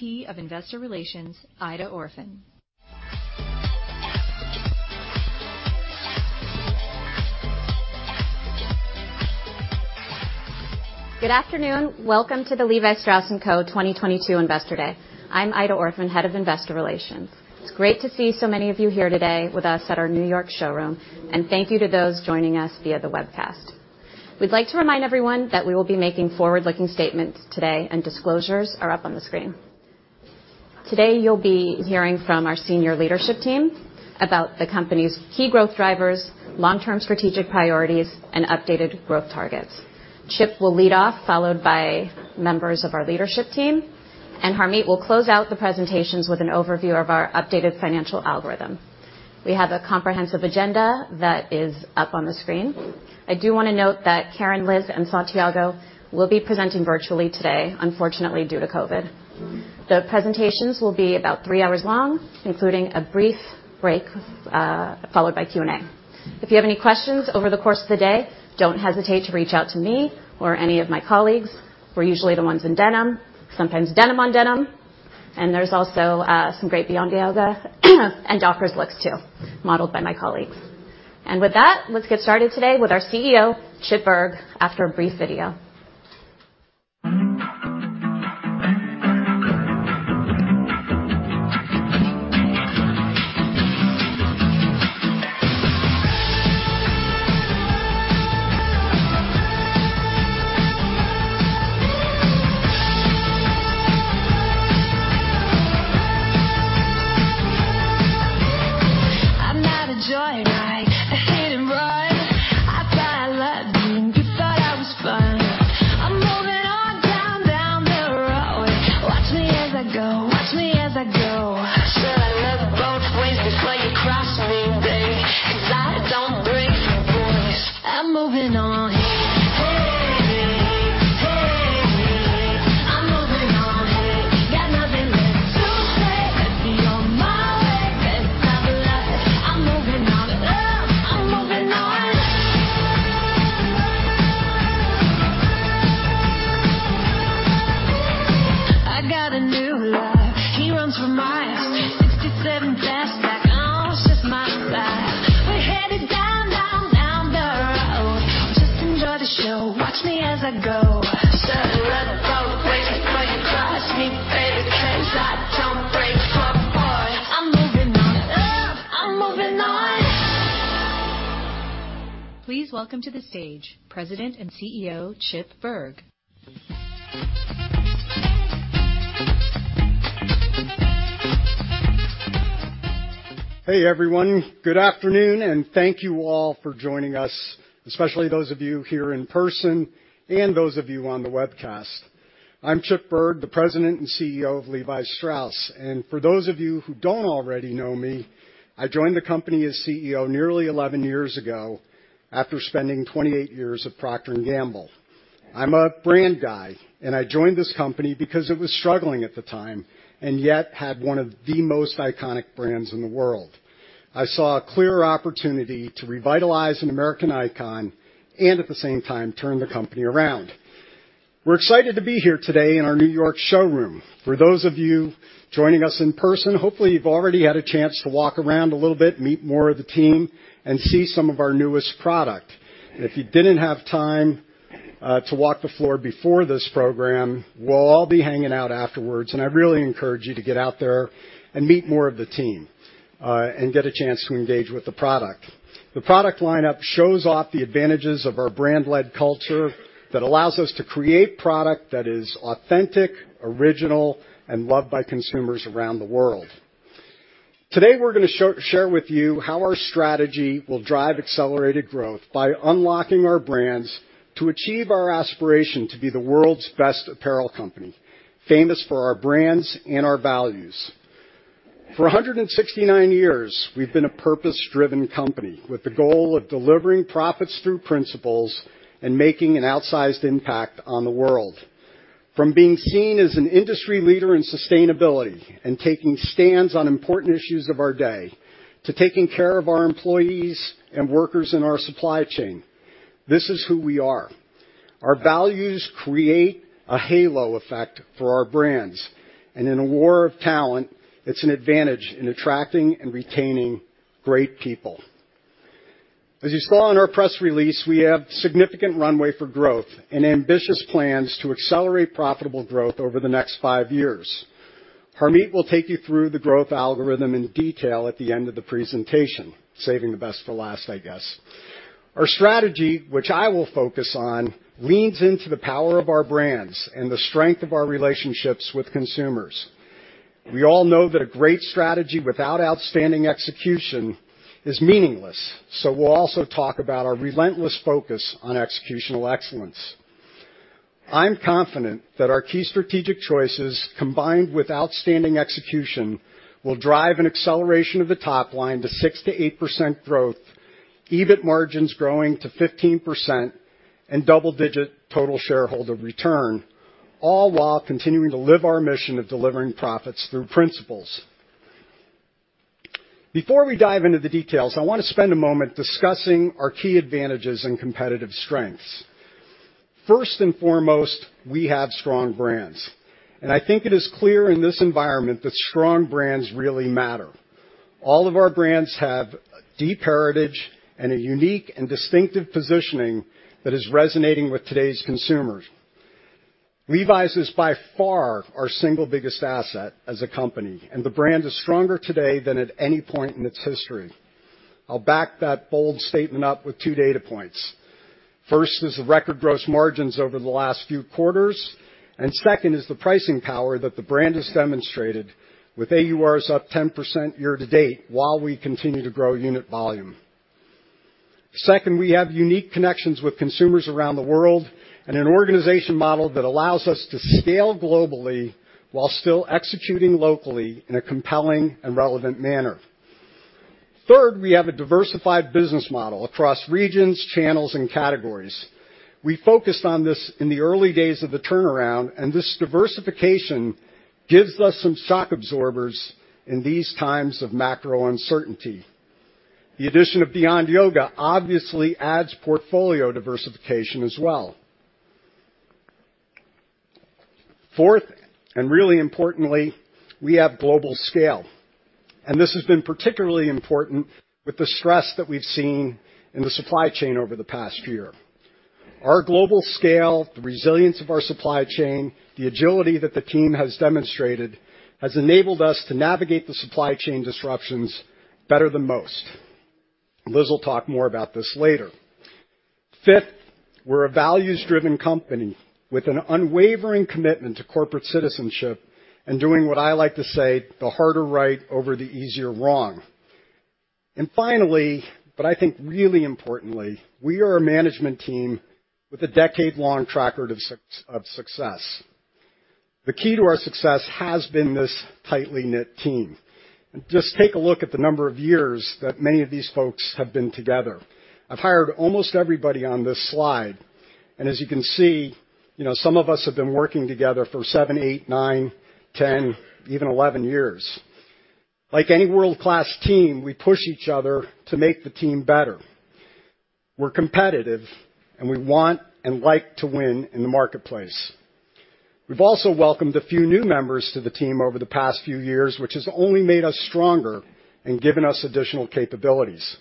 Vice President of Investor Relations, Aida Orphan. Good afternoon. Welcome to the Levi Strauss & Co. 2022 Investor Day. I'm Aida Orphan, Head of Investor Relations. It's great to see so many of you here today with us at our New York showroom, and thank you to those joining us via the webcast. We'd like to remind everyone that we will be making forward-looking statements today, and disclosures are up on the screen. Today, you'll be hearing from our senior leadership team about the company's key growth drivers, long-term strategic priorities, and updated growth targets. Chip will lead off, followed by members of our leadership team, and Harmit will close out the presentations with an overview of our updated financial algorithm. We have a comprehensive agenda that is up on the screen. I do wanna note that Karyn, Liz, and Santiago will be presenting virtually today, unfortunately due to COVID-19. The presentations will be about three hours long, including a brief break, followed by Q&A. If you have any questions over the course of the day, don't hesitate to reach out to me or any of my colleagues. We're usually the ones in denim, sometimes denim on denim, and there's also some great Beyond Yoga and Dockers looks too, modeled by my colleagues. With that, let's get started today with our CEO, Chip Bergh, after a brief video. Please welcome to the stage President and CEO, Chip Bergh. Hey, everyone. Good afternoon, and thank you all for joining us, especially those of you here in person and those of you on the webcast. I'm Chip Bergh, President and CEO of Levi Strauss. For those of you who don't already know me, I joined the company as CEO nearly 11 years ago after spending 28 years at Procter & Gamble. I'm a brand guy, and I joined this company because it was struggling at the time and yet had one of the most iconic brands in the world. I saw a clear opportunity to revitalize an American icon and, at the same time, turn the company around. We're excited to be here today in our New York showroom. For those of you joining us in person, hopefully you've already had a chance to walk around a little bit, meet more of the team, and see some of our newest product. If you didn't have time to walk the floor before this program, we'll all be hanging out afterwards, and I really encourage you to get out there and meet more of the team and get a chance to engage with the product. The product lineup shows off the advantages of our brand-led culture that allows us to create product that is authentic, original, and loved by consumers around the world. Today, we're gonna share with you how our strategy will drive accelerated growth by unlocking our brands to achieve our aspiration to be the world's best apparel company, famous for our brands and our values. For 169 years, we've been a purpose-driven company with the goal of delivering profits through principles and making an outsized impact on the world. From being seen as an industry leader in sustainability and taking stands on important issues of our day, to taking care of our employees and workers in our supply chain, this is who we are. Our values create a halo effect for our brands. In a war of talent, it's an advantage in attracting and retaining great people. As you saw in our press release, we have significant runway for growth and ambitious plans to accelerate profitable growth over the next five years. Harmit will take you through the growth algorithm in detail at the end of the presentation, saving the best for last, I guess. Our strategy, which I will focus on, leans into the power of our brands and the strength of our relationships with consumers. We all know that a great strategy without outstanding execution is meaningless, so we'll also talk about our relentless focus on executional excellence. I'm confident that our key strategic choices, combined with outstanding execution, will drive an acceleration of the top line to 6%-8% growth, EBIT margins growing to 15%, and double-digit total shareholder return, all while continuing to live our mission of delivering profits through principles. Before we dive into the details, I wanna spend a moment discussing our key advantages and competitive strengths. First and foremost, we have strong brands, and I think it is clear in this environment that strong brands really matter. All of our brands have deep heritage and a unique and distinctive positioning that is resonating with today's consumers. Levi's is by far our single biggest asset as a company, and the brand is stronger today than at any point in its history. I'll back that bold statement up with two data points. First is the record gross margins over the last few quarters, and second is the pricing power that the brand has demonstrated with AURs up 10% year to date while we continue to grow unit volume. Second, we have unique connections with consumers around the world and an organization model that allows us to scale globally while still executing locally in a compelling and relevant manner. Third, we have a diversified business model across regions, channels, and categories. We focused on this in the early days of the turnaround, and this diversification gives us some shock absorbers in these times of macro uncertainty. The addition of Beyond Yoga obviously adds portfolio diversification as well. Fourth, and really importantly, we have global scale, and this has been particularly important with the stress that we've seen in the supply chain over the past year. Our global scale, the resilience of our supply chain, the agility that the team has demonstrated has enabled us to navigate the supply chain disruptions better than most. Liz will talk more about this later. Fifth, we're a values-driven company with an unwavering commitment to corporate citizenship and doing what I like to say, the harder right over the easier wrong. Finally, but I think really importantly, we are a management team with a decade-long track record of success. The key to our success has been this tightly knit team. Just take a look at the number of years that many of these folks have been together. I've hired almost everybody on this slide, and as you can see, you know, some of us have been working together for seven, eight, nine, 10, even 11 years. Like any world-class team, we push each other to make the team better. We're competitive, and we want and like to win in the marketplace. We've also welcomed a few new members to the team over the past few years, which has only made us stronger and given us additional capabilities.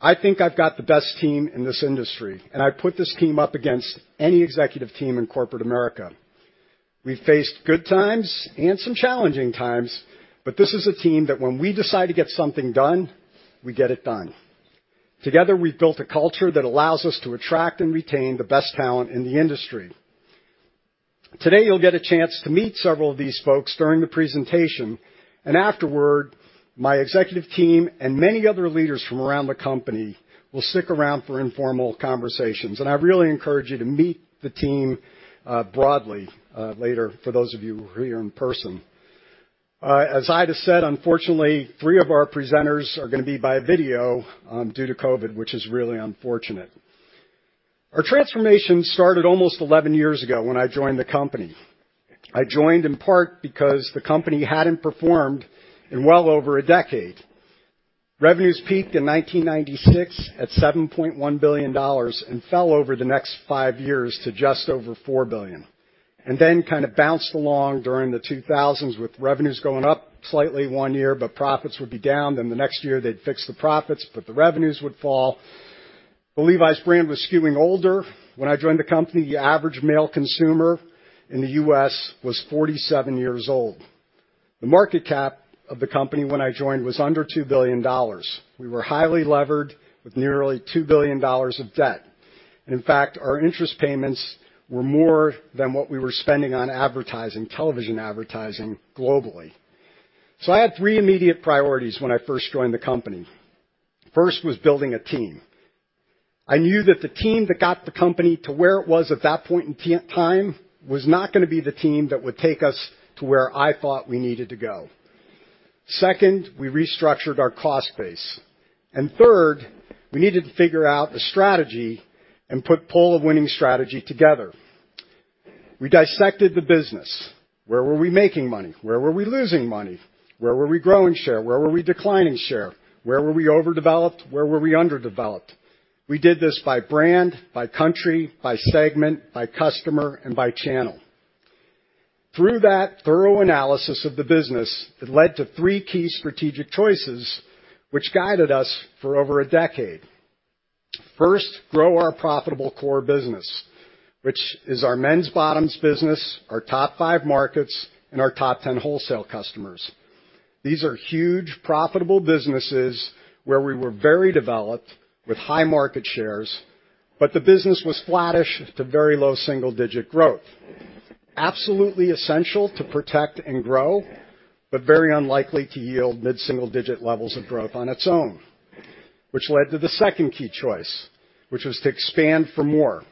I think I've got the best team in this industry, and I put this team up against any executive team in corporate America. We faced good times and some challenging times, but this is a team that when we decide to get something done, we get it done. Together, we've built a culture that allows us to attract and retain the best talent in the industry. Today, you'll get a chance to meet several of these folks during the presentation. Afterward, my executive team and many other leaders from around the company will stick around for informal conversations. I really encourage you to meet the team broadly later for those of you who are here in person. As Aida said, unfortunately, three of our presenters are gonna be by video due to COVID, which is really unfortunate. Our transformation started almost 11 years ago when I joined the company. I joined in part because the company hadn't performed in well over a decade. Revenues peaked in 1996 at $7.1 billion and fell over the next five years to just over $4 billion. Then kinda bounced along during the 2000s, with revenues going up slightly one year, but profits would be down. The next year, they'd fix the profits, but the revenues would fall. The Levi's brand was skewing older. When I joined the company, the average male consumer in the U.S. was 47 years old. The market cap of the company when I joined was under $2 billion. We were highly levered with nearly $2 billion of debt. In fact, our interest payments were more than what we were spending on advertising, television advertising globally. I had three immediate priorities when I first joined the company. First was building a team. I knew that the team that got the company to where it was at that point in time was not gonna be the team that would take us to where I thought we needed to go. Second, we restructured our cost base. Third, we needed to figure out the strategy and put a portfolio of winning strategies together. We dissected the business. Where were we making money? Where were we losing money? Where were we growing share? Where were we declining share? Where were we overdeveloped? Where were we underdeveloped? We did this by brand, by country, by segment, by customer, and by channel. Through that thorough analysis of the business, it led to three key strategic choices which guided us for over a decade. First, grow our profitable core business, which is our Men's bottoms business, our top 5 markets, and our top 10 wholesale customers. These are huge, profitable businesses where we were very developed with high market shares, but the business was flattish to very low single-digit growth. Absolutely essential to protect and grow, but very unlikely to yield mid-single-digit levels of growth on its own. Which led to the second key choice, which was to expand for more.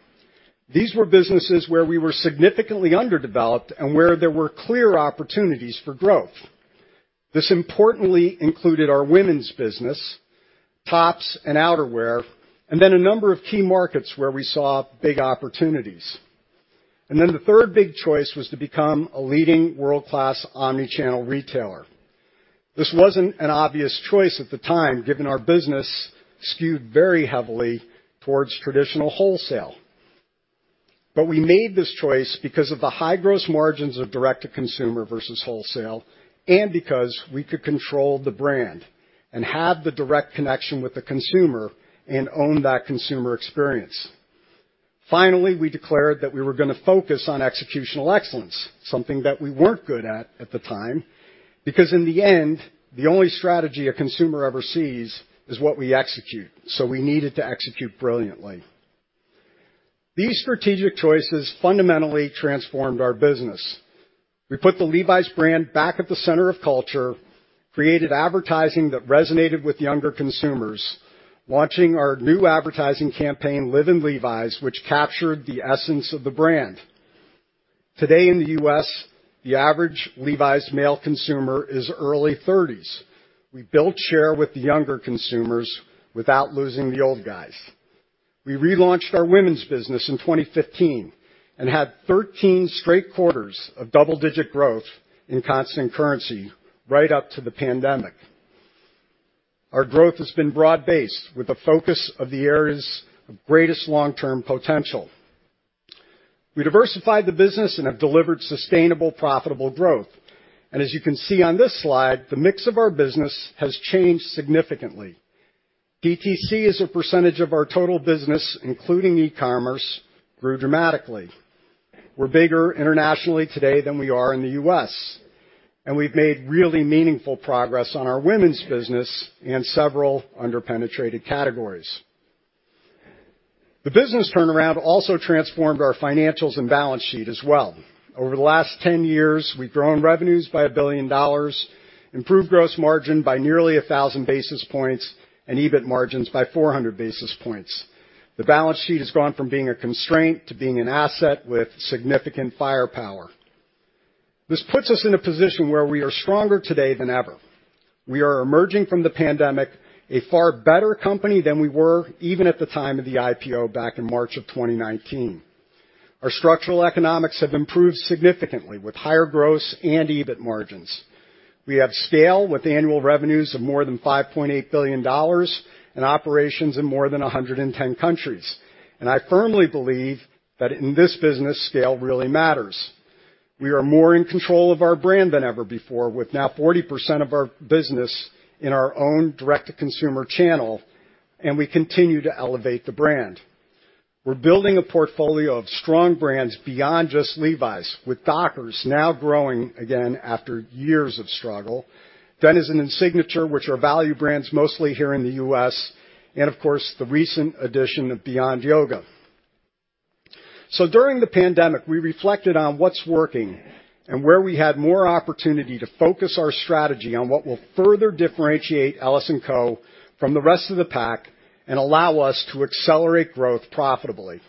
These were businesses where we were significantly underdeveloped and where there were clear opportunities for growth. This importantly included our Women's business, tops, and outerwear, and then a number of key markets where we saw big opportunities. The third big choice was to become a leading world-class omnichannel retailer. This wasn't an obvious choice at the time, given our business skewed very heavily towards traditional wholesale. We made this choice because of the high gross margins of direct-to-consumer versus wholesale, and because we could control the brand and have the direct connection with the consumer and own that consumer experience. Finally, we declared that we were gonna focus on executional excellence, something that we weren't good at the time, because in the end, the only strategy a consumer ever sees is what we execute, so we needed to execute brilliantly. These strategic choices fundamentally transformed our business. We put the Levi's brand back at the center of culture, created advertising that resonated with younger consumers, launching our new advertising campaign, Live in Levi's, which captured the essence of the brand. Today in the U.S., the average Levi's male consumer is early 30s. We built share with the younger consumers without losing the old guys. We relaunched our Women's business in 2015 and had 13 straight quarters of double-digit growth in constant currency right up to the pandemic. Our growth has been broad-based with the focus of the areas of greatest long-term potential. We diversified the business and have delivered sustainable, profitable growth. As you can see on this slide, the mix of our business has changed significantly. DTC as a percentage of our total business, including e-commerce, grew dramatically. We're bigger internationally today than we are in the U.S., and we've made really meaningful progress on our Women's business and several under-penetrated categories. The business turnaround also transformed our financials and balance sheet as well. Over the last 10 years, we've grown revenues by $1 billion, improved gross margin by nearly 1,000 basis points, and EBIT margins by 400 basis points. The balance sheet has gone from being a constraint to being an asset with significant firepower. This puts us in a position where we are stronger today than ever. We are emerging from the pandemic a far better company than we were, even at the time of the IPO back in March 2019. Our structural economics have improved significantly with higher gross and EBIT margins. We have scale with annual revenues of more than $5.8 billion and operations in more than 110 countries. I firmly believe that in this business, scale really matters. We are more in control of our brand than ever before, with now 40% of our business in our own Direct-to-Consumer channel, and we continue to elevate the brand. We're building a portfolio of strong brands beyond just Levi's, with Dockers now growing again after years of struggle. Denizen and Signature, which are value brands, mostly here in the U.S., and of course, the recent addition of Beyond Yoga. During the pandemic, we reflected on what's working and where we had more opportunity to focus our strategy on what will further differentiate LS&Co. from the rest of the pack and allow us to accelerate growth profitably.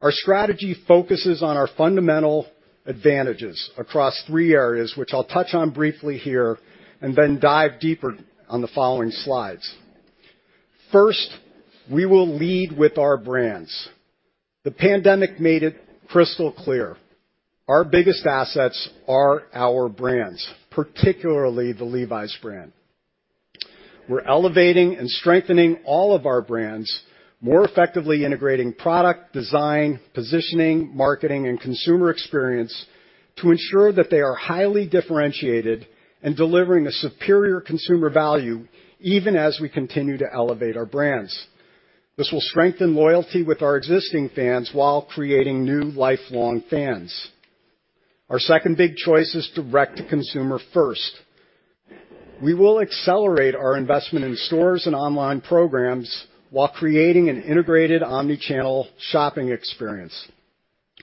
Our strategy focuses on our fundamental advantages across three areas, which I'll touch on briefly here and then dive deeper on the following slides. First, we will lead with our brands. The pandemic made it crystal clear. Our biggest assets are our brands, particularly the Levi's brand. We're elevating and strengthening all of our brands, more effectively integrating product, design, positioning, marketing, and consumer experience to ensure that they are highly differentiated and delivering a superior consumer value, even as we continue to elevate our brands. This will strengthen loyalty with our existing fans while creating new lifelong fans. Our second big choice is direct to consumer first. We will accelerate our investment in stores and online programs while creating an integrated omnichannel shopping experience.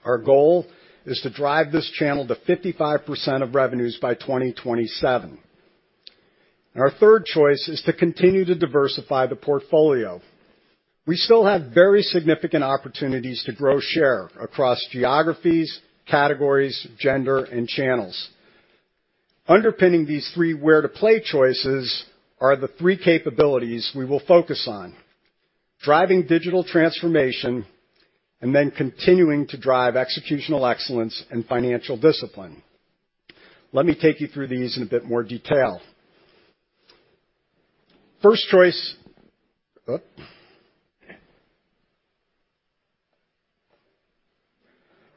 Our goal is to drive this channel to 55% of revenues by 2027. Our third choice is to continue to diversify the portfolio. We still have very significant opportunities to grow share across geographies, categories, gender, and channels. Underpinning these three where to play choices are the three capabilities we will focus on. Driving digital transformation and then continuing to drive executional excellence and financial discipline. Let me take you through these in a bit more detail. First choice.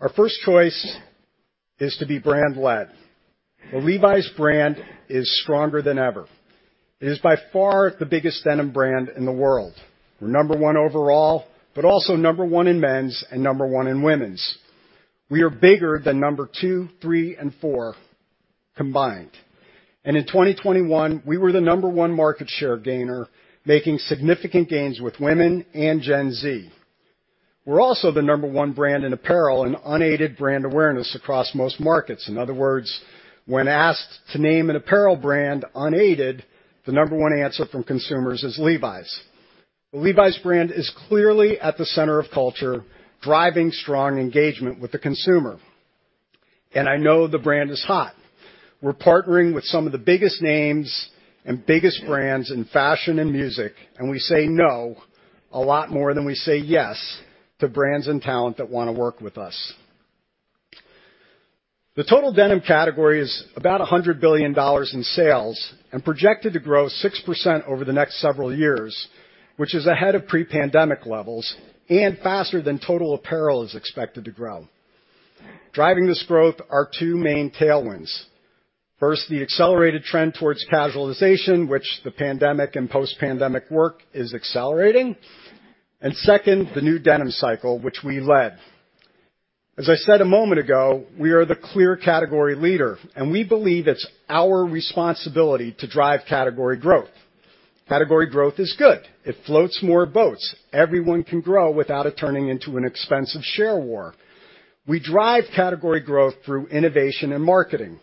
Our first choice is to be brand-led. The Levi's brand is stronger than ever. It is by far the biggest denim brand in the world. We're number one overall, but also number one in Men's and number one in Women's. We are bigger than number two, three, and four combined. In 2021, we were the number one market share gainer, making significant gains with Women and Gen Z. We're also the number one brand in apparel and unaided brand awareness across most markets. In other words, when asked to name an apparel brand unaided, the number one answer from consumers is Levi's. The Levi's brand is clearly at the center of culture, driving strong engagement with the consumer. I know the brand is hot. We're partnering with some of the biggest names and biggest brands in fashion and music, and we say no a lot more than we say yes to brands and talent that wanna work with us. The total denim category is about $100 billion in sales and projected to grow 6% over the next several years, which is ahead of pre-pandemic levels and faster than total apparel is expected to grow. Driving this growth are two main tailwinds. First, the accelerated trend towards casualization, which the pandemic and post-pandemic world is accelerating. Second, the new denim cycle, which we led. As I said a moment ago, we are the clear category leader, and we believe it's our responsibility to drive category growth. Category growth is good. It floats more boats. Everyone can grow without it turning into an expensive share war. We drive category growth through innovation and marketing.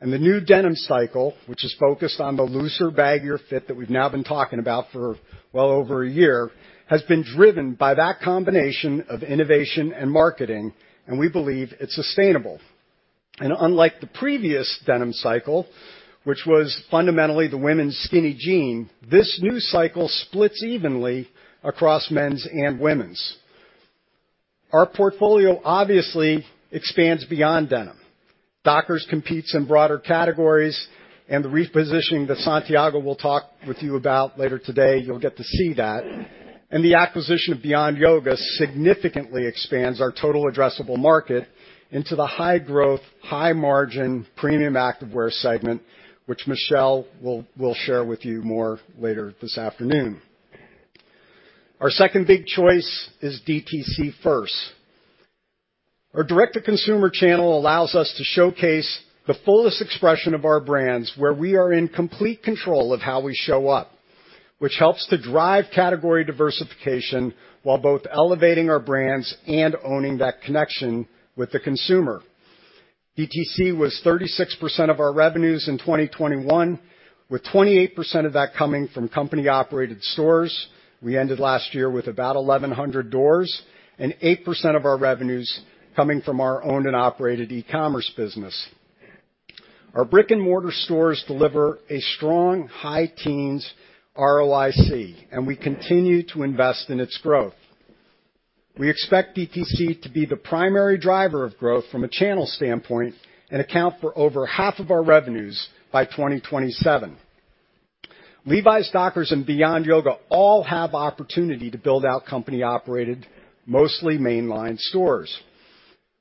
The new denim cycle, which is focused on the looser, baggier fit that we've now been talking about for well over a year, has been driven by that combination of innovation and marketing, and we believe it's sustainable. Unlike the previous denim cycle, which was fundamentally the Women's skinny jean, this new cycle splits evenly across Men's and Women's. Our portfolio obviously expands beyond denim. Dockers competes in broader categories, and the repositioning that Santiago will talk with you about later today, you'll get to see that. The acquisition of Beyond Yoga significantly expands our total addressable market into the high-growth, high-margin premium active wear segment, which Michelle will share with you more later this afternoon. Our second big choice is DTC first. Our Direct-to-Consumer channel allows us to showcase the fullest expression of our brands where we are in complete control of how we show up, which helps to drive category diversification while both elevating our brands and owning that connection with the consumer. DTC was 36% of our revenues in 2021, with 28% of that coming from company-operated stores. We ended last year with about 1,100 doors, and 8% of our revenues coming from our owned and operated e-commerce business. Our brick-and-mortar stores deliver a strong high teens ROIC, and we continue to invest in its growth. We expect DTC to be the primary driver of growth from a channel standpoint and account for over half of our revenues by 2027. Levi's, Dockers, and Beyond Yoga all have opportunity to build out company-operated, mostly mainline stores.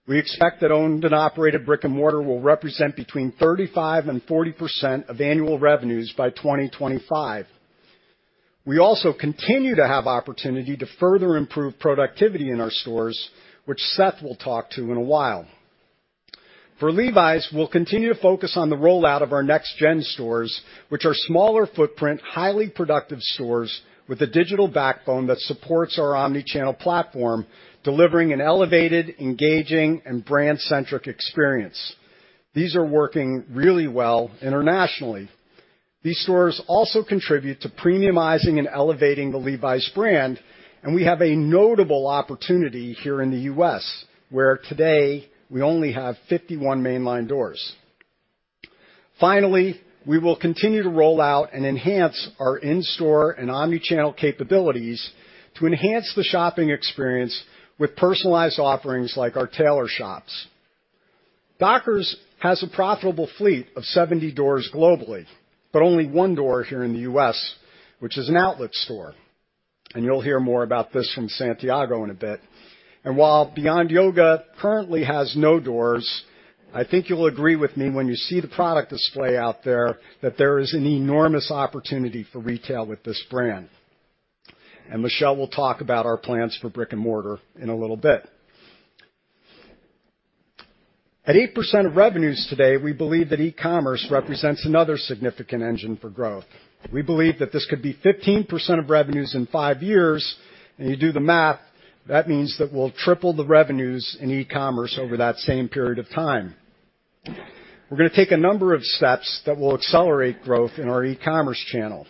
We expect that owned and operated brick-and-mortar will represent between 35% and 40% of annual revenues by 2025. We also continue to have opportunity to further improve productivity in our stores, which Seth will talk to in a while. For Levi's, we'll continue to focus on the rollout of our NextGen stores, which are smaller footprint, highly productive stores with a digital backbone that supports our omnichannel platform, delivering an elevated, engaging, and brand-centric experience. These are working really well internationally. These stores also contribute to premiumizing and elevating the Levi's brand, and we have a notable opportunity here in the U.S., where today we only have 51 mainline doors. Finally, we will continue to roll out and enhance our in-store and omni-channel capabilities to enhance the shopping experience with personalized offerings like our tailor shops. Dockers has a profitable fleet of 70 doors globally, but only one door here in the U.S., which is an outlet store. You'll hear more about this from Santiago in a bit. While Beyond Yoga currently has no doors, I think you'll agree with me when you see the product display out there that there is an enormous opportunity for retail with this brand. Michelle will talk about our plans for brick-and-mortar in a little bit. At 8% of revenues today, we believe that e-commerce represents another significant engine for growth. We believe that this could be 15% of revenues in five years. You do the math, that means that we'll triple the revenues in e-commerce over that same period of time. We're gonna take a number of steps that will accelerate growth in our e-commerce channel.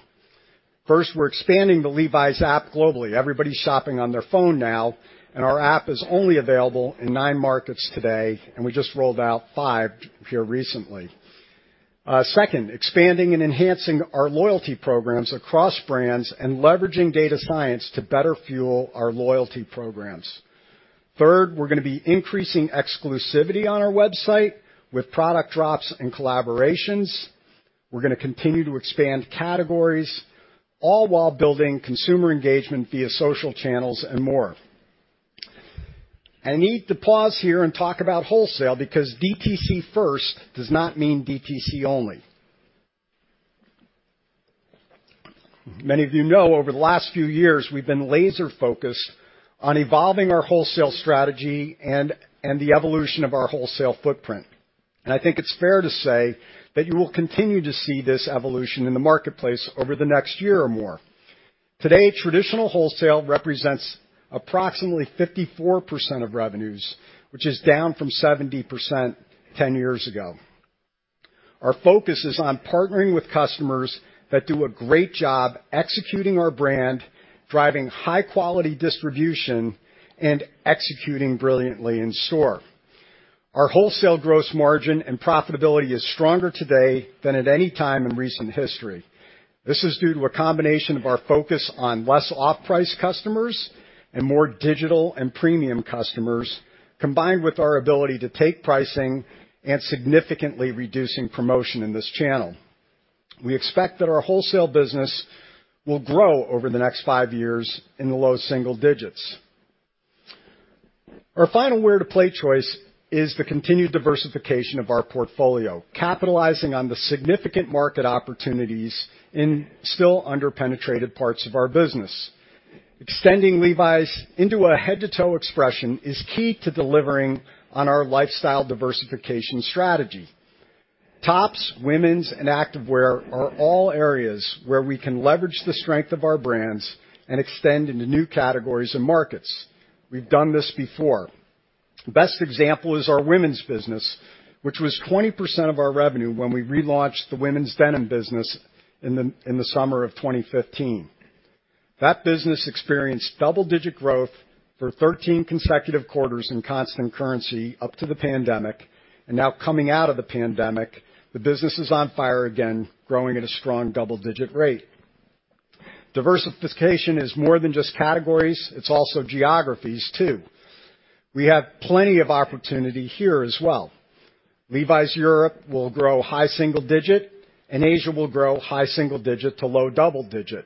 First, we're expanding the Levi's app globally. Everybody's shopping on their phone now, and our app is only available in nine markets today, and we just rolled out five here recently. Second, expanding and enhancing our loyalty programs across brands and leveraging data science to better fuel our loyalty programs. Third, we're gonna be increasing exclusivity on our website with product drops and collaborations. We're gonna continue to expand categories, all while building consumer engagement via social channels and more. I need to pause here and talk about wholesale because DTC first does not mean DTC only. Many of you know, over the last few years, we've been laser-focused on evolving our wholesale strategy and the evolution of our wholesale footprint. I think it's fair to say that you will continue to see this evolution in the marketplace over the next year or more. Today, traditional wholesale represents approximately 54% of revenues, which is down from 70% ten years ago. Our focus is on partnering with customers that do a great job executing our brand, driving high quality distribution, and executing brilliantly in store. Our wholesale gross margin and profitability is stronger today than at any time in recent history. This is due to a combination of our focus on less off-price customers and more digital and premium customers, combined with our ability to take pricing and significantly reducing promotion in this channel. We expect that our wholesale business will grow over the next five years in the low single digits. Our final where-to-play choice is the continued diversification of our portfolio, capitalizing on the significant market opportunities in still under-penetrated parts of our business. Extending Levi's into a head-to-toe expression is key to delivering on our lifestyle diversification strategy. Tops, Women's, and Activewear are all areas where we can leverage the strength of our brands and extend into new categories and markets. We've done this before. Best example is our Women's business, which was 20% of our revenue when we relaunched the Women's denim business in the summer of 2015. That business experienced double-digit growth for 13 consecutive quarters in constant currency up to the pandemic, and now coming out of the pandemic, the business is on fire again, growing at a strong double-digit rate. Diversification is more than just categories, it's also geographies too. We have plenty of opportunity here as well. Levi's Europe will grow high single-digit, and Asia will grow high single-digit to low double-digit.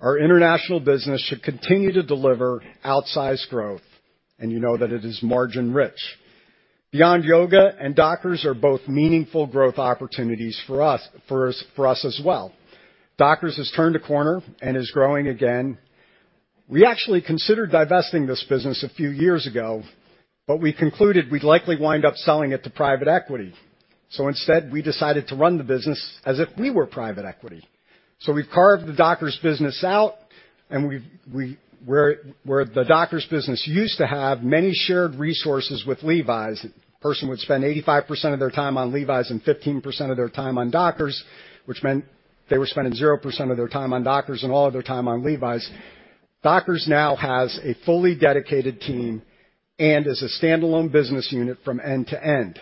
Our international business should continue to deliver outsized growth, and you know that it is margin rich. Beyond Yoga and Dockers are both meaningful growth opportunities for us as well. Dockers has turned a corner and is growing again. We actually considered divesting this business a few years ago, but we concluded we'd likely wind up selling it to private equity. Instead, we decided to run the business as if we were private equity. We've carved the Dockers business out, and where the Dockers business used to have many shared resources with Levi's, a person would spend 85% of their time on Levi's and 15% of their time on Dockers, which meant they were spending 0% of their time on Dockers and all of their time on Levi's. Dockers now has a fully dedicated team and is a standalone business unit from end to end.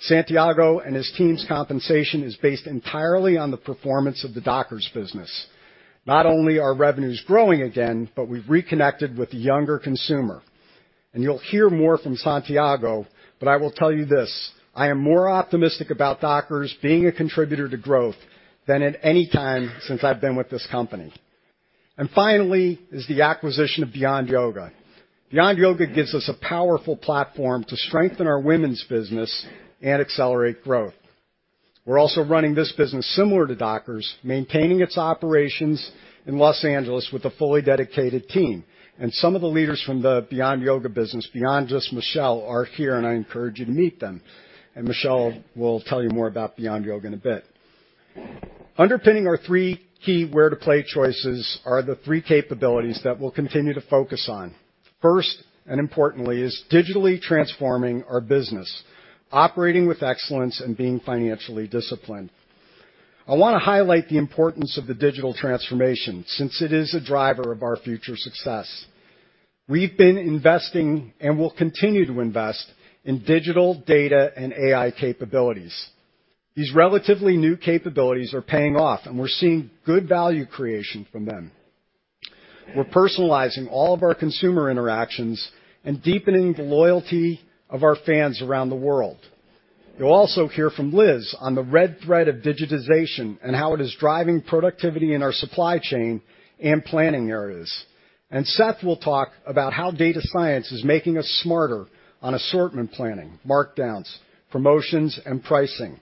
Santiago and his team's compensation is based entirely on the performance of the Dockers business. Not only are revenues growing again, but we've reconnected with the younger consumer. You'll hear more from Santiago, but I will tell you this, I am more optimistic about Dockers being a contributor to growth than at any time since I've been with this company. Finally is the acquisition of Beyond Yoga. Beyond Yoga gives us a powerful platform to strengthen our Women's business and accelerate growth. We're also running this business similar to Dockers, maintaining its operations in Los Angeles with a fully dedicated team. Some of the leaders from the Beyond Yoga business, beyond just Michelle, are here, and I encourage you to meet them. Michelle will tell you more about Beyond Yoga in a bit. Underpinning our three key where-to-play choices are the three capabilities that we'll continue to focus on. First, and importantly, is digitally transforming our business, operating with excellence, and being financially disciplined. I wanna highlight the importance of the digital transformation since it is a driver of our future success. We've been investing and will continue to invest in digital data and AI capabilities. These relatively new capabilities are paying off, and we're seeing good value creation from them. We're personalizing all of our consumer interactions and deepening the loyalty of our fans around the world. You'll also hear from Liz on the red thread of digitization and how it is driving productivity in our supply chain and planning areas. Seth will talk about how data science is making us smarter on assortment planning, markdowns, promotions, and pricing.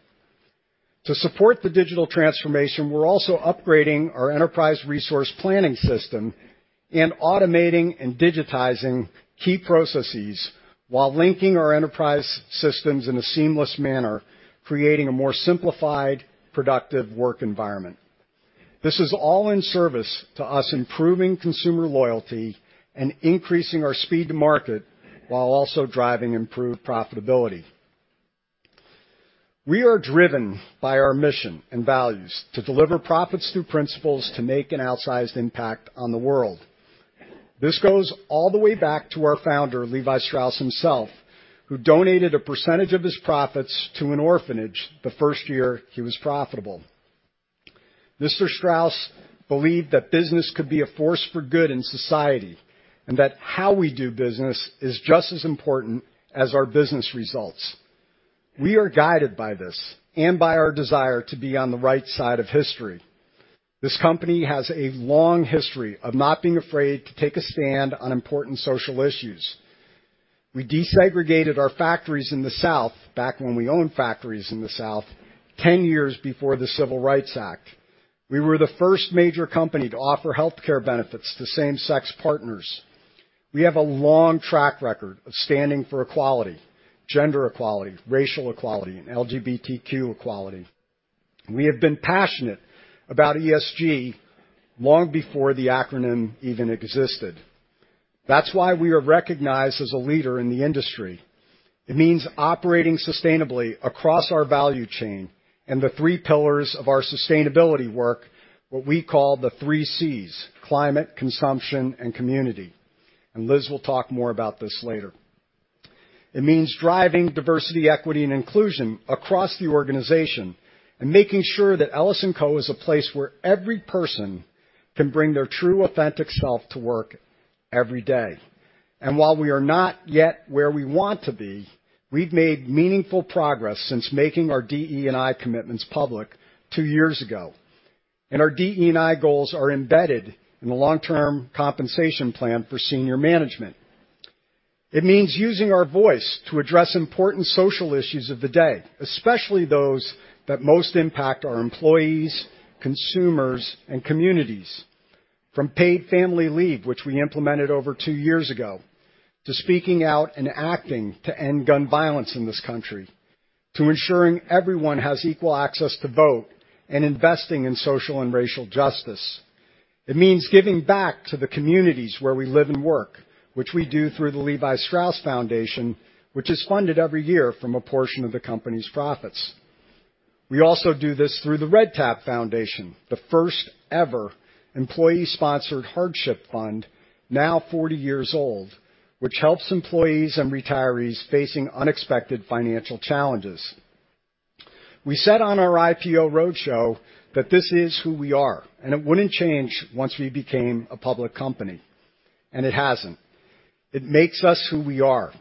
To support the digital transformation, we're also upgrading our enterprise resource planning system and automating and digitizing key processes while linking our enterprise systems in a seamless manner, creating a more simplified, productive work environment. This is all in service to us improving consumer loyalty and increasing our speed to market while also driving improved profitability. We are driven by our mission and values to deliver profits through principles to make an outsized impact on the world. This goes all the way back to our founder, Levi Strauss himself, who donated a percentage of his profits to an orphanage the first year he was profitable. Mr. Strauss believed that business could be a force for good in society, and that how we do business is just as important as our business results. We are guided by this and by our desire to be on the right side of history. This company has a long history of not being afraid to take a stand on important social issues. We desegregated our factories in the South, back when we owned factories in the South, 10 years before the Civil Rights Act. We were the first major company to offer Healthcare benefits to same-sex partners. We have a long track record of standing for equality, gender equality, racial equality, and LGBTQ equality. We have been passionate about ESG long before the acronym even existed. That's why we are recognized as a leader in the industry. It means operating sustainably across our value chain and the three pillars of our sustainability work, what we call the three Cs, Climate, Consumption, and Community. Liz will talk more about this later. It means driving diversity, equity, and inclusion across the organization and making sure that LS&Co. is a place where every person can bring their true, authentic self to work every day. While we are not yet where we want to be, we've made meaningful progress since making our DE&I commitments public two years ago. Our DE&I goals are embedded in the long-term compensation plan for senior management. It means using our voice to address important social issues of the day, especially those that most impact our employees, consumers, and communities. From paid family leave, which we implemented over two years ago, to speaking out and acting to end gun violence in this country, to ensuring everyone has equal access to vote and investing in social and racial justice. It means giving back to the communities where we live and work, which we do through the Levi Strauss Foundation, which is funded every year from a portion of the company's profits. We also do this through the Red Tab Foundation, the first ever employee-sponsored hardship fund, now 40 years old, which helps employees and retirees facing unexpected financial challenges. We said on our IPO roadshow that this is who we are, and it wouldn't change once we became a public company, and it hasn't. It makes us who we are.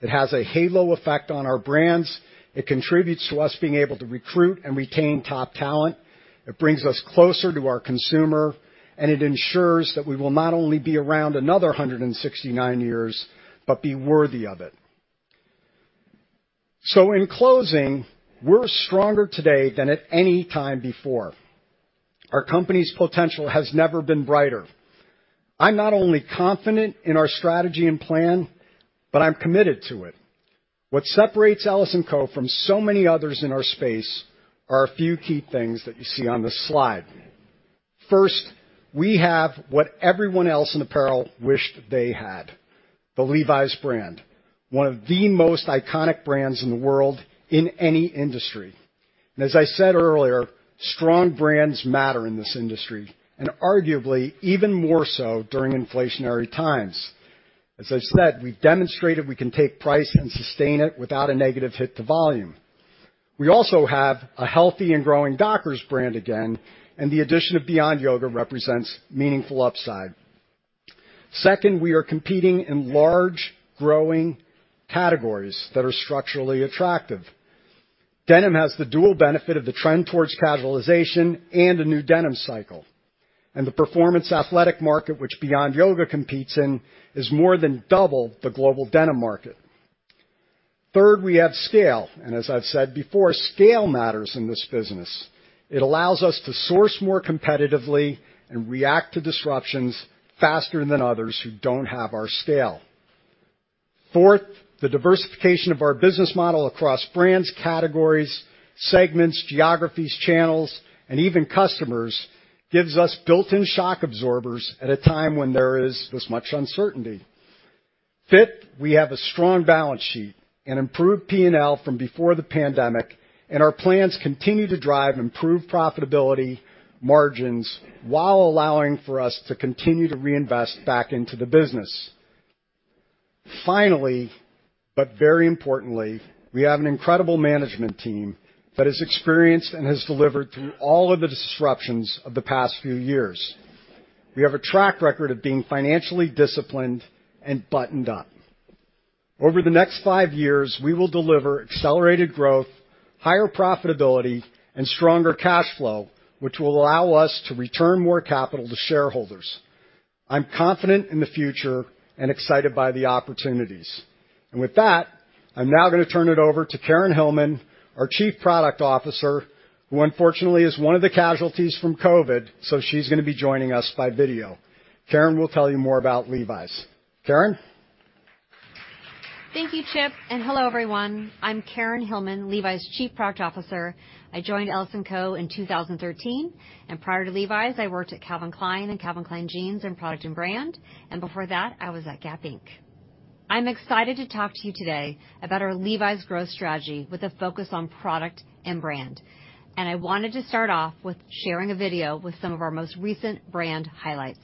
It has a halo effect on our brands. It contributes to us being able to recruit and retain top talent. It brings us closer to our consumer, and it ensures that we will not only be around another 169 years, but be worthy of it. In closing, we're stronger today than at any time before. Our company's potential has never been brighter. I'm not only confident in our strategy and plan, but I'm committed to it. What separates LS&Co. From so many others in our space are a few key things that you see on the slide. First, we have what everyone else in apparel wished they had, the Levi's brand, one of the most iconic brands in the world in any industry. As I said earlier, strong brands matter in this industry, and arguably even more so during inflationary times. As I've said, we've demonstrated we can take price and sustain it without a negative hit to volume. We also have a healthy and growing Dockers brand again, and the addition of Beyond Yoga represents meaningful upside. Second, we are competing in large, growing categories that are structurally attractive. Denim has the dual benefit of the trend towards casualization and a new denim cycle. The performance athletic market, which Beyond Yoga competes in, is more than double the global denim market. Third, we have scale, and as I've said before, scale matters in this business. It allows us to source more competitively and react to disruptions faster than others who don't have our scale. Fourth, the diversification of our business model across brands, categories, segments, geographies, channels, and even customers gives us built-in shock absorbers at a time when there is this much uncertainty. Fifth, we have a strong balance sheet and improved P&L from before the pandemic, and our plans continue to drive improved profitability margins while allowing for us to continue to reinvest back into the business. Finally, but very importantly, we have an incredible management team that is experienced and has delivered through all of the disruptions of the past few years. We have a track record of being financially disciplined and buttoned up. Over the next five years, we will deliver accelerated growth, higher profitability, and stronger cash flow, which will allow us to return more capital to shareholders. I'm confident in the future and excited by the opportunities. With that, I'm now gonna turn it over to Karyn Hillman, our Chief Product Officer, who unfortunately is one of the casualties from COVID, so she's gonna be joining us by video. Karyn will tell you more about Levi's. Karyn? Thank you, Chip, and hello, everyone. I'm Karyn Hillman, Levi's Chief Product Officer. I joined LS&Co. in 2013, and prior to Levi's, I worked at Calvin Klein and Calvin Klein Jeans in Product and Brand, and before that, I was at Gap Inc. I'm excited to talk to you today about our Levi's growth strategy with a focus on product and brand. I wanted to start off with sharing a video with some of our most recent brand highlights.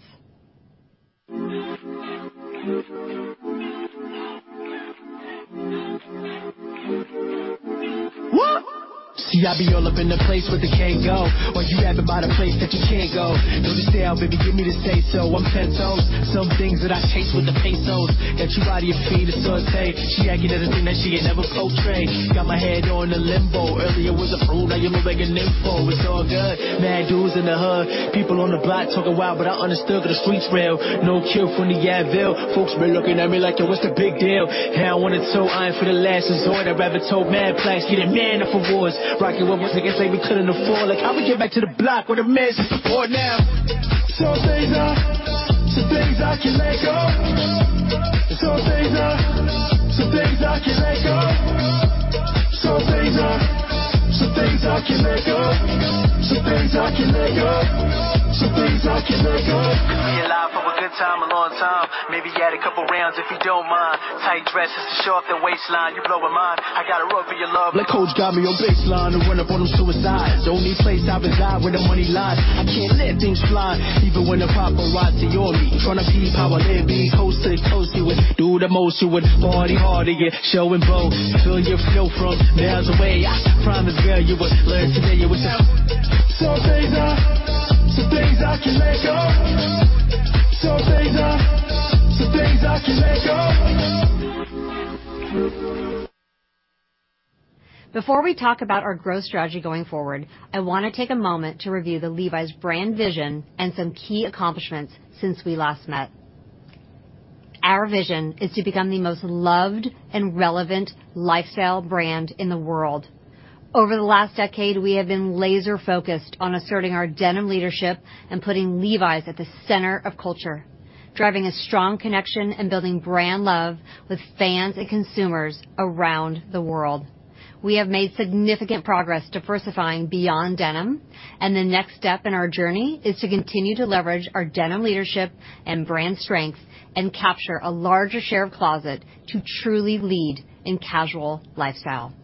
Before we talk about our growth strategy going forward, I wanna take a moment to review the Levi's brand vision and some key accomplishments since we last met. Our vision is to become the most loved and relevant lifestyle brand in the world. Over the last decade, we have been laser-focused on asserting our denim leadership and putting Levi's at the center of culture, driving a strong connection and building brand love with fans and consumers around the world. We have made significant progress diversifying Beyond denim, and the next step in our journey is to continue to leverage our denim leadership and brand strength and capture a larger share of closet to truly lead in casual lifestyle.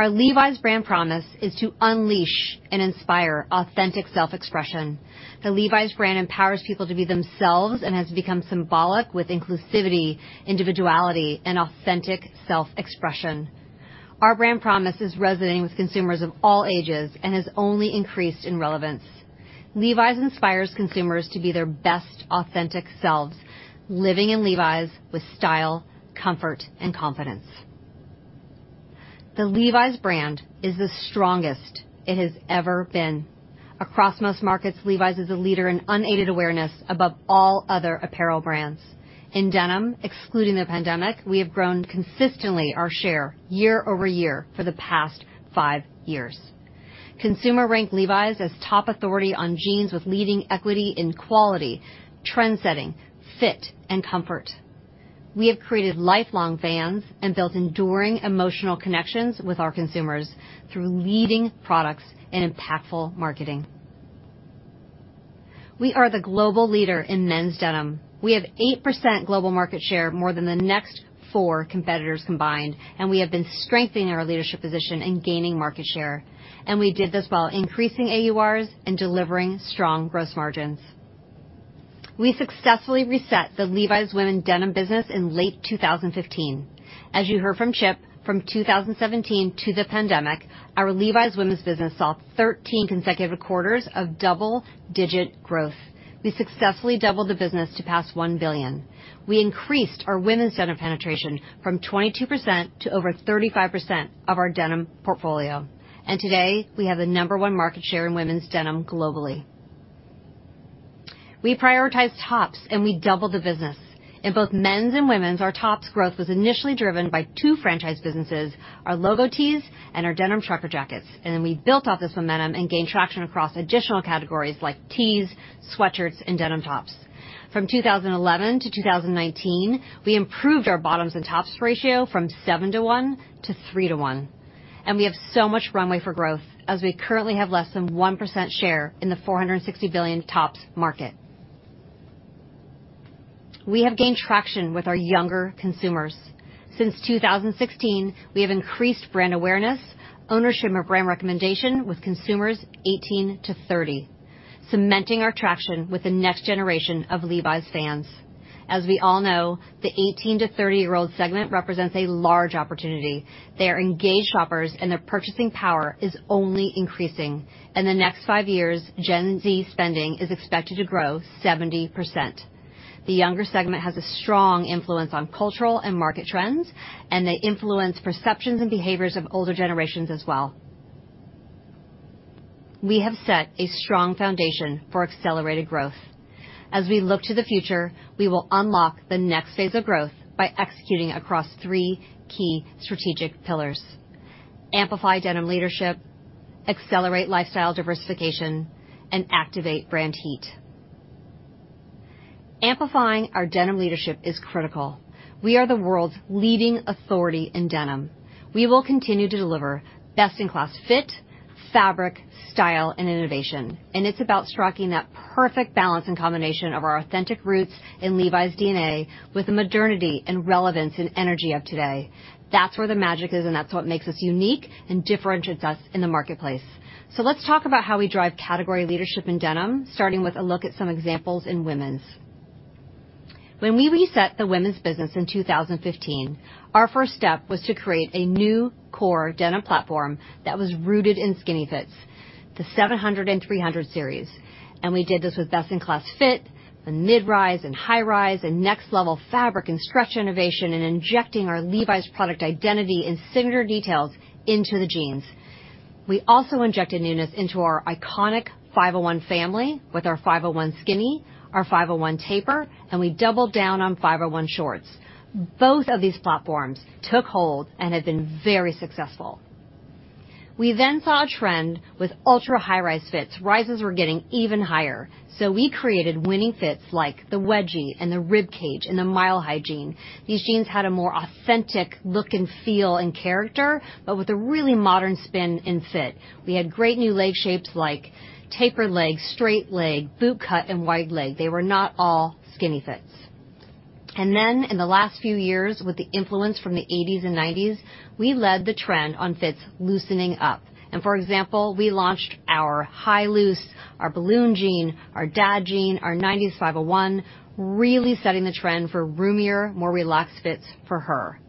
Our Levi's brand promise is to unleash and inspire authentic self-expression. The Levi's brand empowers people to be themselves and has become synonymous with inclusivity, individuality, and authentic self-expression. Our brand promise is resonating with consumers of all ages and has only increased in relevance. Levi's inspires consumers to be their best, authentic selves, living in Levi's with style, comfort, and confidence. The Levi's brand is the strongest it has ever been. Across most markets, Levi's is a leader in unaided awareness above all other apparel brands. In denim, excluding the pandemic, we have grown consistently our share year-over-year for the past five years. Consumers rank Levi's as top authority on jeans with leading equity in quality, trendsetting, fit, and comfort. We have created lifelong fans and built enduring emotional connections with our consumers through leading products and impactful marketing. We are the global leader in Men's denim. We have 8% global market share, more than the next four competitors combined, and we have been strengthening our leadership position and gaining market share. We did this while increasing AURs and delivering strong gross margins. We successfully reset the Levi's women denim business in late 2015. As you heard from Chip, from 2017 to the pandemic, our Levi's Women's business saw 13 consecutive quarters of double-digit growth. We successfully doubled the business to pass $1 billion. We increased our Women's denim penetration from 22% to over 35% of our denim portfolio. Today, we have the number one market share in Women's denim globally. We prioritize tops, and we double the business. In both Men's and Women's, our tops growth was initially driven by two franchise businesses, our logo tees and our denim trucker jackets. Then we built off this momentum and gained traction across additional categories like tees, sweatshirts, and denim tops. From 2011 to 2019, we improved our bottoms and tops ratio from 7:1 to 3:1. We have so much runway for growth as we currently have less than 1% share in the $460 billion tops market. We have gained traction with our younger consumers. Since 2016, we have increased brand awareness, ownership, and brand recommendation with consumers 18-30, cementing our traction with the next generation of Levi's fans. As we all know, the 18-30 year-old segment represents a large opportunity. They are engaged shoppers, and their purchasing power is only increasing. In the next five years, Gen Z spending is expected to grow 70%. The younger segment has a strong influence on cultural and market trends, and they influence perceptions and behaviors of older generations as well. We have set a strong foundation for accelerated growth. As we look to the future, we will unlock the next phase of growth by executing across three key strategic pillars, amplify denim leadership, accelerate lifestyle diversification, and activate brand heat. Amplifying our denim leadership is critical. We are the world's leading authority in denim. We will continue to deliver best-in-class fit, fabric, style, and innovation. It's about striking that perfect balance and combination of our authentic roots in Levi's DNA with the modernity and relevance and energy of today. That's where the magic is, and that's what makes us unique and differentiates us in the marketplace. Let's talk about how we drive category leadership in denim, starting with a look at some examples in Women's. When we reset the Women's business in 2015, our first step was to create a new core denim platform that was rooted in skinny fits, the 700 and 300 series. We did this with best-in-class fit, the mid-rise and high-rise, and next-level fabric and stretch innovation, and injecting our Levi's product identity and signature details into the jeans. We also injected newness into our iconic 501 family with our 501 skinny, our 501 taper, and we doubled down on 501 shorts. Both of these platforms took hold and have been very successful. We saw a trend with ultra-high rise fits. Rises were getting even higher. We created winning fits like the Wedgie, the Ribcage, and the Mile High jean. These jeans had a more authentic look and feel and character, but with a really modern spin and fit. We had great new leg shapes like taper leg, straight leg, bootcut, and wide leg. They were not all skinny fits. In the last few years, with the influence from the eighties and nineties, we led the trend on fits loosening up. For example, we launched our High Loose, our Balloon Leg, our Dad Jean, our '90s 501, really setting the trend for roomier, more relaxed fits for her.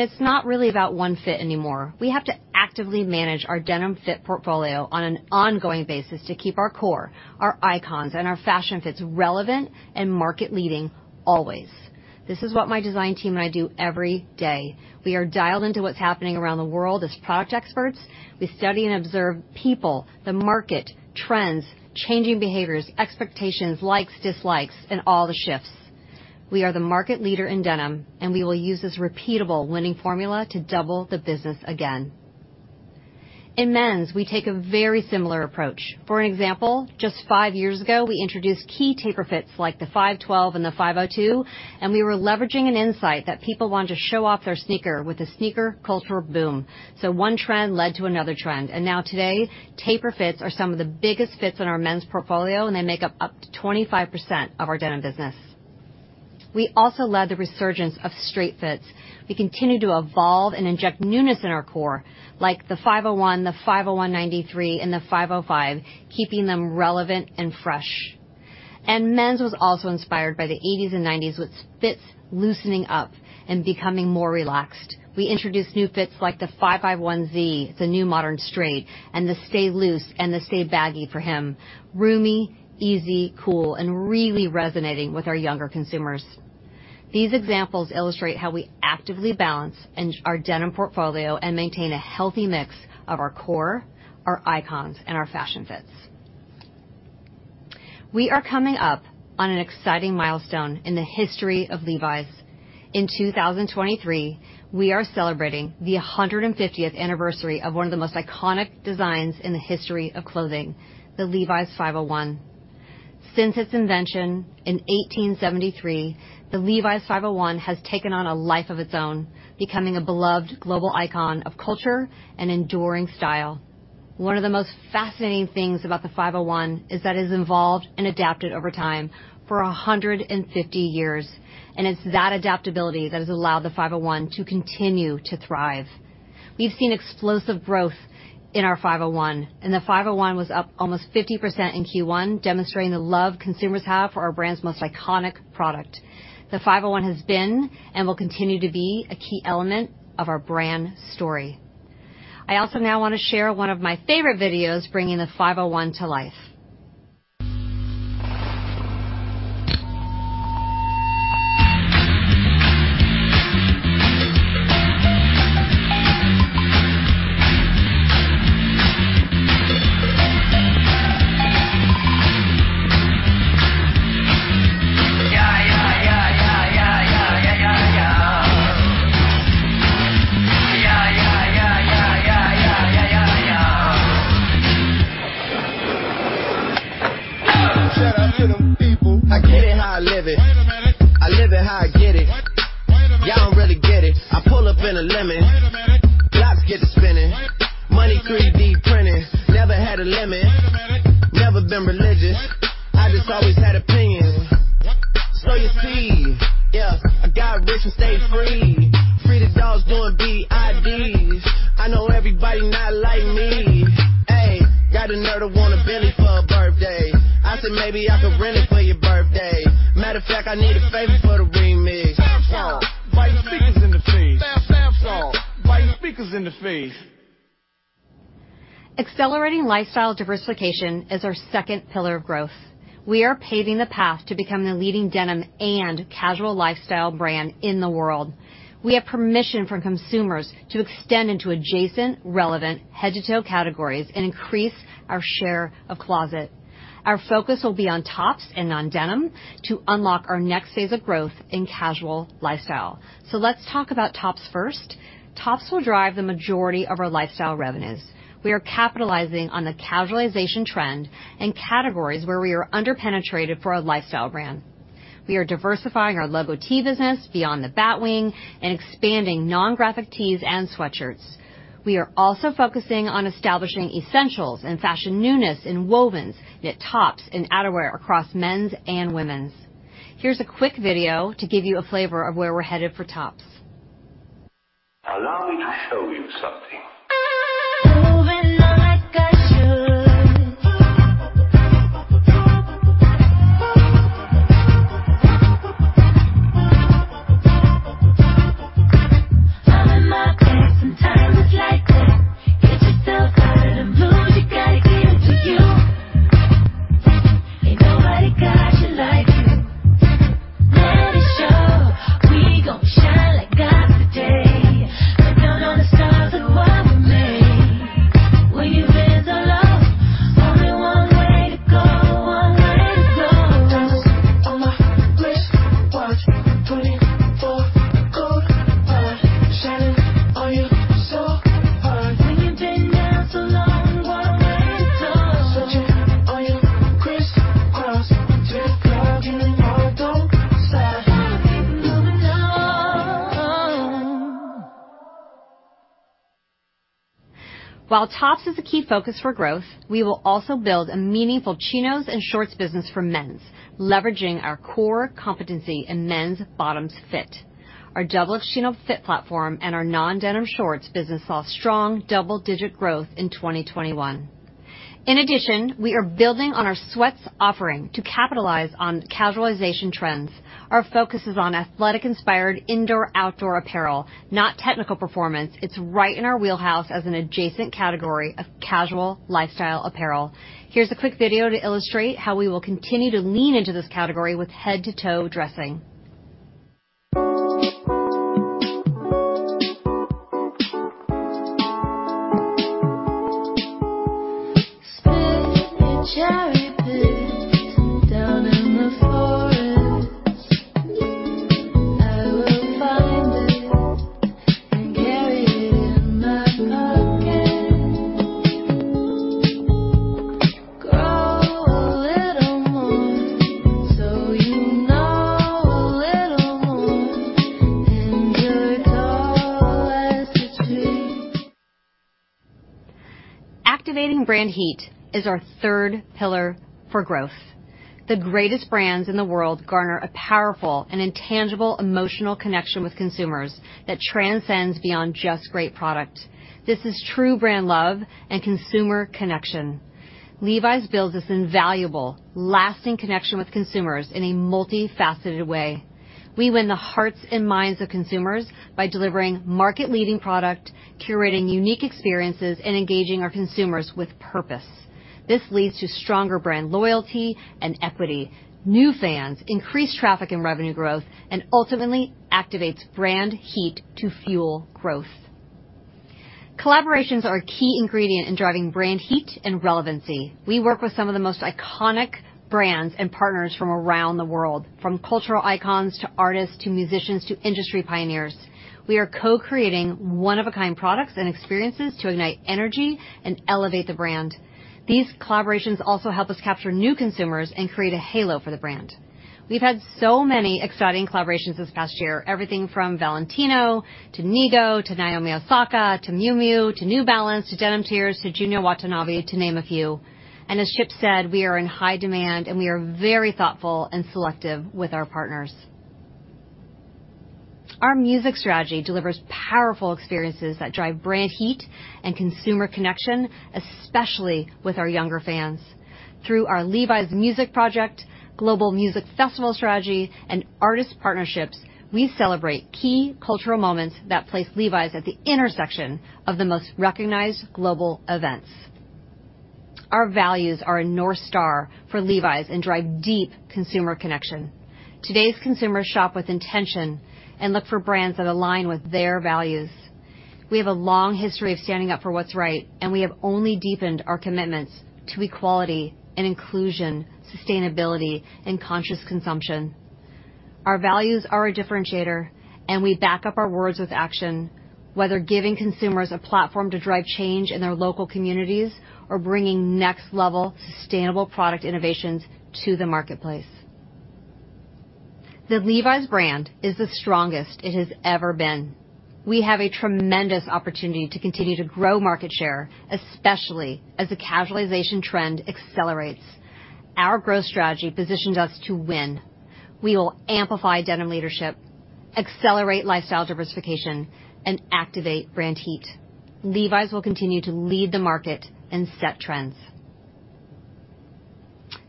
It's not really about one fit anymore. We have to actively manage our denim fit portfolio on an ongoing basis to keep our core, our icons, and our fashion fits relevant and market-leading always. This is what my design team and I do every day. We are dialed into what's happening around the world as product experts. We study and observe people, the market, trends, changing behaviors, expectations, likes, dislikes, and all the shifts. We are the market leader in denim, and we will use this repeatable winning formula to double the business again. In Men's, we take a very similar approach. For an example, just five years ago, we introduced key taper fits like the 512 and the 502, and we were leveraging an insight that people wanted to show off their sneaker with the sneaker cultural boom. One trend led to another trend, and now today, taper fits are some of the biggest fits in our Men's portfolio, and they make up to 25% of our denim business. We also led the resurgence of straight fits. We continue to evolve and inject newness in our core, like the 501, the 501 '93, and the 505, keeping them relevant and fresh. Men's was also inspired by the 1980s and 1990s with fits loosening up and becoming more relaxed. We introduced new fits like the 551Z, the new modern straight, and the Stay Loose and the Stay Baggy for him. Roomy, easy, cool, and really resonating with our younger consumers. These examples illustrate how we actively balance in our denim portfolio and maintain a healthy mix of our core, our icons, and our fashion fits. We are coming up on an exciting milestone in the history of Levi's. In 2023, we are celebrating the 150th anniversary of one of the most iconic designs in the history of clothing, the Levi's 501. Since its invention in 1873, the Levi's 501 has taken on a life of its own, becoming a beloved global icon of culture and enduring style. One of the most fascinating things about the 501 is that it's evolved and adapted over time for 150 years, and it's that adaptability that has allowed the 501 to continue to thrive. We've seen explosive growth in our 501, and the 501 was up almost 50% in Q1, demonstrating the love consumers have for our brand's most iconic product. The 501 has been, and will continue to be, a key element of our brand story. I also now wanna share one of my favorite videos bringing the 501 to life. Accelerating lifestyle diversification is our second pillar of growth. We are paving the path to become the leading denim and casual lifestyle brand in the world. We have permission from consumers to extend into adjacent, relevant, head-to-toe categories and increase our share of closet. Our focus will be on tops and non-denim to unlock our next phase of growth in casual lifestyle. Let's talk about tops first. Tops will drive the majority of our lifestyle revenues. We are capitalizing on the casualization trend and categories where we are under-penetrated for a lifestyle brand. We are diversifying our logo tee business beyond the Batwing and expanding non-graphic tees and sweatshirts. We are also focusing on establishing essentials and fashion newness in wovens, knit tops, and outerwear across Men's and Women's. Here's a quick video to give you a flavor of where we're headed for tops. While tops is a key focus for growth, we will also build a meaningful chinos and shorts business for Men's, leveraging our core competency in Men's bottoms fit. Our double chino fit platform and our non-denim shorts business saw strong double-digit growth in 2021. In addition, we are building on our sweats offering to capitalize on casualization trends. Our focus is on athletic inspired indoor/outdoor apparel, not technical performance. It's right in our wheelhouse as an adjacent category of casual lifestyle apparel. Here's a quick video to illustrate how we will continue to lean into this category with head to toe dressing. Activating brand heat is our third pillar for growth. The greatest brands in the world garner a powerful and intangible emotional connection with consumers that transcends beyond just great product. This is true brand love and consumer connection. Levi's builds this invaluable, lasting connection with consumers in a multifaceted way. We win the hearts and minds of consumers by delivering market-leading product, curating unique experiences, and engaging our consumers with purpose. This leads to stronger brand loyalty and equity, new fans, increased traffic and revenue growth, and ultimately activates brand heat to fuel growth. Collaborations are a key ingredient in driving brand heat and relevancy. We work with some of the most iconic brands and partners from around the world, from cultural icons, to artists, to musicians, to industry pioneers. We are co-creating one of a kind products and experiences to ignite energy and elevate the brand. These collaborations also help us capture new consumers and create a halo for the brand. We've had so many exciting collaborations this past year. Everything from Valentino, to Nigo, to Naomi Osaka, to Miu Miu, to New Balance, to Denim Tears, to Junya Watanabe, to name a few. As Chip said, we are in high demand, and we are very thoughtful and selective with our partners. Our music strategy delivers powerful experiences that drive brand heat and consumer connection, especially with our younger fans. Through our Levi's Music Project, Global Music Festival strategy, and artist partnerships, we celebrate key cultural moments that place Levi's at the intersection of the most recognized global events. Our values are a North Star for Levi's and drive deep consumer connection. Today's consumers shop with intention and look for brands that align with their values. We have a long history of standing up for what's right, and we have only deepened our commitments to equality and inclusion, sustainability and conscious consumption. Our values are a differentiator, and we back up our words with action, whether giving consumers a platform to drive change in their local communities or bringing next level sustainable product innovations to the marketplace. The Levi's brand is the strongest it has ever been. We have a tremendous opportunity to continue to grow market share, especially as the casualization trend accelerates. Our growth strategy positions us to win. We will amplify denim leadership, accelerate lifestyle diversification, and activate brand heat. Levi's will continue to lead the market and set trends.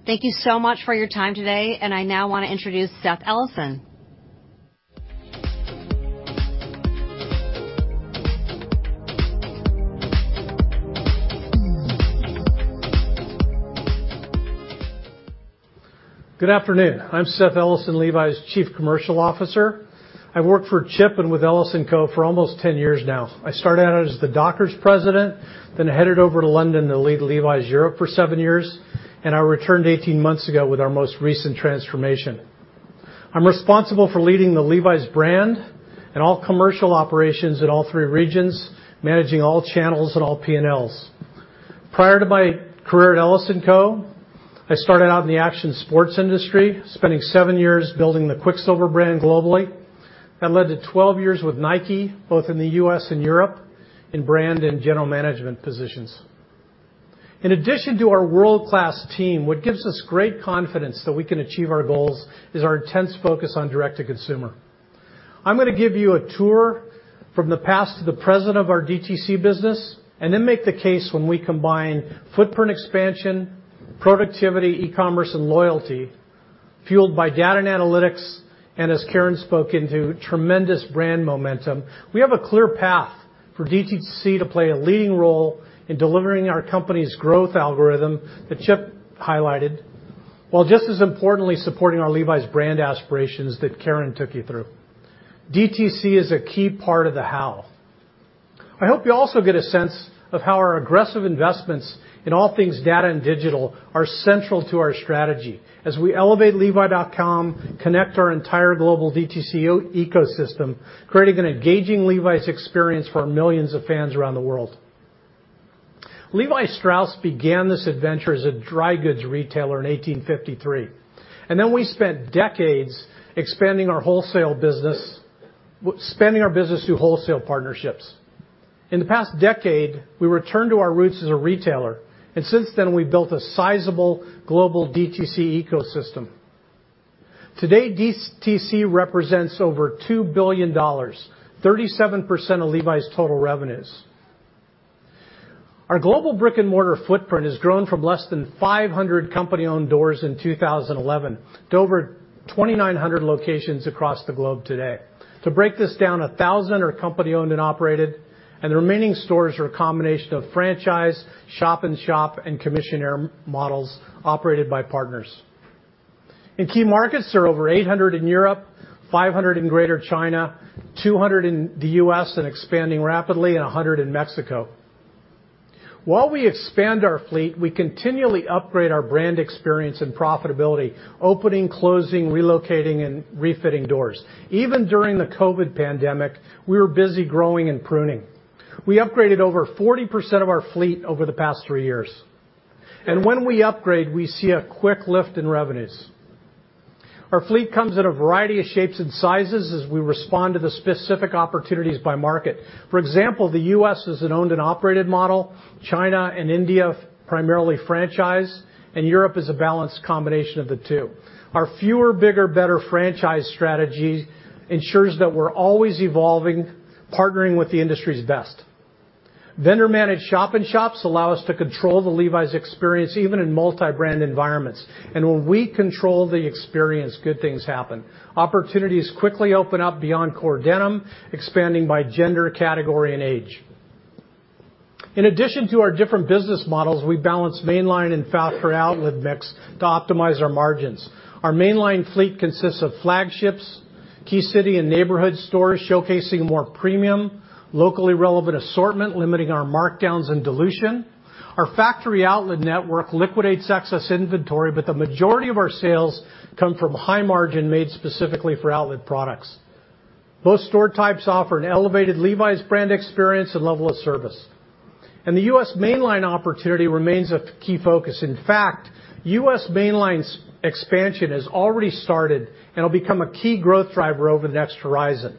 Thank you so much for your time today, and I now wanna introduce Seth Ellison. Good afternoon. I'm Seth Ellison, Levi's Chief Commercial Officer. I've worked for Chip and with Levi Strauss & Co. for almost 10 years now. I started out as the Dockers president, then headed over to London to lead Levi's Europe for seven years, and I returned 18 months ago with our most recent transformation. I'm responsible for leading the Levi's brand and all commercial operations in all three regions, managing all channels and all P&Ls. Prior to my career at Levi Strauss & Co., I started out in the action sports industry, spending seven years building the Quiksilver brand globally. That led to 12 years with Nike, both in the U.S. and Europe, in brand and general management positions. In addition to our world-class team, what gives us great confidence that we can achieve our goals is our intense focus on direct-to-consumer. I'm gonna give you a tour from the past to the present of our DTC business and then make the case when we combine footprint expansion, productivity, e-commerce, and loyalty fueled by data and analytics, and as Karyn spoke to, tremendous brand momentum. We have a clear path for DTC to play a leading role in delivering our company's growth algorithm that Chip highlighted, while just as importantly, supporting our Levi's brand aspirations that Karyn took you through. DTC is a key part of the how. I hope you also get a sense of how our aggressive investments in all things data and digital are central to our strategy as we elevate levi.com, connect our entire global DTC ecosystem, creating an engaging Levi's experience for millions of fans around the world. Levi Strauss began this adventure as a dry goods retailer in 1853, and then we spent decades expanding our wholesale business, expanding our business through wholesale partnerships. In the past decade, we returned to our roots as a retailer, and since then we've built a sizable global DTC ecosystem. Today, DTC represents over $2 billion, 37% of Levi's total revenues. Our global brick-and-mortar footprint has grown from less than 500 company-owned doors in 2011 to over 2,900 locations across the globe today. To break this down, 1,000 are company-owned and operated, and the remaining stores are a combination of franchise, shop-in-shop, and commissioner models operated by partners. In key markets, there are over 800 in Europe, 500 in Greater China, 200 in the U.S. and expanding rapidly, and 100 in Mexico. While we expand our fleet, we continually upgrade our brand experience and profitability, opening, closing, relocating, and refitting doors. Even during the COVID pandemic, we were busy growing and pruning. We upgraded over 40% of our fleet over the past three years. When we upgrade, we see a quick lift in revenues. Our fleet comes in a variety of shapes and sizes as we respond to the specific opportunities by market. For example, the U.S. is an owned and operated model, China and India primarily franchise, and Europe is a balanced combination of the two. Our fewer, bigger, better franchise strategy ensures that we're always evolving, partnering with the industry's best. Vendor-managed shop-in-shops allow us to control the Levi's experience even in multi-brand environments. When we control the experience, good things happen. Opportunities quickly open up beyond core denim, expanding by gender, category, and age. In addition to our different business models, we balance mainline and factory outlet mix to optimize our margins. Our mainline fleet consists of flagships, key city and neighborhood stores showcasing more premium, locally relevant assortment, limiting our markdowns and dilution. Our factory outlet network liquidates excess inventory, but the majority of our sales come from high margin made specifically for outlet products. Both store types offer an elevated Levi's brand experience and level of service. The U.S. mainline opportunity remains a key focus. In fact, U.S. mainline expansion has already started and will become a key growth driver over the next horizon.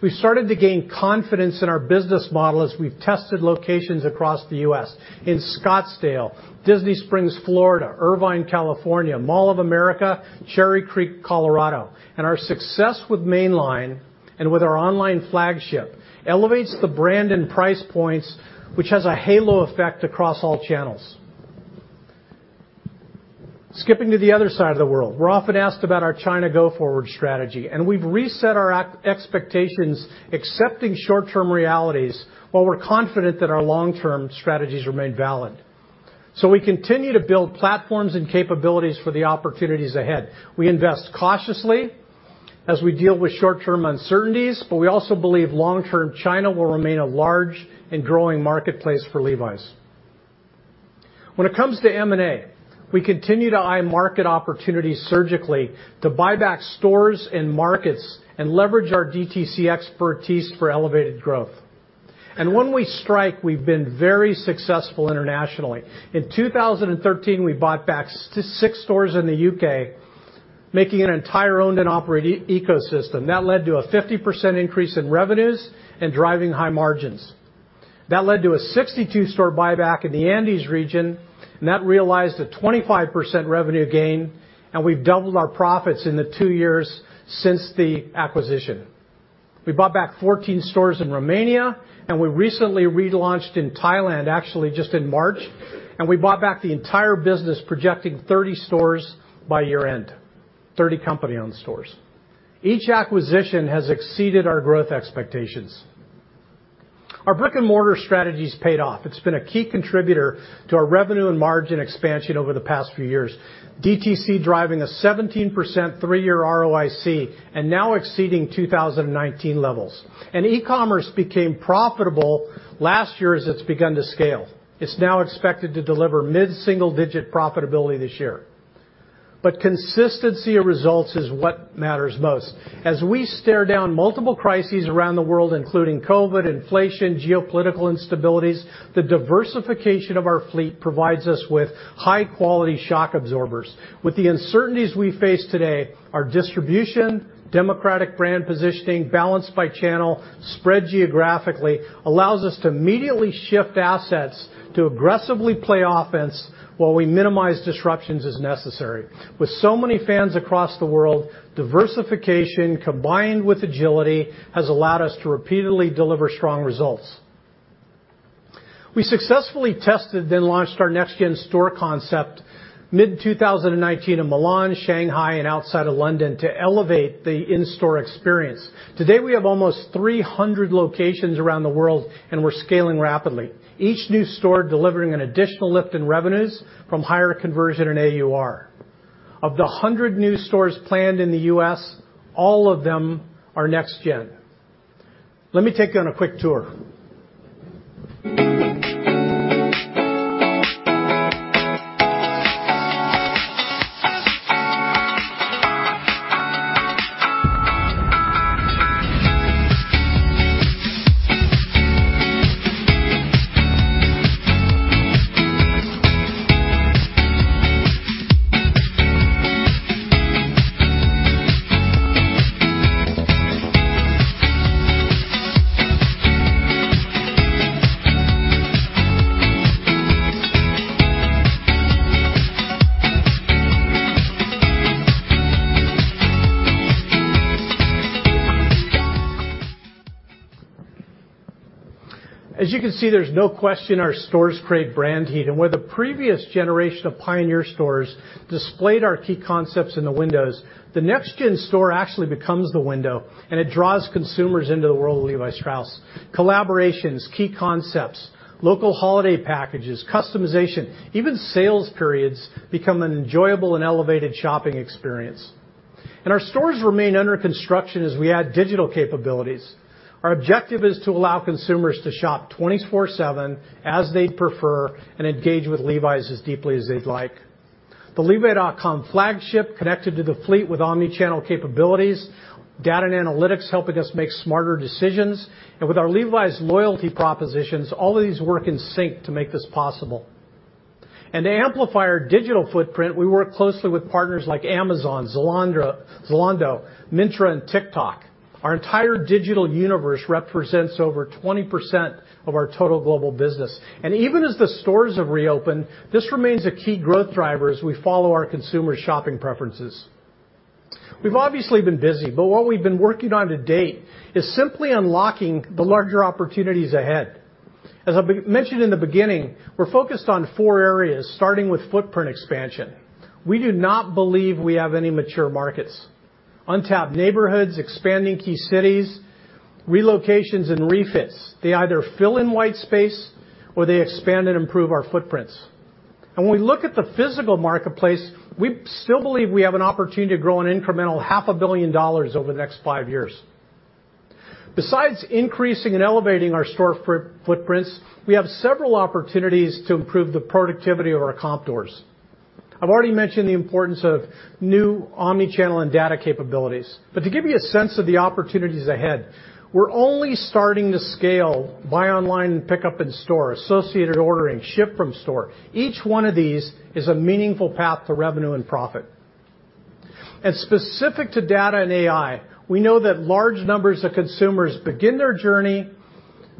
We started to gain confidence in our business model as we've tested locations across the U.S. in Scottsdale, Disney Springs, Florida, Irvine, California, Mall of America, Cherry Creek, Colorado. Our success with mainline and with our online flagship elevates the brand and price points, which has a halo effect across all channels. Skipping to the other side of the world, we're often asked about our China go-forward strategy, and we've reset our expectations, accepting short-term realities, while we're confident that our long-term strategies remain valid. We continue to build platforms and capabilities for the opportunities ahead. We invest cautiously as we deal with short-term uncertainties, but we also believe long-term China will remain a large and growing marketplace for Levi's. When it comes to M&A, we continue to eye market opportunities surgically to buy back stores and markets and leverage our DTC expertise for elevated growth. When we strike, we've been very successful internationally. In 2013, we bought back six stores in the U.K., making an entire owned and operated ecosystem. That led to a 50% increase in revenues and driving high margins. That led to a 62-store buyback in the Andes region, and that realized a 25% revenue gain, and we've doubled our profits in the two years since the acquisition. We bought back 14 stores in Romania, and we recently relaunched in Thailand, actually just in March, and we bought back the entire business projecting 30 stores by year-end, 30 company-owned stores. Each acquisition has exceeded our growth expectations. Our brick-and-mortar strategy's paid off. It's been a key contributor to our revenue and margin expansion over the past few years. DTC driving a 17% three-year ROIC and now exceeding 2019 levels. E-commerce became profitable last year as it's begun to scale. It's now expected to deliver mid-single-digit profitability this year. Consistency of results is what matters most. As we stare down multiple crises around the world, including COVID, inflation, geopolitical instabilities, the diversification of our fleet provides us with high-quality shock absorbers. With the uncertainties we face today, our distribution, democratic brand positioning, balanced by channel, spread geographically, allows us to immediately shift assets to aggressively play offense while we minimize disruptions as necessary. With so many fans across the world, diversification combined with agility has allowed us to repeatedly deliver strong results. We successfully tested then launched our next-gen store concept mid-2019 in Milan, Shanghai, and outside of London to elevate the in-store experience. Today, we have almost 300 locations around the world, and we're scaling rapidly. Each new store delivering an additional lift in revenues from higher conversion and AUR. Of the 100 new stores planned in the U.S., all of them are NextGen. Let me take you on a quick tour. As you can see, there's no question our stores create brand heat. Where the previous generation of pioneer stores displayed our key concepts in the windows, the next gen store actually becomes the window, and it draws consumers into the world of Levi Strauss. Collaborations, key concepts, local holiday packages, customization, even sales periods become an enjoyable and elevated shopping experience. Our stores remain under construction as we add digital capabilities. Our objective is to allow consumers to shop 24/7 as they'd prefer and engage with Levi's as deeply as they'd like. The levi.com flagship connected to the fleet with omnichannel capabilities, data and analytics helping us make smarter decisions, and with our Levi's loyalty propositions, all of these work in sync to make this possible. To amplify our digital footprint, we work closely with partners like Amazon, Zalando, Myntra, and TikTok. Our entire digital universe represents over 20% of our total global business. Even as the stores have reopened, this remains a key growth driver as we follow our consumer shopping preferences. We've obviously been busy, but what we've been working on to date is simply unlocking the larger opportunities ahead. As I mentioned in the beginning, we're focused on four areas, starting with footprint expansion. We do not believe we have any mature markets. Untapped neighborhoods, expanding key cities, relocations, and refits. They either fill in white space or they expand and improve our footprints. When we look at the physical marketplace, we still believe we have an opportunity to grow an incremental half a billion dollars over the next five years. Besides increasing and elevating our store footprints, we have several opportunities to improve the productivity of our comp stores. I've already mentioned the importance of new omnichannel and data capabilities. To give you a sense of the opportunities ahead, we're only starting to scale buy online and pickup in store, associate ordering, ship from store. Each one of these is a meaningful path to revenue and profit. Specific to data and AI, we know that large numbers of consumers begin their journey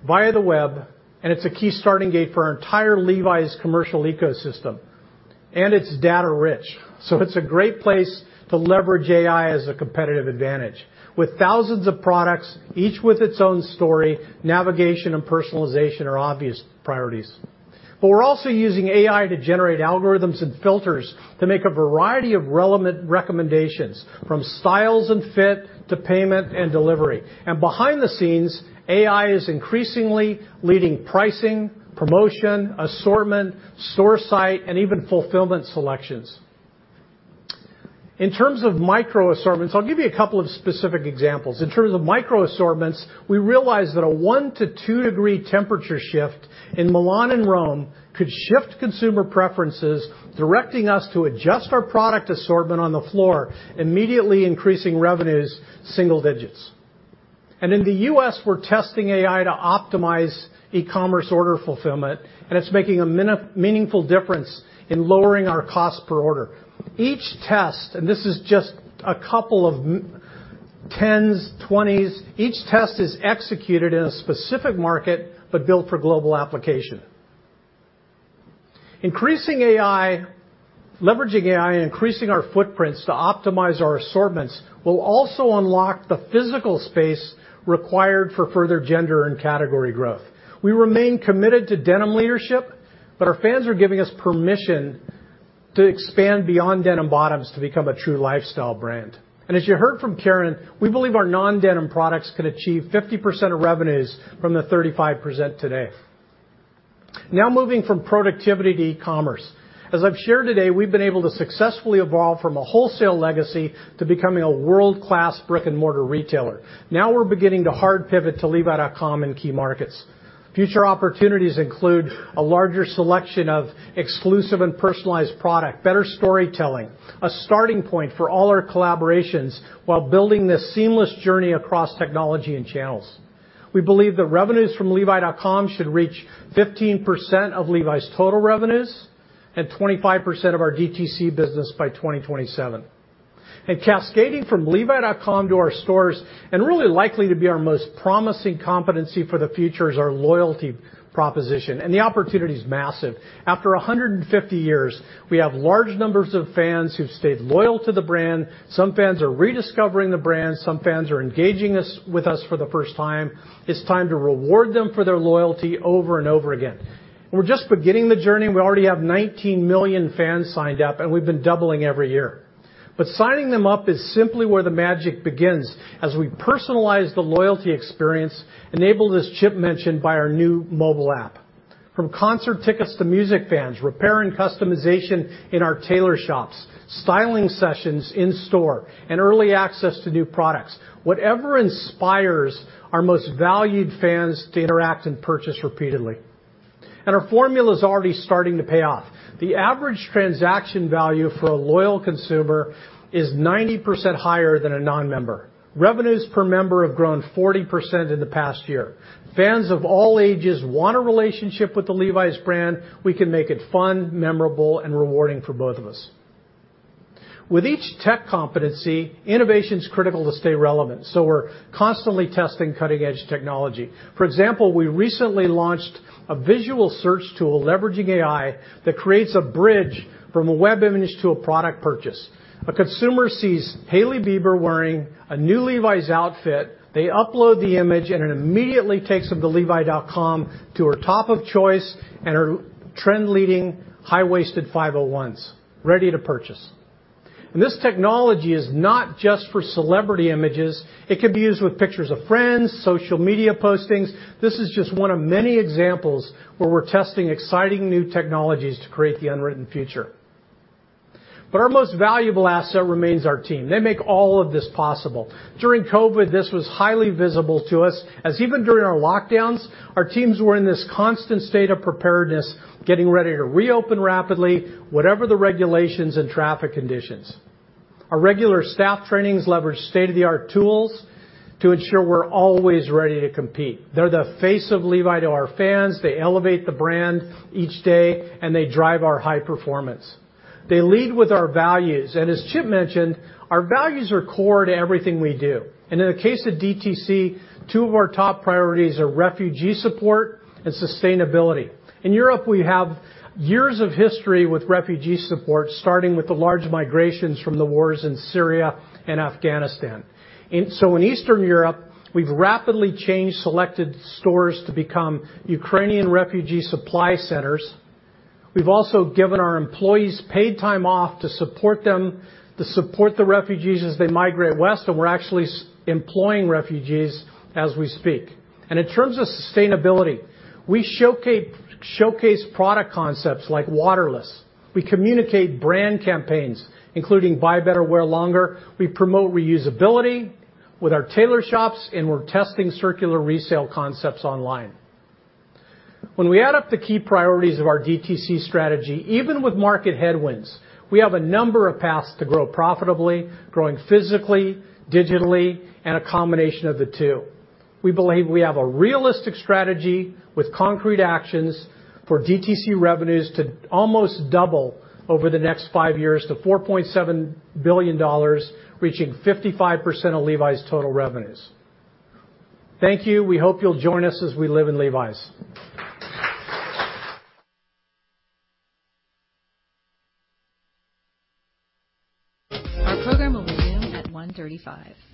via the web, and it's a key starting gate for our entire Levi's commercial ecosystem, and it's data rich. It's a great place to leverage AI as a competitive advantage. With thousands of products, each with its own story, navigation, and personalization are obvious priorities. We're also using AI to generate algorithms and filters to make a variety of relevant recommendations, from styles and fit to payment and delivery. Behind the scenes, AI is increasingly leading pricing, promotion, assortment, store site, and even fulfillment selections. In terms of micro assortments, I'll give you a couple of specific examples. We realize that a one to two degree temperature shift in Milan and Rome could shift consumer preferences, directing us to adjust our product assortment on the floor, immediately increasing revenues single digits. In the U.S., we're testing AI to optimize e-commerce order fulfillment, and it's making a meaningful difference in lowering our cost per order. Each test, and this is just a couple of 10s, 20s, each test is executed in a specific market, but built for global application. Increasing AI, leveraging AI, increasing our footprints to optimize our assortments will also unlock the physical space required for further gender and category growth. We remain committed to denim leadership, but our fans are giving us permission to expand beyond denim bottoms to become a true lifestyle brand. As you heard from Karen, we believe our non-denim products could achieve 50% of revenues from the 35% today. Now moving from productivity to e-commerce. As I've shared today, we've been able to successfully evolve from a wholesale legacy to becoming a world-class brick-and-mortar retailer. Now we're beginning to hard pivot to levi.com in key markets. Future opportunities include a larger selection of exclusive and personalized product, better storytelling, a starting point for all our collaborations while building this seamless journey across technology and channels. We believe that revenues from levi.com should reach 15% of Levi's total revenues and 25% of our DTC business by 2027. Cascading from levi.com to our stores and really likely to be our most promising competency for the future is our loyalty proposition, and the opportunity is massive. After 150 years, we have large numbers of fans who've stayed loyal to the brand. Some fans are rediscovering the brand. Some fans are engaging with us for the first time. It's time to reward them for their loyalty over and over again. We're just beginning the journey. We already have 19 million fans signed up, and we've been doubling every year. Signing them up is simply where the magic begins as we personalize the loyalty experience, enable this chip mentioned by our new mobile app. From concert tickets to music bands, repair and customization in our tailor shops, styling sessions in store, and early access to new products, whatever inspires our most valued fans to interact and purchase repeatedly. Our formula is already starting to pay off. The average transaction value for a loyal consumer is 90% higher than a non-member. Revenues per member have grown 40% in the past year. Fans of all ages want a relationship with the Levi's brand. We can make it fun, memorable, and rewarding for both of us. With each tech competency, innovation is critical to stay relevant, so we're constantly testing cutting-edge technology. For example, we recently launched a visual search tool leveraging AI that creates a bridge from a web image to a product purchase. A consumer sees Hailey Bieber wearing a new Levi's outfit. They upload the image, and it immediately takes them to levi.com to her top of choice and her trend leading high-waisted 501s ready to purchase. This technology is not just for celebrity images, it can be used with pictures of friends, social media postings. This is just one of many examples where we're testing exciting new technologies to create the unwritten future. Our most valuable asset remains our team. They make all of this possible. During COVID-19, this was highly visible to us, as even during our lockdowns, our teams were in this constant state of preparedness, getting ready to reopen rapidly, whatever the regulations and traffic conditions. Our regular staff trainings leverage state-of-the-art tools to ensure we're always ready to compete. They're the face of Levi's to our fans. They elevate the brand each day, and they drive our high performance. They lead with our values. As Chip mentioned, our values are core to everything we do. In the case of DTC, two of our top priorities are refugee support and sustainability. In Europe, we have years of history with refugee support, starting with the large migrations from the wars in Syria and Afghanistan. In Eastern Europe, we've rapidly changed selected stores to become Ukrainian refugee supply centers. We've also given our employees paid time off to support them, to support the refugees as they migrate west, and we're actually employing refugees as we speak. In terms of sustainability, we showcase product concepts like Water<Less. We communicate brand campaigns, including Buy Better, Wear Longer. We promote reusability with our tailor shops, and we're testing circular resale concepts online. When we add up the key priorities of our DTC strategy, even with market headwinds, we have a number of paths to grow profitably, growing physically, digitally, and a combination of the two. We believe we have a realistic strategy with concrete actions for DTC revenues to almost double over the next five years to $4.7 billion, reaching 55% of Levi's total revenues. Thank you. We hope you'll join us as we Live in Levi's. Our program will resume at 1:35 P.M..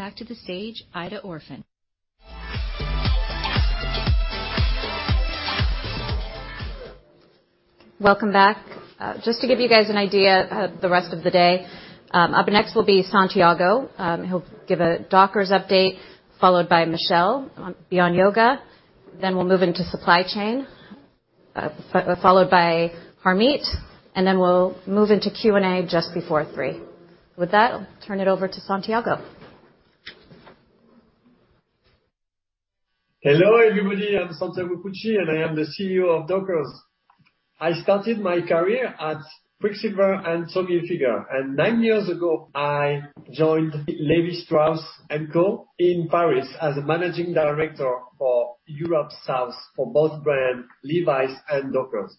Welcome back to the stage, Aida Orphan. Welcome back. Just to give you guys an idea of the rest of the day, up next will be Santiago. He'll give a Dockers update, followed by Michelle on Beyond Yoga. We'll move into supply chain, followed by Harmit, and then we'll move into Q&A just before 03:00 P.M.. With that, I'll turn it over to Santiago. Hello, everybody. I'm Santiago Cucci, and I am the CEO of Dockers. I started my career at Quiksilver and Tommy Hilfiger. Nine years ago, I joined Levi Strauss & Co. in Paris as a managing director for Europe South for both brand Levi's and Dockers.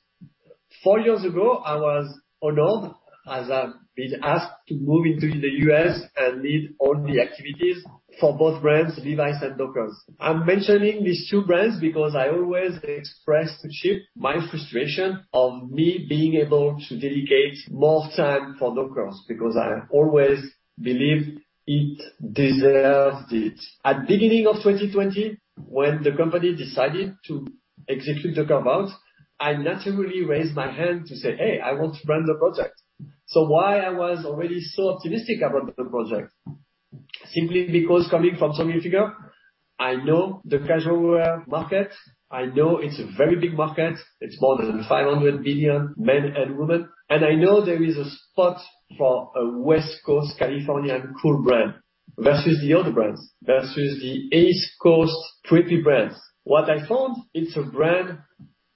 Four years ago, I was honored as I've been asked to move into the U.S. and lead all the activities for both brands, Levi's and Dockers. I'm mentioning these two brands because I always expressed to Chip my frustration of me being able to dedicate more time for Dockers because I always believed it deserved it. At beginning of 2020, when the company decided to execute the carve-out, I naturally raised my hand to say, "Hey, I want to run the project." Why I was already so optimistic about the project? Simply because coming from Tommy Hilfiger, I know the casual wear market, I know it's a very big market. It's more than $500 billion Men and Women, and I know there is a spot for a West Coast Californian cool brand versus the other brands, versus the East Coast preppy brands. What I found, it's a brand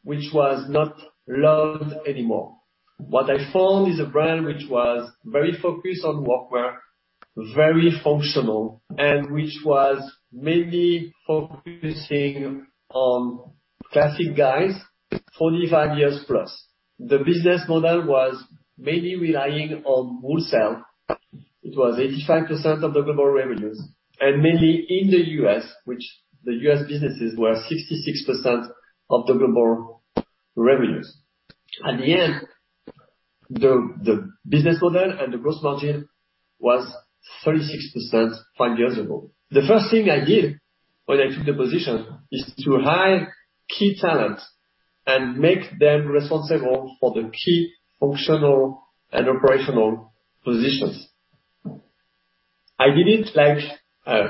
which was not loved anymore. What I found is a brand which was very focused on workwear, very functional, and which was mainly focusing on classic guys, 45+years. The business model was mainly relying on wholesale. It was 85% of the global revenues, and mainly in the U.S., which the U.S. businesses were 66% of the global revenues. At the end, the business model and the gross margin was 36% five years ago. The first thing I did when I took the position is to hire key talent and make them responsible for the key functional and operational positions. I did it like a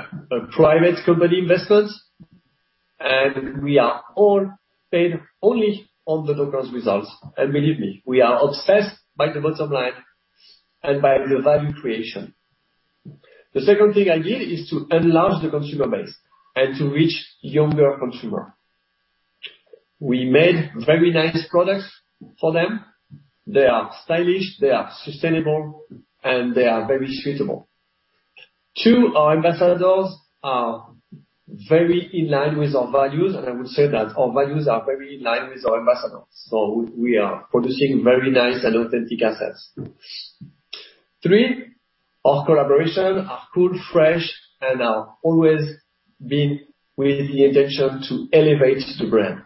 private company investment, and we are all paid only on the Dockers results. Believe me, we are obsessed by the bottom line and by the value creation. The second thing I did is to enlarge the consumer base and to reach younger consumer. We made very nice products for them. They are stylish, they are sustainable, and they are very suitable. Too, our ambassadors are very in line with our values, and I would say that our values are very in line with our ambassadors. We are producing very nice and authentic assets. Three, our collaborations are cool, fresh, and are always been with the intention to elevate the brand.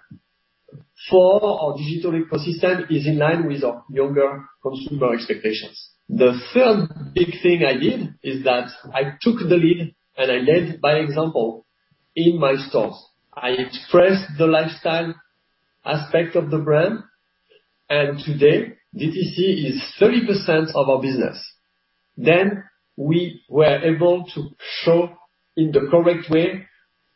Four, our digital ecosystem is in line with our younger consumer expectations. The third big thing I did is that I took the lead and I led by example in my stores. I expressed the lifestyle aspect of the brand, and today DTC is 30% of our business. We were able to show in the correct way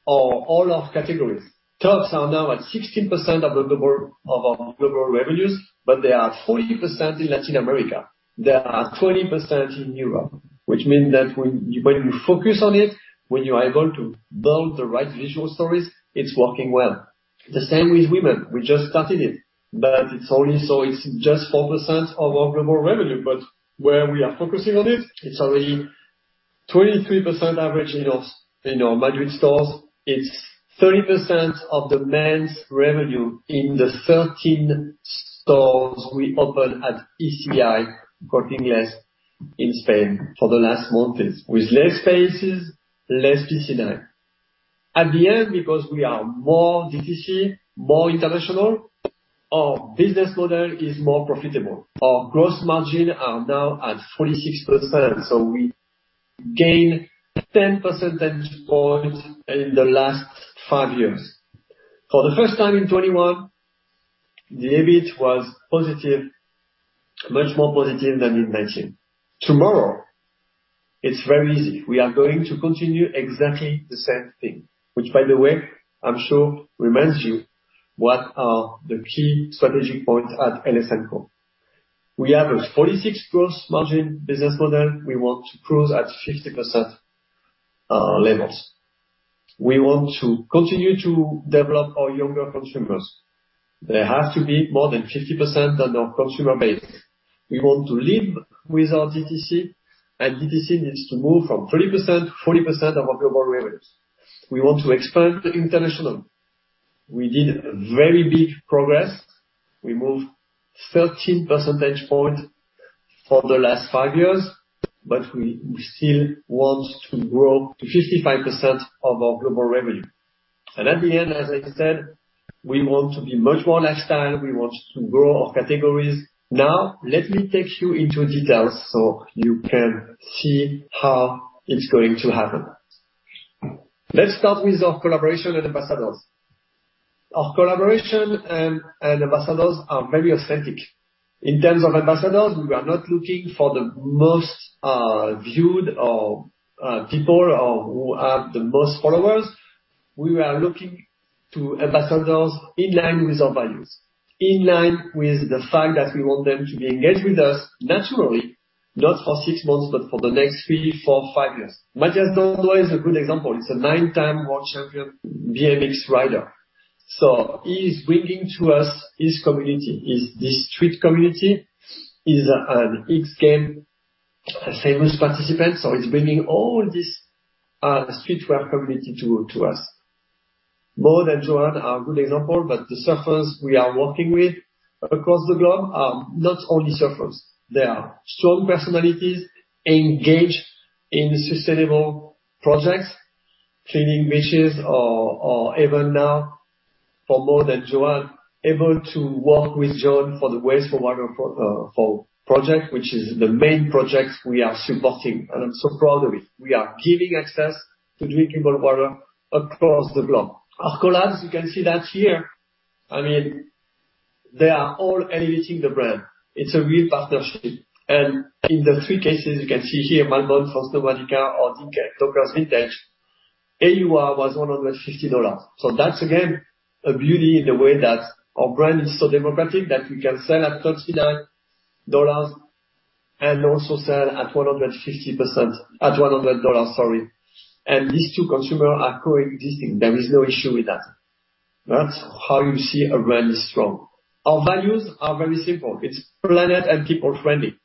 our all our categories. Tops are now at 16% of the global of our global revenues, but they are 40% in Latin America. They are 20% in Europe. Which mean that when you focus on it, when you are able to build the right visual stories, it's working well. The same with women. We just started it, but it's only so it's just 4% of our global revenue. Where we are focusing on it's already 23% average in our Madrid stores. It's 30% of the Men's revenue in the 13 stores we opened at El Corte Inglés in Spain for the last months, with less spaces, less PC9. At the end, because we are more DTC, more international, our business model is more profitable. Our gross margin are now at 46%, so we gained 10 percentage points in the last five years. For the first time in 2021, the EBIT was positive, much more positive than we mentioned. Tomorrow, it's very easy. We are going to continue exactly the same thing. Which by the way, I'm sure reminds you what are the key strategic points at LS&Co. We have a 46% gross margin business model. We want to close at 50%, levels. We want to continue to develop our younger consumers. They have to be more than 50% of our consumer base. We want to lead with our DTC, and DTC needs to move from 30% to 40% of our global revenues. We want to expand international. We did very big progress. We moved 13 percentage points for the last five years, but we still want to grow to 55% of our global revenue. At the end, as I said, we want to be much more lifestyle. We want to grow our categories. Now, let me take you into details so you can see how it's going to happen. Let's start with our collaboration and ambassadors. Our collaboration and ambassadors are very authentic. In terms of ambassadors, we are not looking for the most viewed or people or who have the most followers. We are looking to ambassadors in line with our values, in line with the fact that we want them to be engaged with us naturally, not for six months, but for the next three, four, five years. Matthias Dandois is a good example. He's a nine-time world champion BMX rider. He is bringing to us his community. He's the street community. He's an X Games famous participant, so he's bringing all this streetwear community to us. Maude and Joan are a good example, but the surfers we are working with across the globe are not only surfers. They are strong personalities engaged in sustainable projects, cleaning beaches or even now for Maude and Joan, able to work with Joan for the Waves for Water project, which is the main project we are supporting, and I'm so proud of it. We are giving access to drinkable water across the globe. Our collabs, you can see that here. I mean, they are all elevating the brand. It's a real partnership. In the three cases you can see here, Malbon, Faustine Steinmetz or DINKAGE, Tokoro's Vintage, AUR was $150. That's again, a beauty in the way that our brand is so democratic that we can sell at $39 and also sell at 150% at $100, sorry. These two consumers are coexisting. There is no issue with that. That's how you see a brand is strong. Our values are very simple. It's planet and people friendly.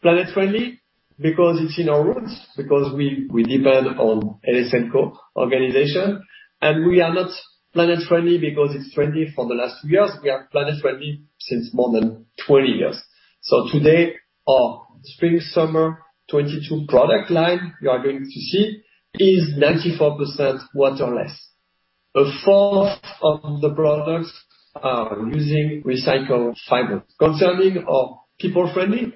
Planet friendly because it's in our roots, because we depend on LS&Co organization. We are not planet friendly because it's trendy for the last few years. We are planet friendly since more than 20 years. Today, our Spring/Summer 2022 product line you are going to see is 94% waterless. A fourth of the products are using recycled fibers. Concerning our people friendly,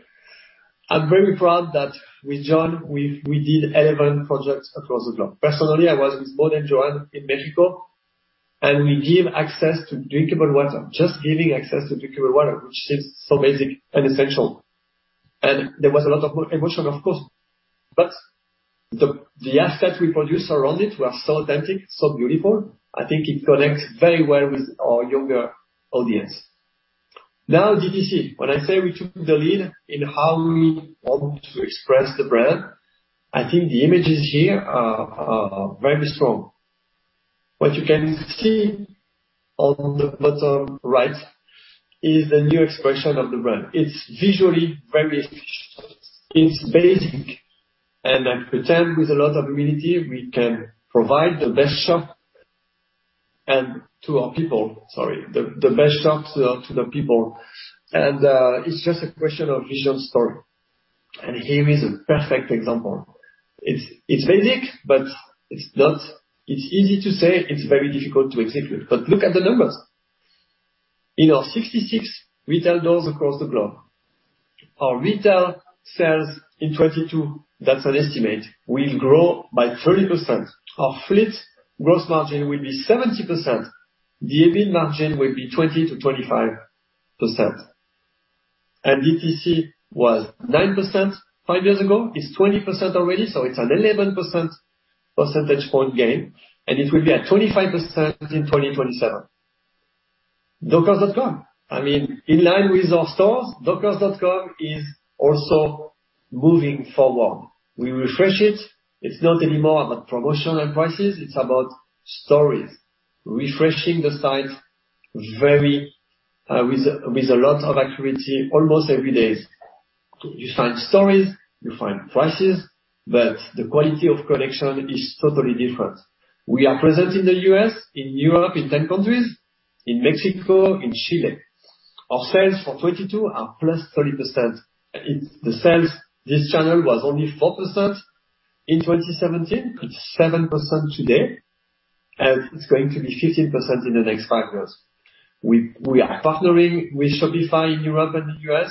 I'm very proud that with Joan, we did 11 projects across the globe. Personally, I was with Maude and Joan in Mexico, and we give access to drinkable water. Just giving access to drinkable water, which seems so basic and essential. There was a lot of emotion, of course. The assets we produce around it were so authentic, so beautiful. I think it connects very well with our younger audience. Now DTC. When I say we took the lead in how we want to express the brand, I think the images here are very strong. What you can see on the bottom right is the new expression of the brand. It's visually very efficient. It's basic, and I present with a lot of humility, we can provide the best shop to the people. It's just a question of visual story. Here is a perfect example. It's basic, but it's not. It's easy to say, it's very difficult to execute. But look at the numbers. In our 66 retail doors across the globe, our retail sales in 2022, that's an estimate, will grow by 30%. Our fleet gross margin will be 70%. The EBIT margin will be 20%-25%. DTC was 9% five years ago. It's 20% already, so it's an 11 percentage point gain, and it will be at 25% in 2027. dockers.com. I mean, in line with our stores, dockers.com is also moving forward. We refresh it. It's not anymore about promotional prices, it's about stories. Refreshing the site very, with a lot of activity almost every day. You find stories, you find prices, but the quality of collection is totally different. We are present in the U.S., in Europe, in 10 countries, in Mexico, in Chile. Our sales for 2022 are +30%. In the sales, this channel was only 4% in 2017. It's 7% today, and it's going to be 15% in the next five years. We are partnering with Shopify in Europe and the U.S.,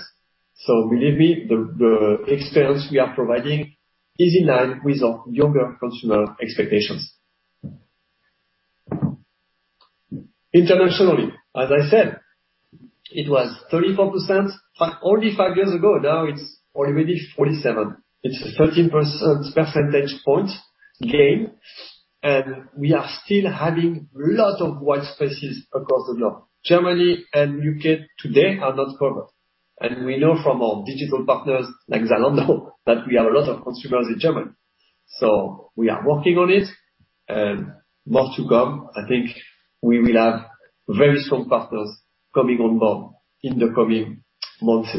so believe me, the experience we are providing is in line with our younger consumer expectations. Internationally, as I said, it was 34% only five years ago. Now, it's already 47%. It's a 13 percentage point gain, and we are still having a lot of white spaces across the globe. Germany and U.K. today are not covered. We know from our digital partners, like Zalando, that we have a lot of consumers in Germany. We are working on it, and more to come. I think we will have very strong partners coming on board in the coming months.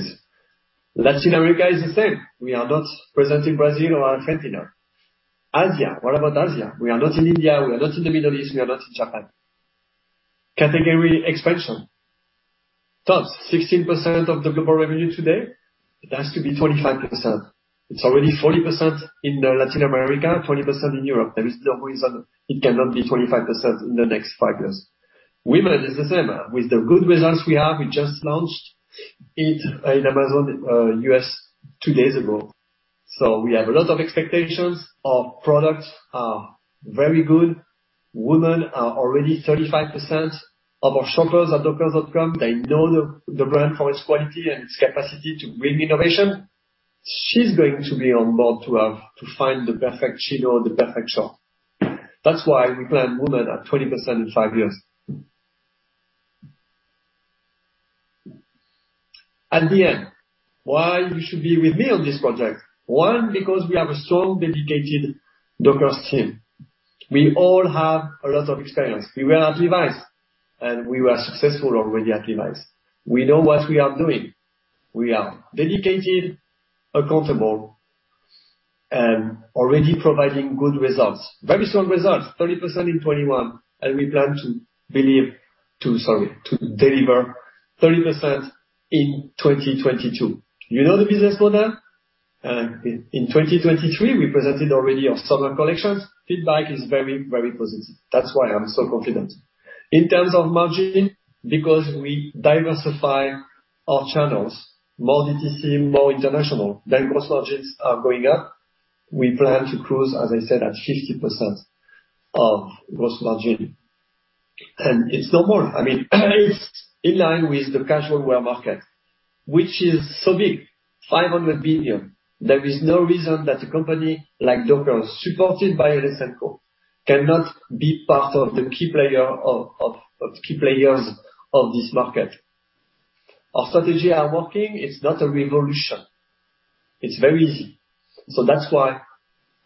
Latin America is the same. We are not present in Brazil or Argentina. Asia. What about Asia? We are not in India, we are not in the Middle East, we are not in Japan. Category expansion. Tops 16% of the global revenue today. It has to be 25%. It's already 40% in Latin America, 20% in Europe. There is no reason it cannot be 25% in the next five years. Women is the same. With the good results we have, we just launched it in Amazon U.S. two days ago. We have a lot of expectations. Our products are very good. Women are already 35% of our shoppers at dockers.com. They know the brand for its quality and its capacity to bring innovation. She's going to be on board to find the perfect chino or the perfect short. That's why we plan women at 20% in five years. At the end, why you should be with me on this project? One, because we have a strong, dedicated Dockers team. We all have a lot of experience. We were at Levi's, and we were successful already at Levi's. We know what we are doing. We are dedicated, accountable, and already providing good results. Very strong results, 30% in 2021, and we plan to deliver 30% in 2022. You know the business model. In 2023, we presented already our summer collections. Feedback is very, very positive. That's why I'm so confident. In terms of margin, because we diversify our channels, more DTC, more international, then gross margins are going up. We plan to cruise, as I said, at 50% of gross margin. It's normal. I mean, it's in line with the casual wear market, which is so big, $500 billion. There is no reason that a company like Dockers, supported by LS&Co., cannot be part of the key players of this market. Our strategy are working. It's not a revolution. It's very easy. So that's why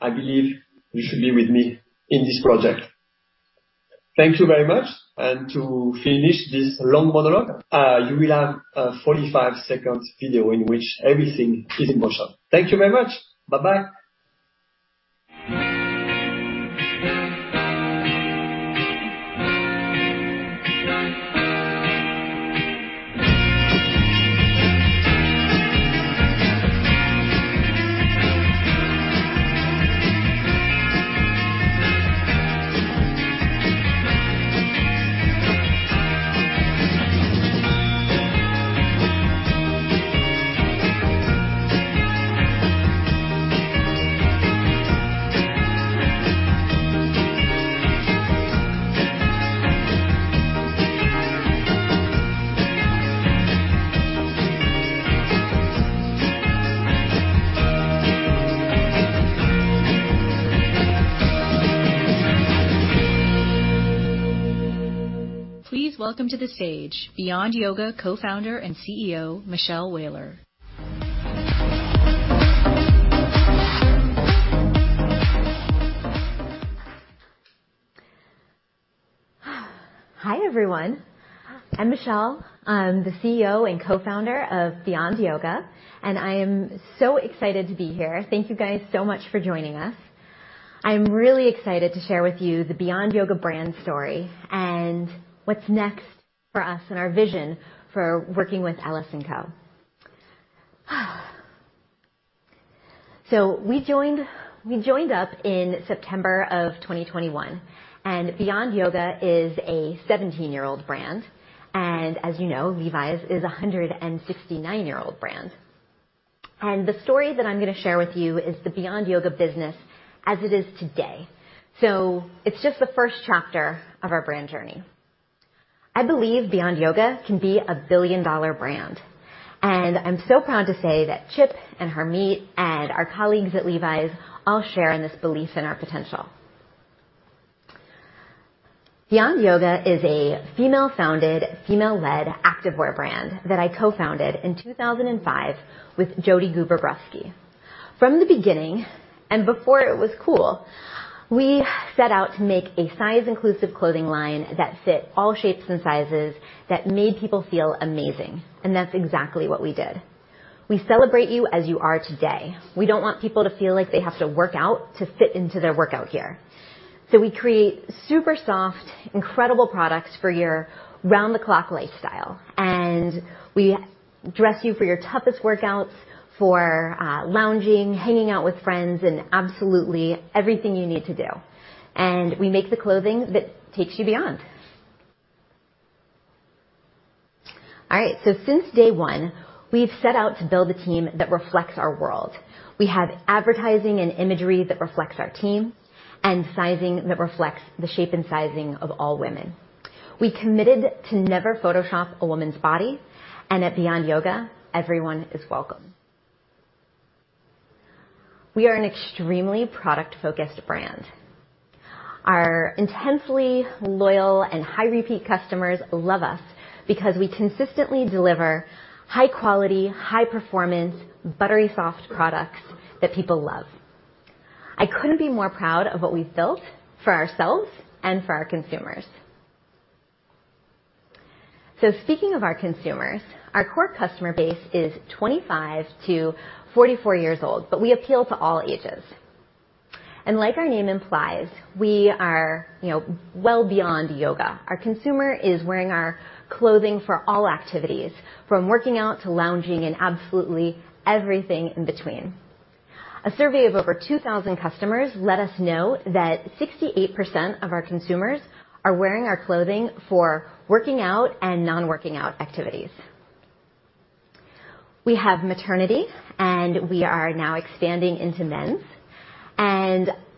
I believe you should be with me in this project. Thank you very much. To finish this long monologue, you will have a 45-second video in which everything is in motion. Thank you very much. Bye-bye. Please welcome to the stage Beyond Yoga Co-Founder and CEO, Michelle Wahler. Hi, everyone. I'm Michelle. I'm the CEO and Co-Founder of Beyond Yoga, and I am so excited to be here. Thank you guys so much for joining us. I'm really excited to share with you the Beyond Yoga brand story and what's next for us and our vision for working with LS&Co. We joined up in September 2021, and Beyond Yoga is a 17-year-old brand. As you know, Levi's is a 169-year-old brand. The story that I'm gonna share with you is the Beyond Yoga business as it is today. It's just the first chapter of our brand journey. I believe Beyond Yoga can be a billion-dollar brand, and I'm so proud to say that Chip and Harmit and our colleagues at Levi's all share in this belief in our potential. Beyond Yoga is a female-founded, female-led activewear brand that I co-founded in 2005 with Jodi Guber Brufsky. From the beginning, and before it was cool, we set out to make a size-inclusive clothing line that fit all shapes and sizes that made people feel amazing, and that's exactly what we did. We celebrate you as you are today. We don't want people to feel like they have to work out to fit into their workout gear. We create super soft, incredible products for your round-the-clock lifestyle. We dress you for your toughest workouts, for lounging, hanging out with friends, and absolutely everything you need to do. We make the clothing that takes you beyond. All right. Since day one, we've set out to build a team that reflects our world. We have advertising and imagery that reflects our team and sizing that reflects the shape and sizing of all women. We committed to never Photoshop a woman's body, and at Beyond Yoga, everyone is welcome. We are an extremely product-focused brand. Our intensely loyal and high repeat customers love us because we consistently deliver high quality, high performance, buttery soft products that people love. I couldn't be more proud of what we've built for ourselves and for our consumers. Speaking of our consumers, our core customer base is 25-44 years old, but we appeal to all ages. Like our name implies, we are, you know, well beyond yoga. Our consumer is wearing our clothing for all activities, from working out to lounging and absolutely everything in between. A survey of over 2,000 customers let us know that 68% of our consumers are wearing our clothing for working out and non-working out activities. We have maternity, and we are now expanding into Men's.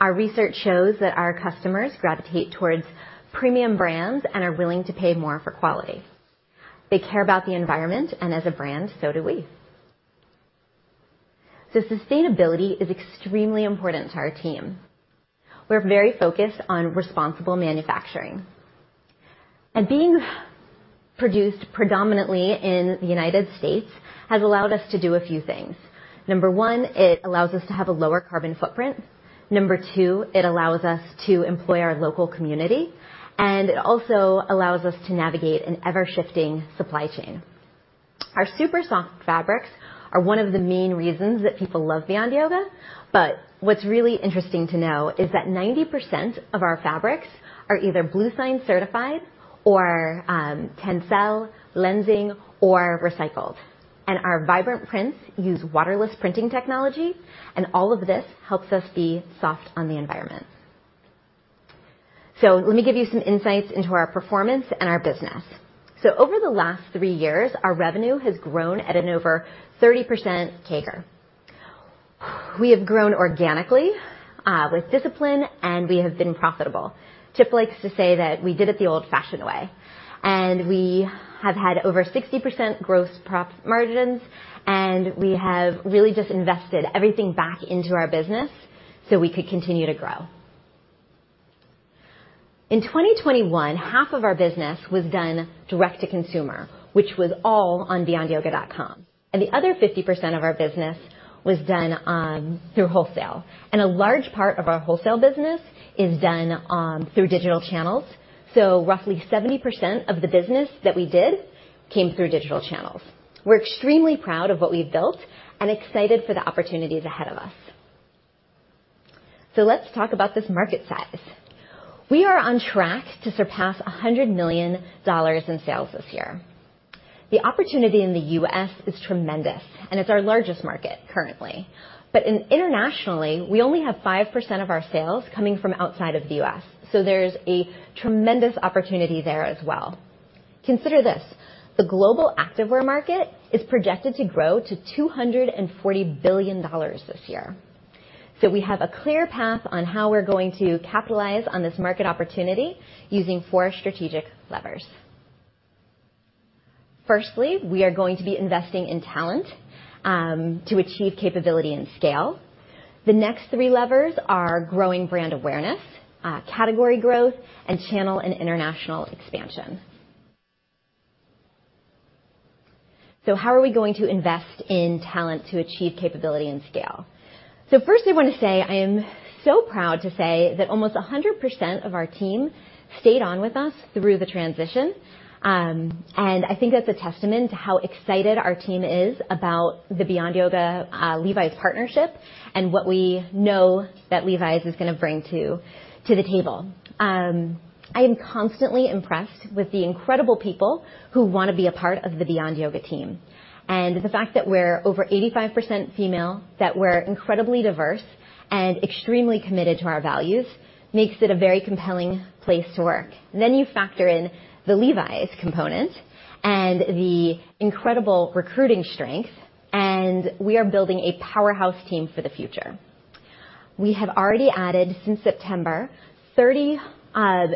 Our research shows that our customers gravitate towards premium brands and are willing to pay more for quality. They care about the environment, and as a brand, so do we. Sustainability is extremely important to our team. We're very focused on responsible manufacturing. Being produced predominantly in the United States has allowed us to do a few things. Number one, it allows us to have a lower carbon footprint. Number two, it allows us to employ our local community, and it also allows us to navigate an ever-shifting supply chain. Our super soft fabrics are one of the main reasons that people love Beyond Yoga, but what's really interesting to know is that 90% of our fabrics are either Bluesign certified or TENCEL, Lenzing or recycled. Our vibrant prints use waterless printing technology, and all of this helps us be soft on the environment. Let me give you some insights into our performance and our business. Over the last three years, our revenue has grown at an over 30% CAGR. We have grown organically, with discipline, and we have been profitable. Chip likes to say that we did it the old-fashioned way. We have had over 60% gross profit margins, and we have really just invested everything back into our business, so we could continue to grow. In 2021, half of our business was done direct-to-consumer, which was all on beyondyoga.com. The other 50% of our business was done through wholesale. A large part of our wholesale business is done through digital channels, so roughly 70% of the business that we did came through digital channels. We're extremely proud of what we've built and excited for the opportunities ahead of us. Let's talk about this market size. We are on track to surpass $100 million in sales this year. The opportunity in the U.S. is tremendous, and it's our largest market currently. Internationally, we only have 5% of our sales coming from outside of the U.S., so there's a tremendous opportunity there as well. Consider this. The global activewear market is projected to grow to $240 billion this year. We have a clear path on how we're going to capitalize on this market opportunity using four strategic levers. Firstly, we are going to be investing in talent to achieve capability and scale. The next three levers are growing brand awareness, category growth, and channel and international expansion. How are we going to invest in talent to achieve capability and scale? Firstly I wanna say, I am so proud to say that almost 100% of our team stayed on with us through the transition. I think that's a testament to how excited our team is about the Beyond Yoga, Levi's partnership and what we know that Levi's is gonna bring to the table. I am constantly impressed with the incredible people who wanna be a part of the Beyond Yoga team. The fact that we're over 85% female, that we're incredibly diverse and extremely committed to our values makes it a very compelling place to work. Then you factor in the Levi's component and the incredible recruiting strength, and we are building a powerhouse team for the future. We have already added, since September, 30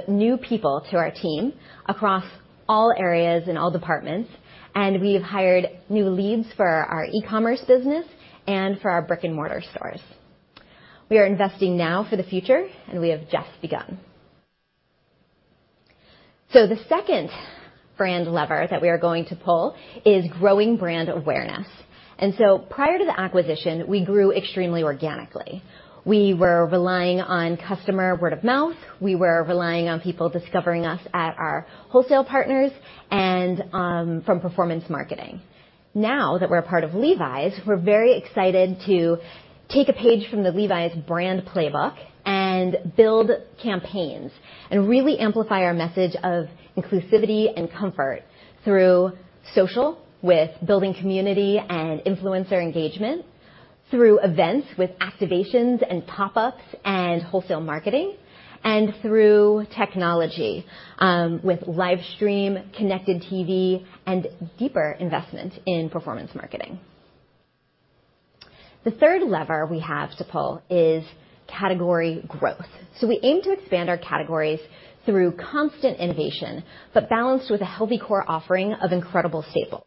new people to our team across all areas and all departments, and we've hired new leads for our e-commerce business and for our brick-and-mortar stores. We are investing now for the future, and we have just begun. The second brand lever that we are going to pull is growing brand awareness. Prior to the acquisition, we grew extremely organically. We were relying on customer word of mouth. We were relying on people discovering us at our wholesale partners and from performance marketing. Now that we're a part of Levi's, we're very excited to take a page from the Levi's brand playbook and build campaigns and really amplify our message of inclusivity and comfort through social with building community and influencer engagement, through events with activations and pop-ups and wholesale marketing, and through technology with livestream, connected TV, and deeper investment in performance marketing. The third lever we have to pull is category growth. We aim to expand our categories through constant innovation, but balanced with a healthy core offering of incredible staples.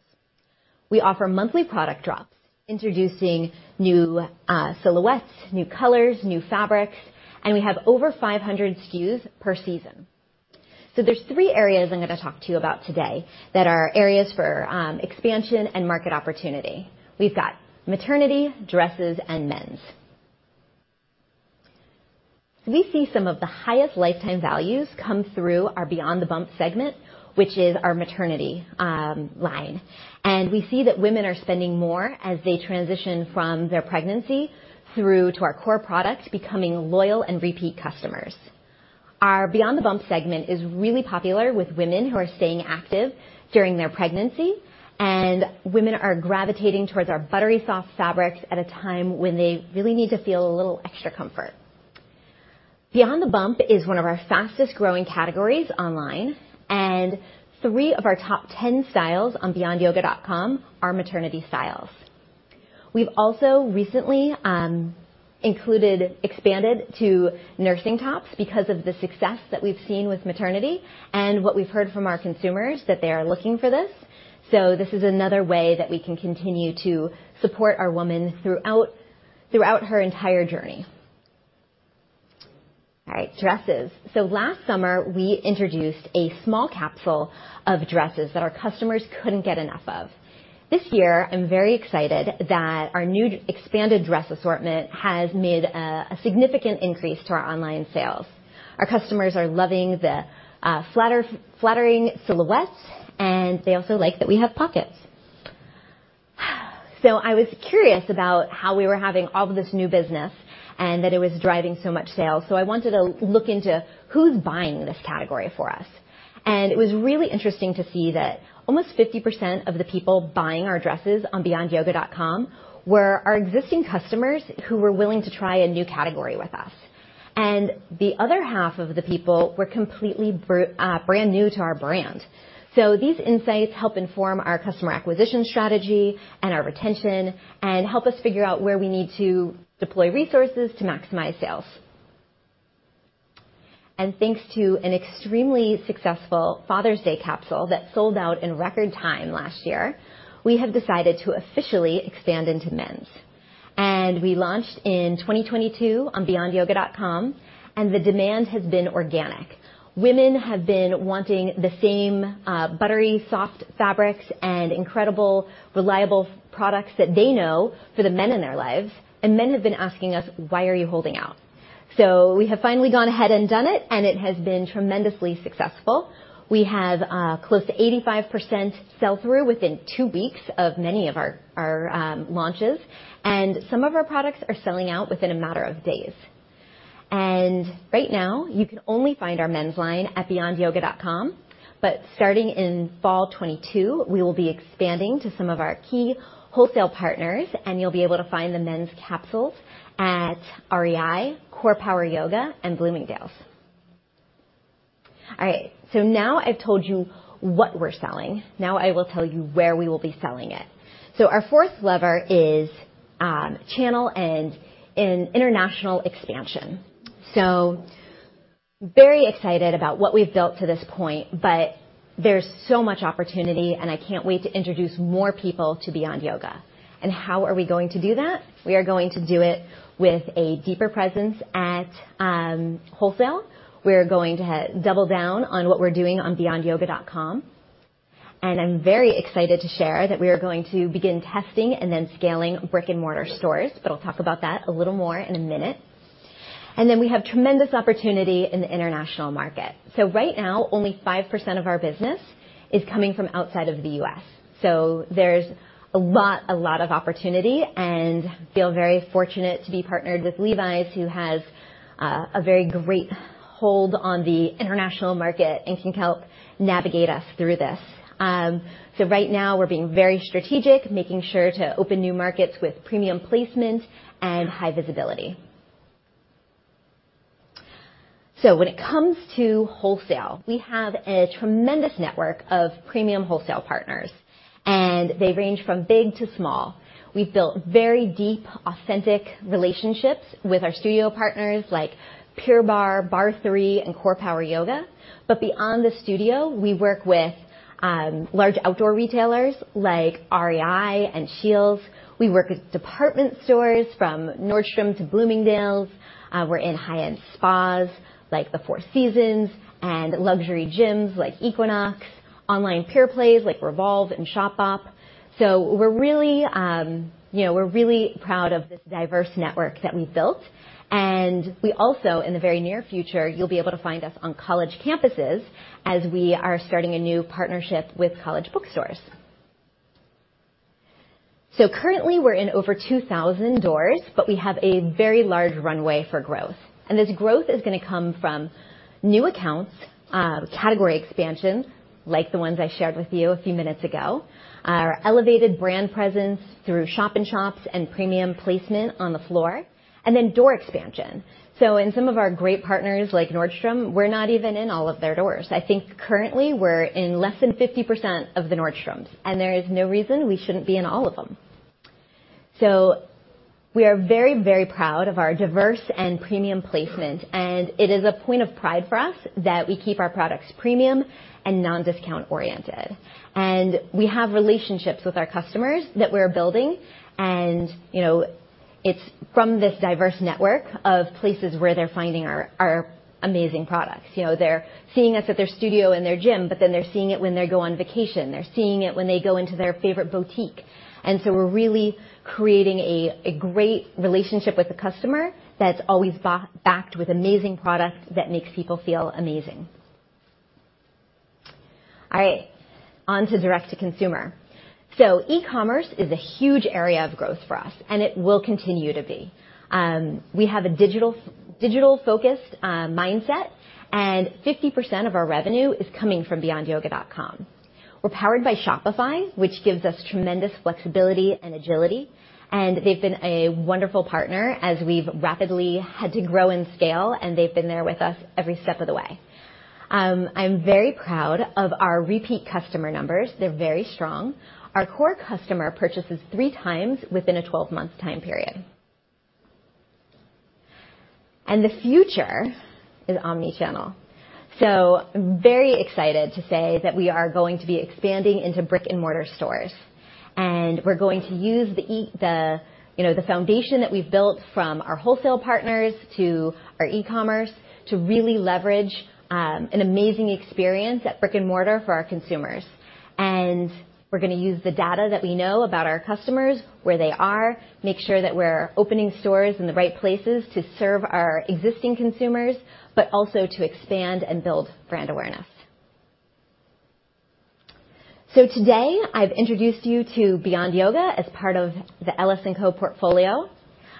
We offer monthly product drops, introducing new silhouettes, new colors, new fabrics, and we have over 500 SKUs per season. There's three areas I'm gonna talk to you about today that are areas for expansion and market opportunity. We've got maternity, dresses, and Men's. We see some of the highest lifetime values come through our Beyond the Bump segment, which is our maternity line. We see that women are spending more as they transition from their pregnancy through to our core product, becoming loyal and repeat customers. Our Beyond the Bump segment is really popular with women who are staying active during their pregnancy, and women are gravitating towards our buttery soft fabrics at a time when they really need to feel a little extra comfort. Beyond the Bump is one of our fastest-growing categories online, and three of our top ten styles on beyondyoga.com are maternity styles. We've also recently expanded to nursing tops because of the success that we've seen with maternity and what we've heard from our consumers that they are looking for this. This is another way that we can continue to support our woman throughout her entire journey. All right, dresses. Last summer, we introduced a small capsule of dresses that our customers couldn't get enough of. This year, I'm very excited that our new expanded dress assortment has made a significant increase to our online sales. Our customers are loving the flattering silhouettes, and they also like that we have pockets. I was curious about how we were having all of this new business and that it was driving so much sales, so I wanted to look into who's buying this category for us. It was really interesting to see that almost 50% of the people buying our dresses on beyondyoga.com were our existing customers who were willing to try a new category with us. The other half of the people were completely brand new to our brand. These insights help inform our customer acquisition strategy and our retention and help us figure out where we need to deploy resources to maximize sales. Thanks to an extremely successful Father's Day capsule that sold out in record time last year, we have decided to officially expand into Men's. We launched in 2022 on beyondyoga.com, and the demand has been organic. Women have been wanting the same, buttery soft fabrics and incredible, reliable products that they know for the men in their lives, and men have been asking us, "Why are you holding out?" We have finally gone ahead and done it, and it has been tremendously successful. We have close to 85% sell-through within two weeks of many of our launches, and some of our products are selling out within a matter of days. Right now, you can only find our Men's line at beyondyoga.com, but starting in fall 2022, we will be expanding to some of our key wholesale partners, and you'll be able to find the Men's capsules at REI, CorePower Yoga, and Bloomingdale's. All right. Now I've told you what we're selling. Now I will tell you where we will be selling it. Our fourth lever is channel and international expansion. Very excited about what we've built to this point, but there's so much opportunity, and I can't wait to introduce more people to Beyond Yoga. How are we going to do that? We are going to do it with a deeper presence at wholesale. We're going to double down on what we're doing on beyondyoga.com. I'm very excited to share that we are going to begin testing and then scaling brick-and-mortar stores. I'll talk about that a little more in a minute. We have tremendous opportunity in the international market. Right now, only 5% of our business is coming from outside of the U.S. There's a lot of opportunity, and feel very fortunate to be partnered with Levi's, who has a very great hold on the international market and can help navigate us through this. Right now, we're being very strategic, making sure to open new markets with premium placement and high visibility. When it comes to wholesale, we have a tremendous network of premium wholesale partners, and they range from big to small. We've built very deep, authentic relationships with our studio partners like Pure Barre, barre3, and CorePower Yoga. Beyond the studio, we work with large outdoor retailers like REI and SCHEELS. We work with department stores from Nordstrom to Bloomingdale's. We're in high-end spas, like the Four Seasons, and luxury gyms like Equinox, online pure plays like REVOLVE and Shopbop. We're really, you know, we're really proud of this diverse network that we've built. We also, in the very near future, you'll be able to find us on college campuses as we are starting a new partnership with college bookstores. Currently, we're in over 2,000 doors, but we have a very large runway for growth. This growth is gonna come from new accounts, category expansion, like the ones I shared with you a few minutes ago. Our elevated brand presence through shop-in-shops and premium placement on the floor, and then door expansion. In some of our great partners, like Nordstrom, we're not even in all of their doors. I think currently we're in less than 50% of the Nordstroms, and there is no reason we shouldn't be in all of them. We are very, very proud of our diverse and premium placement, and it is a point of pride for us that we keep our products premium and non-discount oriented. We have relationships with our customers that we're building. You know, it's from this diverse network of places where they're finding our amazing products. You know, they're seeing us at their studio and their gym, but then they're seeing it when they go on vacation. They're seeing it when they go into their favorite boutique. We're really creating a great relationship with the customer that's always backed with amazing product that makes people feel amazing. All right, on to direct-to-consumer. E-commerce is a huge area of growth for us, and it will continue to be. We have a digital-focused mindset, and 50% of our revenue is coming from beyondyoga.com. We're powered by Shopify, which gives us tremendous flexibility and agility, and they've been a wonderful partner as we've rapidly had to grow and scale, and they've been there with us every step of the way. I'm very proud of our repeat customer numbers. They're very strong. Our core customer purchases 3xwithin a 12-month time period. The future is omnichannel. Very excited to say that we are going to be expanding into brick-and-mortar stores. We're going to use the, you know, the foundation that we've built from our wholesale partners to our e-commerce to really leverage an amazing experience at brick-and-mortar for our consumers. We're gonna use the data that we know about our customers, where they are, make sure that we're opening stores in the right places to serve our existing consumers, but also to expand and build brand awareness. Today, I've introduced you to Beyond Yoga as part of the LS&Co. portfolio.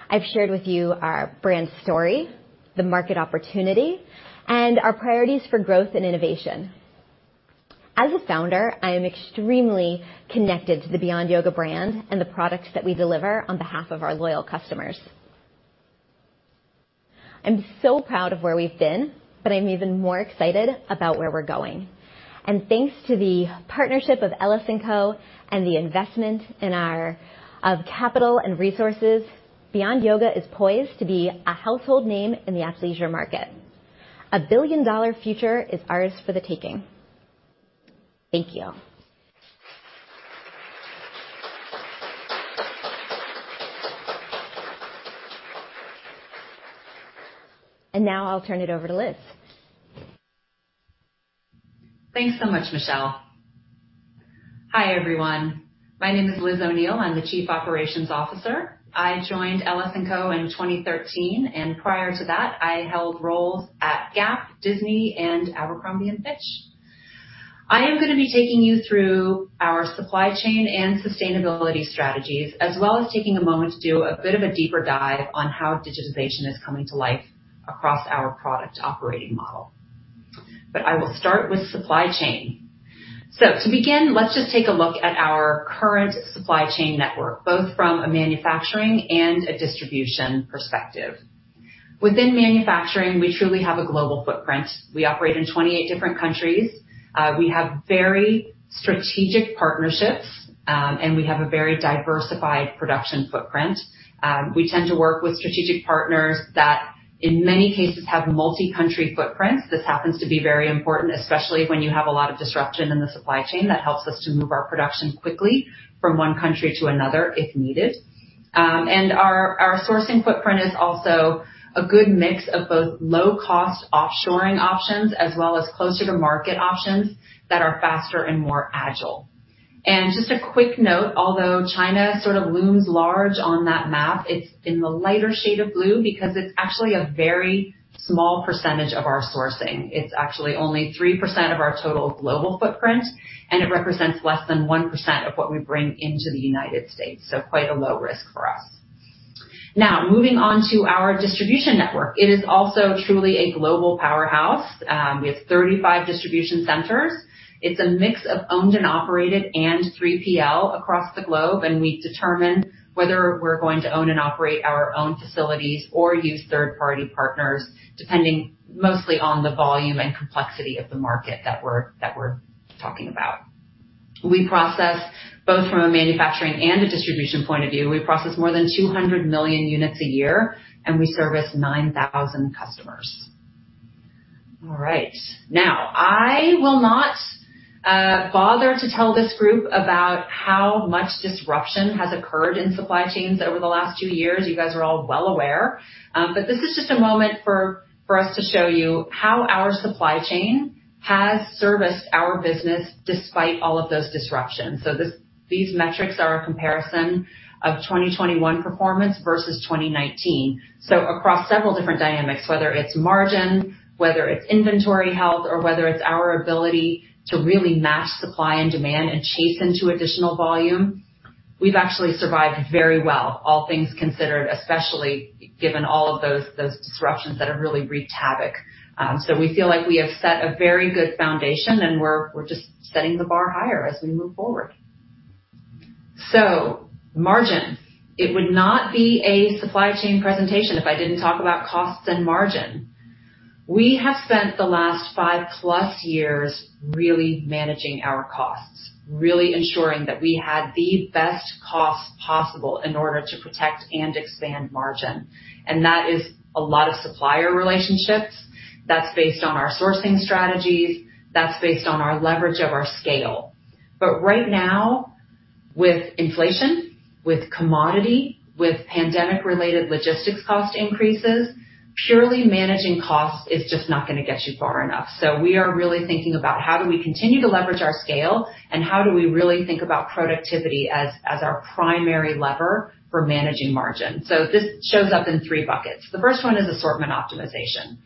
I've shared with you our brand story, the market opportunity, and our priorities for growth and innovation. As a founder, I am extremely connected to the Beyond Yoga brand and the products that we deliver on behalf of our loyal customers. I'm so proud of where we've been, but I'm even more excited about where we're going. Thanks to the partnership of LS&Co. and the investment of capital and resources, Beyond Yoga is poised to be a household name in the athleisure market. A billion-dollar future is ours for the taking. Thank you. Now I'll turn it over to Liz. Thanks so much, Michelle. Hi, everyone. My name is Liz O'Neill. I'm the Chief Operations Officer. I joined LS&Co. in 2013, and prior to that, I held roles at Gap, Disney, and Abercrombie & Fitch. I am gonna be taking you through our supply chain and sustainability strategies, as well as taking a moment to do a bit of a deeper dive on how digitization is coming to life across our product operating model. I will start with supply chain. To begin, let's just take a look at our current supply chain network, both from a manufacturing and a distribution perspective. Within manufacturing, we truly have a global footprint. We operate in 28 different countries. We have very strategic partnerships, and we have a very diversified production footprint. We tend to work with strategic partners that in many cases have multi-country footprints. This happens to be very important, especially when you have a lot of disruption in the supply chain. That helps us to move our production quickly from one country to another, if needed. Our sourcing footprint is also a good mix of both low cost offshoring options as well as closer to market options that are faster and more agile. Just a quick note, although China sort of looms large on that map, it's in the lighter shade of blue because it's actually a very small percentage of our sourcing. It's actually only 3% of our total global footprint, and it represents less than 1% of what we bring into the United States. Quite a low risk for us. Now, moving on to our distribution network. It is also truly a global powerhouse. We have 35 distribution centers. It's a mix of owned and operated and 3PL across the globe, and we determine whether we're going to own and operate our own facilities or use third-party partners, depending mostly on the volume and complexity of the market that we're talking about. We process, both from a manufacturing and a distribution point of view, we process more than 200 million units a year, and we service 9,000 customers. All right. Now, I will not bother to tell this group about how much disruption has occurred in supply chains over the last two years. You guys are all well aware. This is just a moment for us to show you how our supply chain has serviced our business despite all of those disruptions. These metrics are a comparison of 2021 performance versus 2019. Across several different dynamics, whether it's margin, whether it's inventory health, or whether it's our ability to really match supply and demand and chase into additional volume, we've actually survived very well, all things considered, especially given all of those disruptions that have really wreaked havoc. We feel like we have set a very good foundation, and we're just setting the bar higher as we move forward. Margin. It would not be a supply chain presentation if I didn't talk about costs and margin. We have spent the last five plus years really managing our costs, really ensuring that we had the best cost possible in order to protect and expand margin. That is a lot of supplier relationships. That's based on our sourcing strategies. That's based on our leverage of our scale. Right now, with inflation, with commodity, with pandemic-related logistics cost increases, purely managing costs is just not gonna get you far enough. We are really thinking about how do we continue to leverage our scale and how do we really think about productivity as our primary lever for managing margin. This shows up in three buckets. The first one is assortment optimization.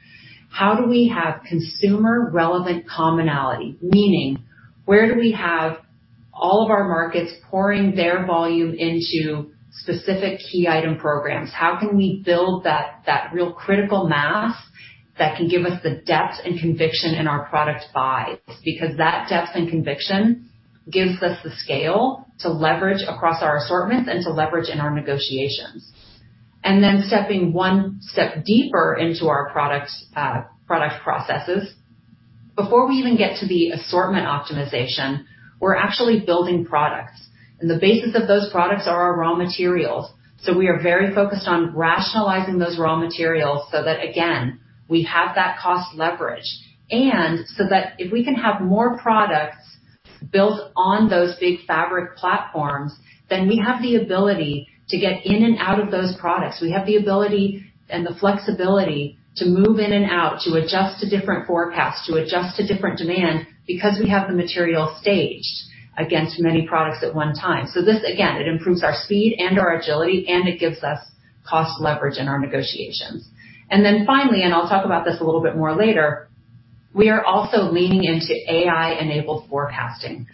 How do we have consumer relevant commonality? Meaning, where do we have all of our markets pouring their volume into specific key item programs? How can we build that real critical mass that can give us the depth and conviction in our product buys? Because that depth and conviction gives us the scale to leverage across our assortments and to leverage in our negotiations. Then stepping one step deeper into our product processes. Before we even get to the assortment optimization, we're actually building products, and the basis of those products are our raw materials. We are very focused on rationalizing those raw materials so that, again, we have that cost leverage. That if we can have more products built on those big fabric platforms, then we have the ability to get in and out of those products. We have the ability and the flexibility to move in and out, to adjust to different forecasts, to adjust to different demand because we have the material staged against many products at one time. This, again, it improves our speed and our agility, and it gives us cost leverage in our negotiations. Finally, and I'll talk about this a little bit more later, we are also leaning into AI-enabled forecasting.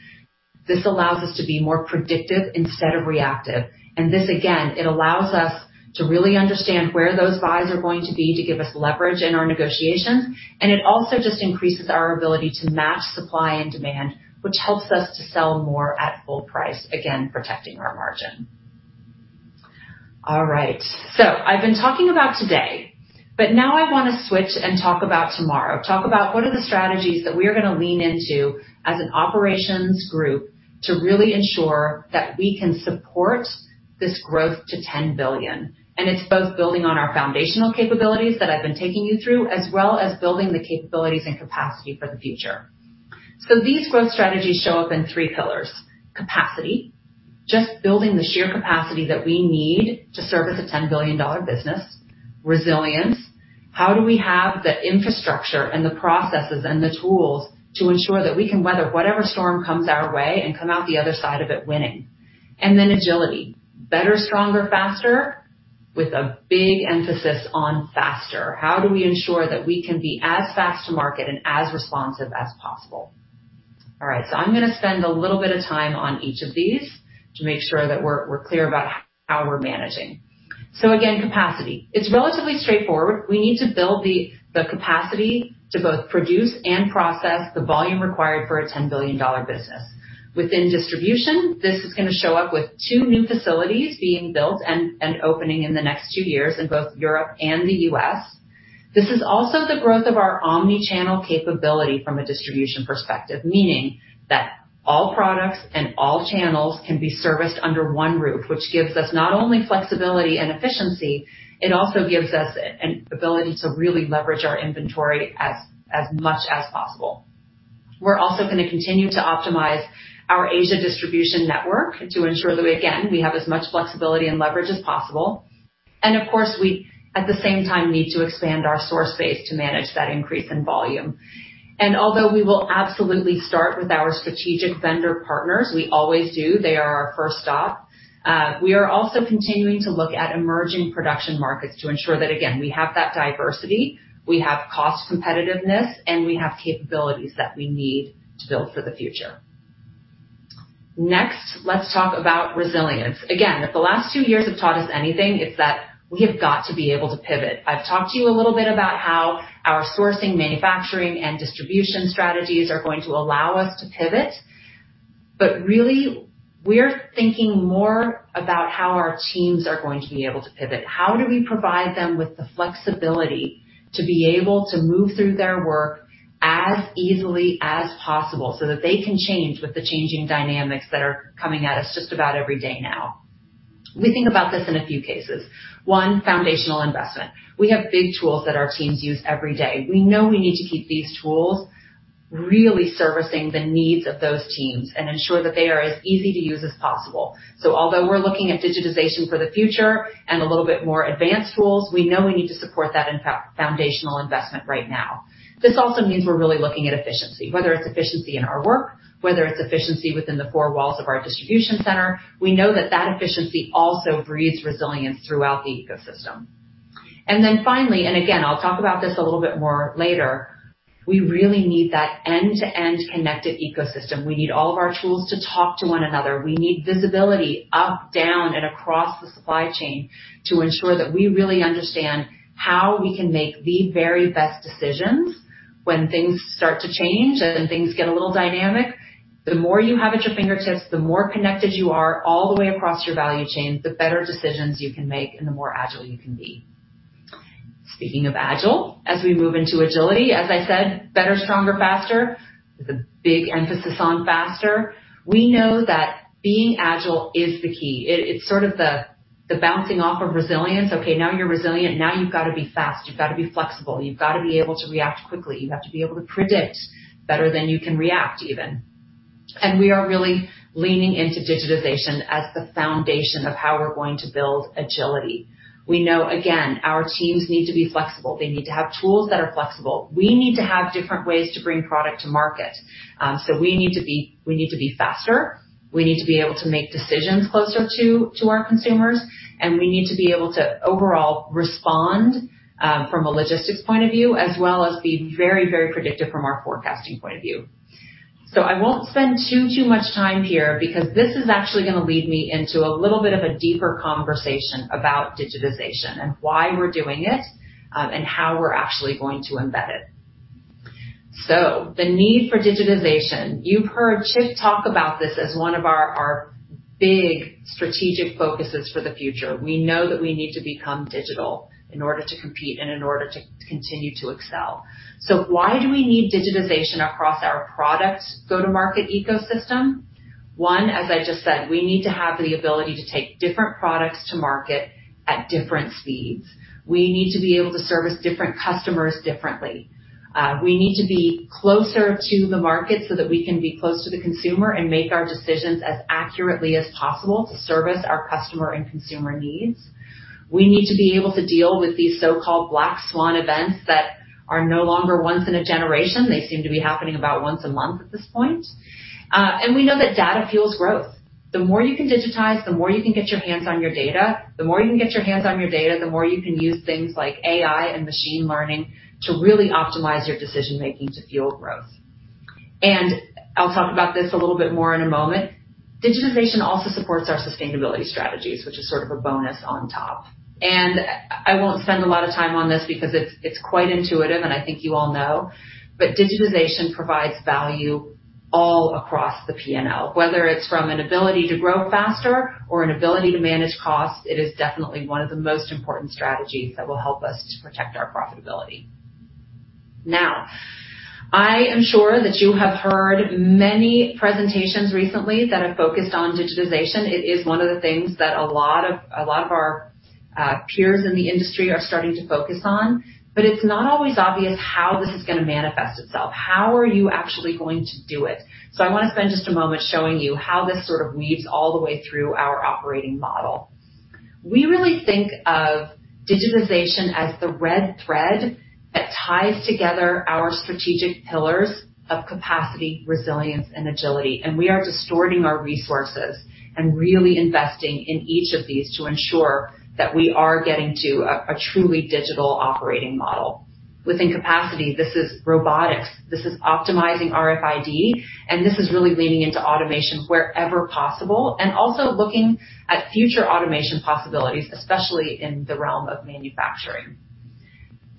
This allows us to be more predictive instead of reactive. This, again, it allows us to really understand where those buys are going to be to give us leverage in our negotiations. It also just increases our ability to match supply and demand, which helps us to sell more at full price, again, protecting our margin. All right. I've been talking about today, but now I wanna switch and talk about tomorrow. Talk about what are the strategies that we are gonna lean into as an operations group to really ensure that we can support this growth to $10 billion. It's both building on our foundational capabilities that I've been taking you through, as well as building the capabilities and capacity for the future. These growth strategies show up in three pillars. Capacity. Just building the sheer capacity that we need to service a $10 billion business. Resilience. How do we have the infrastructure and the processes and the tools to ensure that we can weather whatever storm comes our way and come out the other side of it winning? Then Agility. Better, stronger, faster with a big emphasis on faster. How do we ensure that we can be as fast to market and as responsive as possible? All right, so I'm gonna spend a little bit of time on each of these to make sure that we're clear about how we're managing. Again, capacity. It's relatively straightforward. We need to build the capacity to both produce and process the volume required for a $10 billion business. Within distribution, this is gonna show up with two new facilities being built and opening in the next two years in both Europe and the U.S. This is also the growth of our omnichannel capability from a distribution perspective, meaning that all products and all channels can be serviced under one roof, which gives us not only flexibility and efficiency, it also gives us an ability to really leverage our inventory as much as possible. We're also gonna continue to optimize our Asia distribution network to ensure that, again, we have as much flexibility and leverage as possible. Of course, we, at the same time, need to expand our source base to manage that increase in volume. Although we will absolutely start with our strategic vendor partners, we always do. They are our first stop. We are also continuing to look at emerging production markets to ensure that, again, we have that diversity, we have cost competitiveness, and we have capabilities that we need to build for the future. Next, let's talk about resilience. Again, if the last two years have taught us anything, it's that we have got to be able to pivot. I've talked to you a little bit about how our sourcing, manufacturing, and distribution strategies are going to allow us to pivot, but really we're thinking more about how our teams are going to be able to pivot. How do we provide them with the flexibility to be able to move through their work as easily as possible so that they can change with the changing dynamics that are coming at us just about every day now. We think about this in a few cases. One, foundational investment. We have big tools that our teams use every day. We know we need to keep these tools really servicing the needs of those teams and ensure that they are as easy to use as possible. Although we're looking at digitization for the future and a little bit more advanced tools, we know we need to support that in foundational investment right now. This also means we're really looking at efficiency. Whether it's efficiency in our work, whether it's efficiency within the four walls of our distribution center, we know that that efficiency also breeds resilience throughout the ecosystem. Then finally, and again, I'll talk about this a little bit more later, we really need that end-to-end connected ecosystem. We need all of our tools to talk to one another. We need visibility up, down, and across the supply chain to ensure that we really understand how we can make the very best decisions when things start to change and things get a little dynamic. The more you have at your fingertips, the more connected you are all the way across your value chain, the better decisions you can make and the more agile you can be. Speaking of agile, as we move into agility, as I said, better, stronger, faster, with a big emphasis on faster. We know that being agile is the key. It's sort of the bouncing off of resilience. Okay, now you're resilient, now you've got to be fast, you've got to be flexible, you've got to be able to react quickly. You have to be able to predict better than you can react even. We are really leaning into digitization as the foundation of how we're going to build agility. We know, again, our teams need to be flexible. They need to have tools that are flexible. We need to have different ways to bring product to market. So we need to be faster. We need to be able to make decisions closer to our consumers, and we need to be able to overall respond from a logistics point of view, as well as be very predictive from our forecasting point of view. I won't spend too much time here because this is actually gonna lead me into a little bit of a deeper conversation about digitization and why we're doing it, and how we're actually going to embed it. The need for digitization. You've heard Chip talk about this as one of our big strategic focuses for the future. We know that we need to become digital in order to compete and in order to continue to excel. Why do we need digitization across our product go-to-market ecosystem? One, as I just said, we need to have the ability to take different products to market at different speeds. We need to be able to service different customers differently. We need to be closer to the market so that we can be close to the consumer and make our decisions as accurately as possible to service our customer and consumer needs. We need to be able to deal with these so-called black swan events that are no longer once in a generation. They seem to be happening about once a month at this point. We know that data fuels growth. The more you can digitize, the more you can get your hands on your data. The more you can use things like AI and machine learning to really optimize your decision-making to fuel growth. I'll talk about this a little bit more in a moment. Digitization also supports our sustainability strategies, which is sort of a bonus on top. I won't spend a lot of time on this because it's quite intuitive, and I think you all know, but digitization provides value all across the P&L. Whether it's from an ability to grow faster or an ability to manage costs, it is definitely one of the most important strategies that will help us to protect our profitability. Now, I am sure that you have heard many presentations recently that have focused on digitization. It is one of the things that a lot of our peers in the industry are starting to focus on. It's not always obvious how this is gonna manifest itself. How are you actually going to do it? I wanna spend just a moment showing you how this sort of weaves all the way through our operating model. We really think of digitization as the red thread that ties together our strategic pillars of capacity, resilience, and agility. We are distorting our resources and really investing in each of these to ensure that we are getting to a truly digital operating model. Within capacity, this is robotics, this is optimizing RFID, and this is really leaning into automation wherever possible and also looking at future automation possibilities, especially in the realm of manufacturing.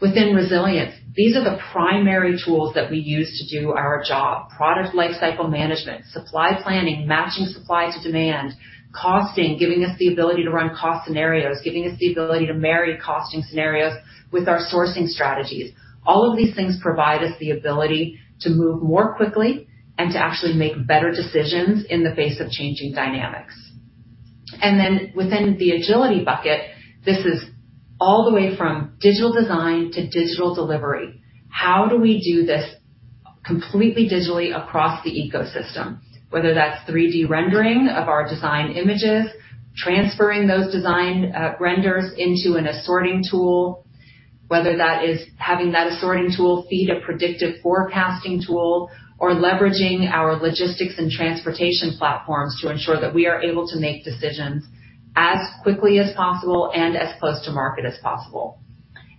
Within resilience, these are the primary tools that we use to do our job. Product lifecycle management, supply planning, matching supply to demand, costing, giving us the ability to run cost scenarios, giving us the ability to marry costing scenarios with our sourcing strategies. All of these things provide us the ability to move more quickly and to actually make better decisions in the face of changing dynamics. Within the agility bucket, this is all the way from digital design to digital delivery. How do we do this completely digitally across the ecosystem, whether that's 3D rendering of our design images, transferring those design renders into an assorting tool, whether that is having that assorting tool feed a predictive forecasting tool or leveraging our logistics and transportation platforms to ensure that we are able to make decisions as quickly as possible and as close to market as possible?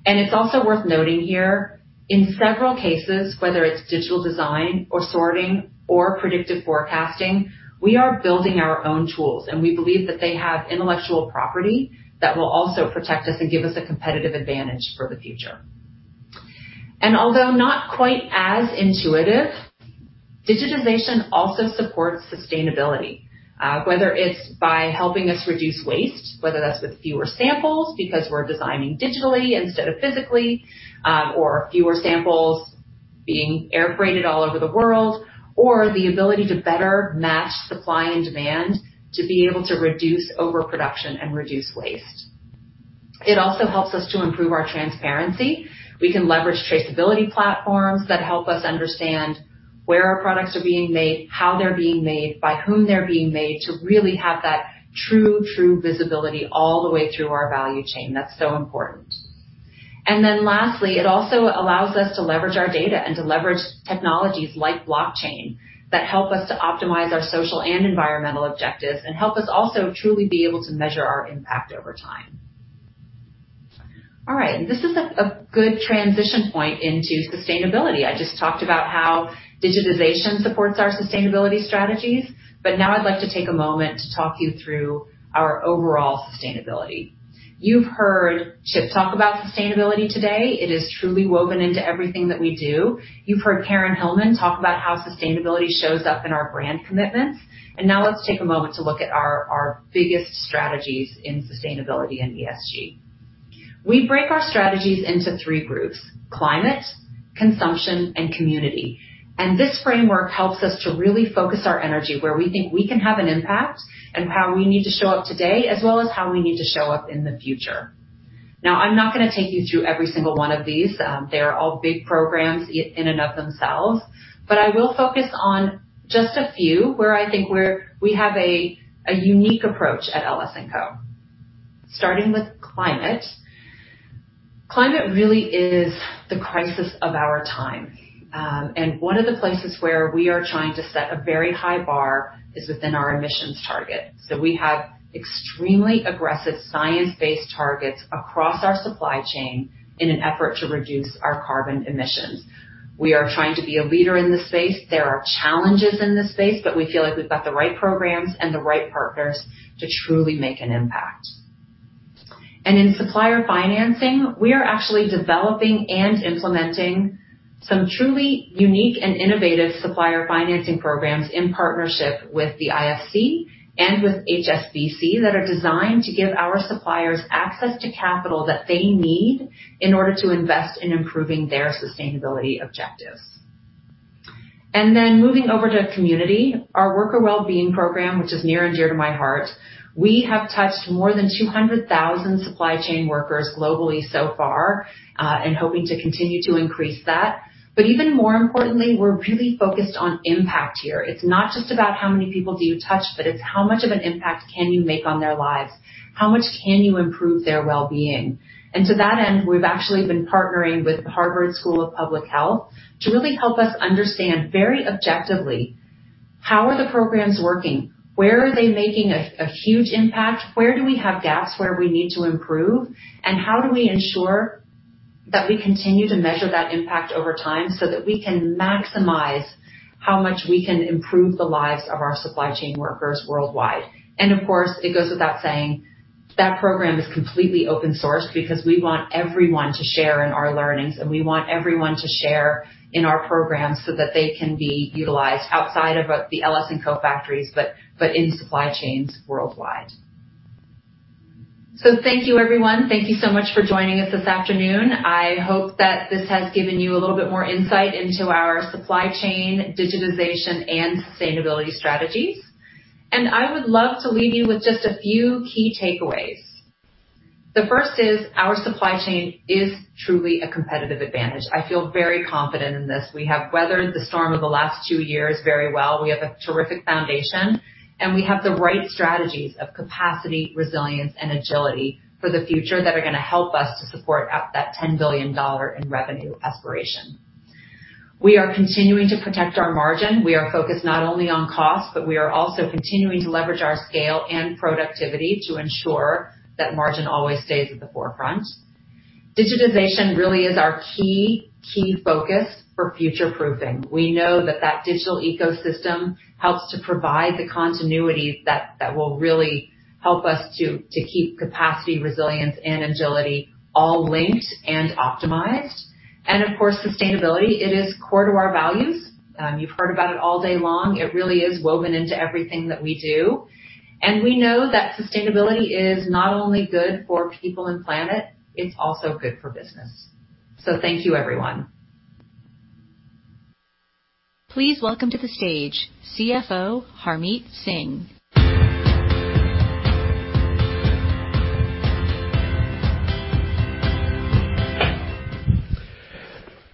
It's also worth noting here, in several cases, whether it's digital design or sorting or predictive forecasting, we are building our own tools, and we believe that they have intellectual property that will also protect us and give us a competitive advantage for the future. Although not quite as intuitive, digitization also supports sustainability, whether it's by helping us reduce waste, whether that's with fewer samples because we're designing digitally instead of physically, or fewer samples being air freighted all over the world, or the ability to better match supply and demand to be able to reduce overproduction and reduce waste. It also helps us to improve our transparency. We can leverage traceability platforms that help us understand where our products are being made, how they're being made, by whom they're being made to really have that true visibility all the way through our value chain. That's so important. Then lastly, it also allows us to leverage our data and to leverage technologies like blockchain that help us to optimize our social and environmental objectives and help us also truly be able to measure our impact over time. All right, this is a good transition point into sustainability. I just talked about how digitization supports our sustainability strategies, but now I'd like to take a moment to talk you through our overall sustainability. You've heard Chip talk about sustainability today. It is truly woven into everything that we do. You've heard Karyn Hillman talk about how sustainability shows up in our brand commitments, and now let's take a moment to look at our biggest strategies in sustainability and ESG. We break our strategies into three groups: climate, consumption, and community. This framework helps us to really focus our energy where we think we can have an impact and how we need to show up today, as well as how we need to show up in the future. Now, I'm not gonna take you through every single one of these. They are all big programs in and of themselves, but I will focus on just a few where I think we have a unique approach at LS&Co. Starting with climate. Climate really is the crisis of our time. One of the places where we are trying to set a very high bar is within our emissions target. We have extremely aggressive science-based targets across our supply chain in an effort to reduce our carbon emissions. We are trying to be a leader in this space. There are challenges in this space, but we feel like we've got the right programs and the right partners to truly make an impact. In supplier financing, we are actually developing and implementing some truly unique and innovative supplier financing programs in partnership with the IFC and with HSBC that are designed to give our suppliers access to capital that they need in order to invest in improving their sustainability objectives. Moving over to community, our worker wellbeing program, which is near and dear to my heart, we have touched more than 200,000 supply chain workers globally so far, and hoping to continue to increase that. Even more importantly, we're really focused on impact here. It's not just about how many people do you touch, but it's how much of an impact can you make on their lives? How much can you improve their wellbeing? To that end, we've actually been partnering with Harvard School of Public Health to really help us understand very objectively how are the programs working? Where are they making a huge impact? Where do we have gaps where we need to improve? How do we ensure that we continue to measure that impact over time so that we can maximize how much we can improve the lives of our supply chain workers worldwide. Of course, it goes without saying, that program is completely open source because we want everyone to share in our learnings, and we want everyone to share in our programs so that they can be utilized outside of the LS&Co. Factories, but in supply chains worldwide. Thank you, everyone. Thank you so much for joining us this afternoon. I hope that this has given you a little bit more insight into our supply chain, digitization, and sustainability strategies. I would love to leave you with just a few key takeaways. The first is our supply chain is truly a competitive advantage. I feel very confident in this. We have weathered the storm of the last two years very well. We have a terrific foundation, and we have the right strategies of capacity, resilience, and agility for the future that are gonna help us to support at that $10 billion in revenue aspiration. We are continuing to protect our margin. We are focused not only on cost, but we are also continuing to leverage our scale and productivity to ensure that margin always stays at the forefront. Digitization really is our key focus for future-proofing. We know that digital ecosystem helps to provide the continuity that will really help us to keep capacity, resilience, and agility all linked and optimized. Of course, sustainability, it is core to our values. You've heard about it all day long. It really is woven into everything that we do. We know that sustainability is not only good for people and planet, it's also good for business. Thank you everyone. Please welcome to the stage CFO, Harmit Singh.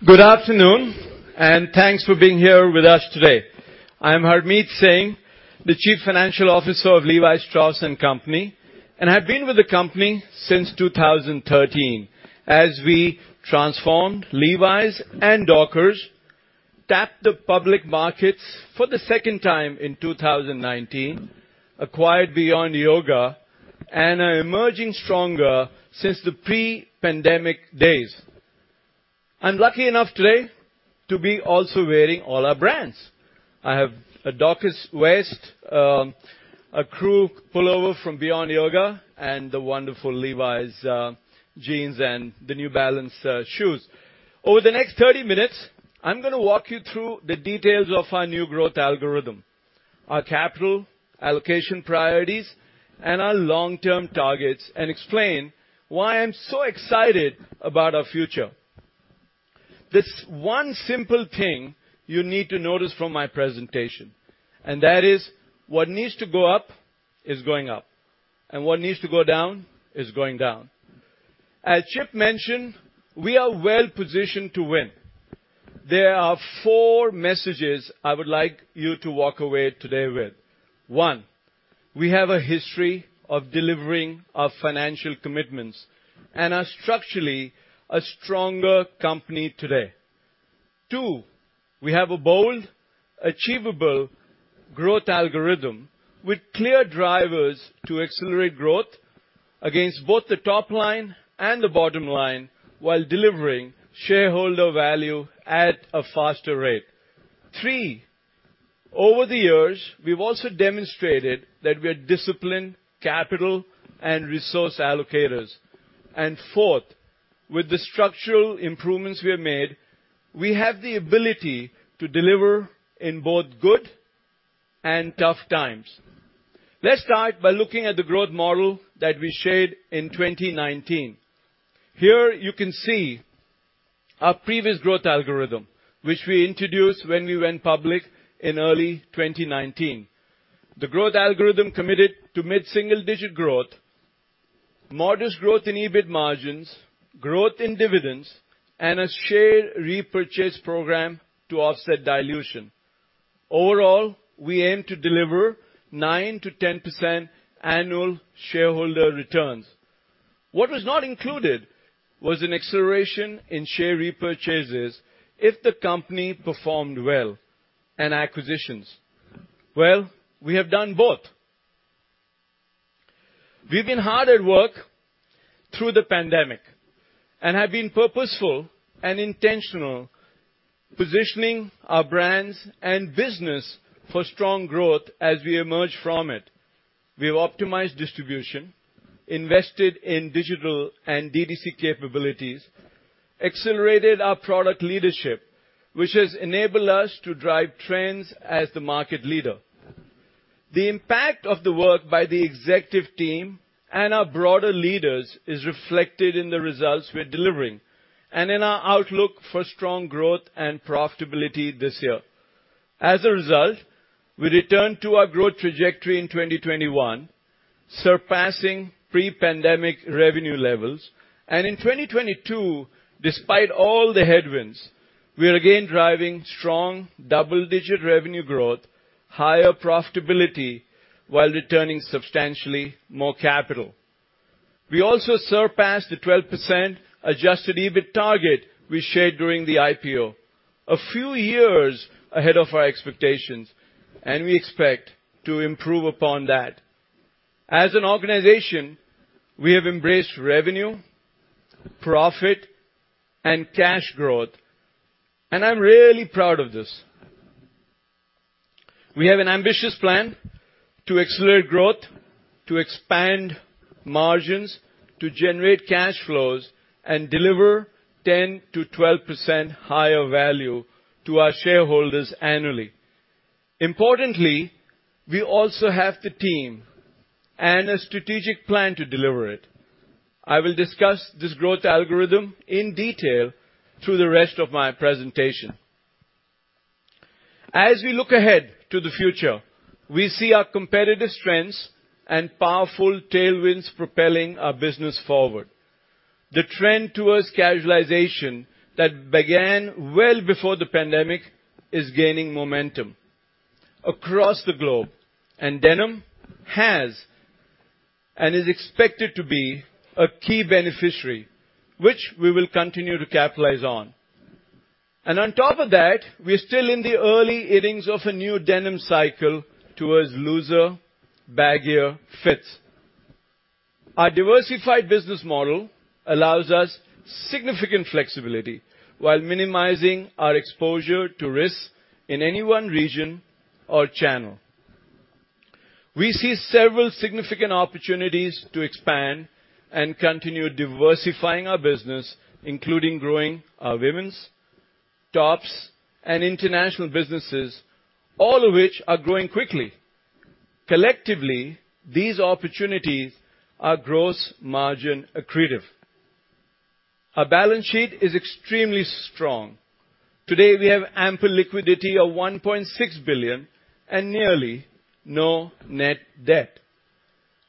Good afternoon, and thanks for being here with us today. I am Harmit Singh, the Chief Financial Officer of Levi Strauss & Company. I've been with the company since 2013. As we transformed Levi's and Dockers, tapped the public markets for the second time in 2019, acquired Beyond Yoga and are emerging stronger since the pre-pandemic days. I'm lucky enough today to be also wearing all our brands. I have a Dockers waist, a crew pullover from Beyond Yoga, and the wonderful Levi's jeans and the New Balance shoes. Over the next 30 minutes, I'm gonna walk you through the details of our new growth algorithm, our capital allocation priorities, and our long-term targets, and explain why I'm so excited about our future. There's one simple thing you need to notice from my presentation, and that is what needs to go up is going up, and what needs to go down is going down. As Chip mentioned, we are well-positioned to win. There are four messages I would like you to walk away today with. One, we have a history of delivering our financial commitments and are structurally a stronger company today. Two, we have a bold, achievable growth algorithm with clear drivers to accelerate growth against both the top line and the bottom line while delivering shareholder value at a faster rate. Three, over the years, we've also demonstrated that we are disciplined capital and resource allocators. Fourth, with the structural improvements we have made, we have the ability to deliver in both good and tough times. Let's start by looking at the growth model that we shared in 2019. Here, you can see our previous growth algorithm, which we introduced when we went public in early 2019. The growth algorithm committed to mid-single-digit growth, modest growth in EBIT margins, growth in dividends, and a share repurchase program to offset dilution. Overall, we aim to deliver 9%-10% Annual Shareholder Returns. What was not included was an acceleration in share repurchases if the company performed well in acquisitions. Well, we have done both. We've been hard at work through the pandemic and have been purposeful and intentional, positioning our brands and business for strong growth as we emerge from it. We've optimized distribution, invested in digital and DTC capabilities, accelerated our product leadership, which has enabled us to drive trends as the market leader. The impact of the work by the executive team and our broader leaders is reflected in the results we're delivering and in our outlook for strong growth and profitability this year. As a result, we returned to our growth trajectory in 2021, surpassing pre-pandemic revenue levels. In 2022, despite all the headwinds, we are again driving strong double-digit revenue growth, higher profitability, while returning substantially more capital. We also surpassed the 12% Adjusted EBIT target we shared during the IPO a few years ahead of our expectations, and we expect to improve upon that. As an organization, we have embraced revenue, profit, and cash growth, and I'm really proud of this. We have an ambitious plan to accelerate growth, to expand margins, to generate cash flows, and deliver 10%-12% higher value to our shareholders annually. Importantly, we also have the team and a strategic plan to deliver it. I will discuss this growth algorithm in detail through the rest of my presentation. As we look ahead to the future, we see our competitive strengths and powerful tailwinds propelling our business forward. The trend towards casualization that began well before the pandemic is gaining momentum across the globe, and denim has and is expected to be a key beneficiary, which we will continue to capitalize on. On top of that, we are still in the early innings of a new denim cycle towards looser, baggier fits. Our diversified business model allows us significant flexibility while minimizing our exposure to risks in any one region or channel. We see several significant opportunities to expand and continue diversifying our business, including growing our Women's, tops, and international businesses, all of which are growing quickly. Collectively, these opportunities are gross margin accretive. Our balance sheet is extremely strong. Today, we have ample liquidity of $1.6 billion and nearly no net-debt.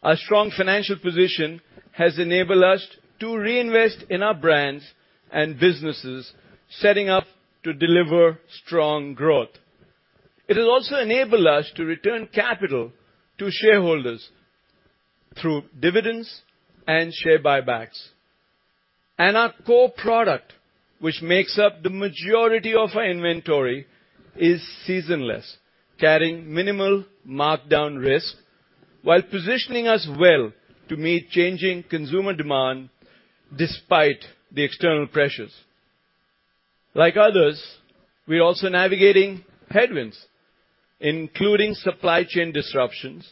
Our strong financial position has enabled us to reinvest in our brands and businesses, setting up to deliver strong growth. It has also enabled us to return capital to shareholders through dividends and share buybacks. Our core product, which makes up the majority of our inventory, is seasonless, carrying minimal markdown risk while positioning us well to meet changing consumer demand despite the external pressures. Like others, we're also navigating headwinds, including supply chain disruptions,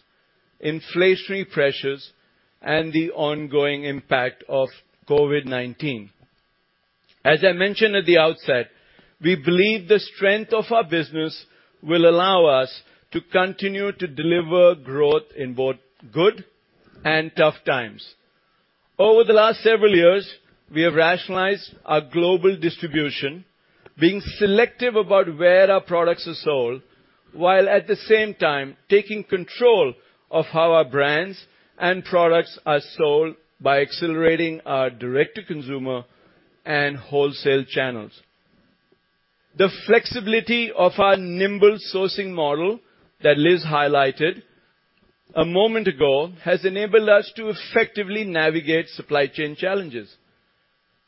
inflationary pressures, and the ongoing impact of COVID-19. As I mentioned at the outset, we believe the strength of our business will allow us to continue to deliver growth in both good and tough times. Over the last several years, we have rationalized our global distribution, being selective about where our products are sold, while at the same time, taking control of how our brands and products are sold by accelerating our direct-to-consumer and wholesale channels. The flexibility of our nimble sourcing model that Liz highlighted a moment ago has enabled us to effectively navigate supply chain challenges.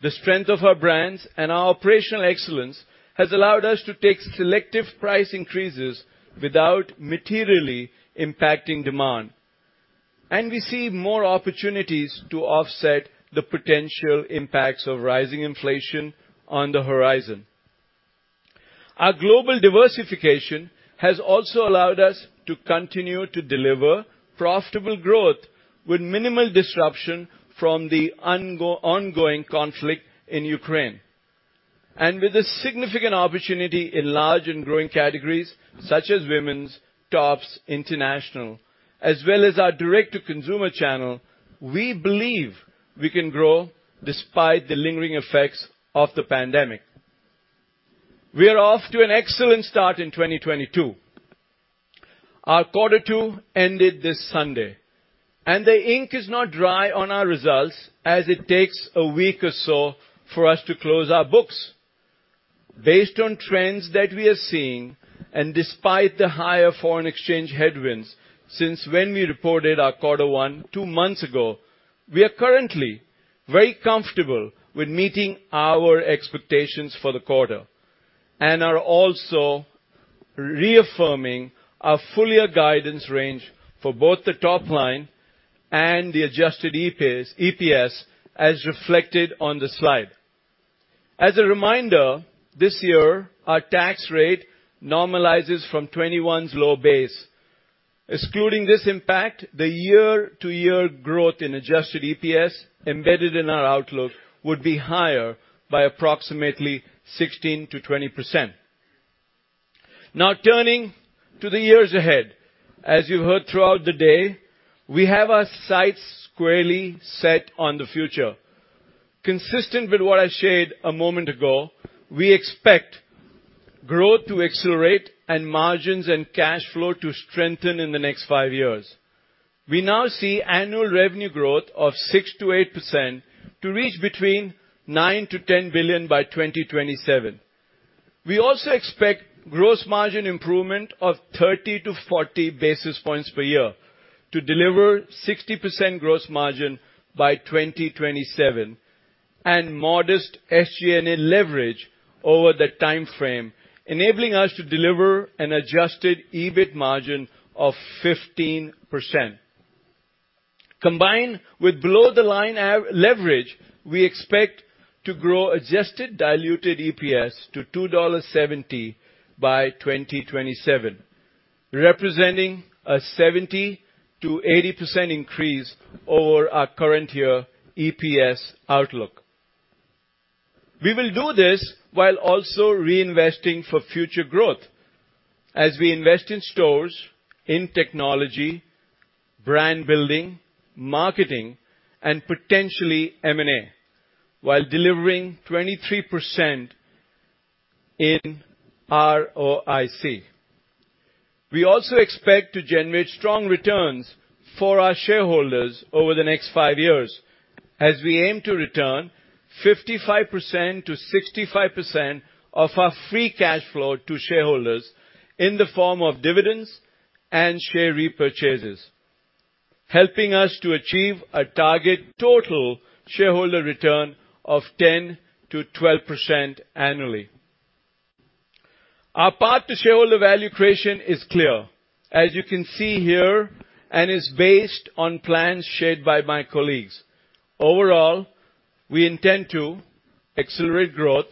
The strength of our brands and our operational excellence has allowed us to take selective price increases without materially impacting demand. We see more opportunities to offset the potential impacts of rising inflation on the horizon. Our global diversification has also allowed us to continue to deliver profitable growth with minimal disruption from the ongoing conflict in Ukraine. With a significant opportunity in large and growing categories such as Women's, tops, international, as well as our direct-to-consumer channel, we believe we can grow despite the lingering effects of the pandemic. We are off to an excellent start in 2022. Our quarter two ended this Sunday, and the ink is not dry on our results as it takes a week or so for us to close our books. Based on trends that we are seeing, and despite the higher foreign exchange headwinds since when we reported our quarter one two months ago, we are currently very comfortable with meeting our expectations for the quarter, and are also reaffirming our full year guidance range for both the top line and the adjusted EPS, as reflected on the slide. As a reminder, this year, our tax rate normalizes from 2021's low base. Excluding this impact, the year-to-year growth in adjusted EPS embedded in our outlook would be higher by approximately 16%-20%. Now, turning to the years ahead. As you heard throughout the day, we have our sights squarely set on the future. Consistent with what I shared a moment ago, we expect growth to accelerate and margins and cash flow to strengthen in the next five years. We now see annual revenue growth of 6%-8% to reach between $9 billion-$10 billion by 2027. We also expect gross margin improvement of 30-40 basis points per year to deliver 60% gross margin by 2027 and modest SG&A leverage over the timeframe, enabling us to deliver an Adjusted EBIT margin of 15%. Combined with below-the-line leverage, we expect to grow adjusted diluted EPS to $2.70 by 2027, representing a 70%-80% increase over our current year EPS outlook. We will do this while also reinvesting for future growth as we invest in stores, in technology, brand building, marketing, and potentially M&A, while delivering 23% in ROIC. We also expect to generate strong returns for our shareholders over the next five years as we aim to return 55%-65% of our free cash flow to shareholders in the form of dividends and share repurchases, helping us to achieve a target total shareholder return of 10%-12% annually. Our path to shareholder value creation is clear, as you can see here, and is based on plans shared by my colleagues. Overall, we intend to accelerate growth,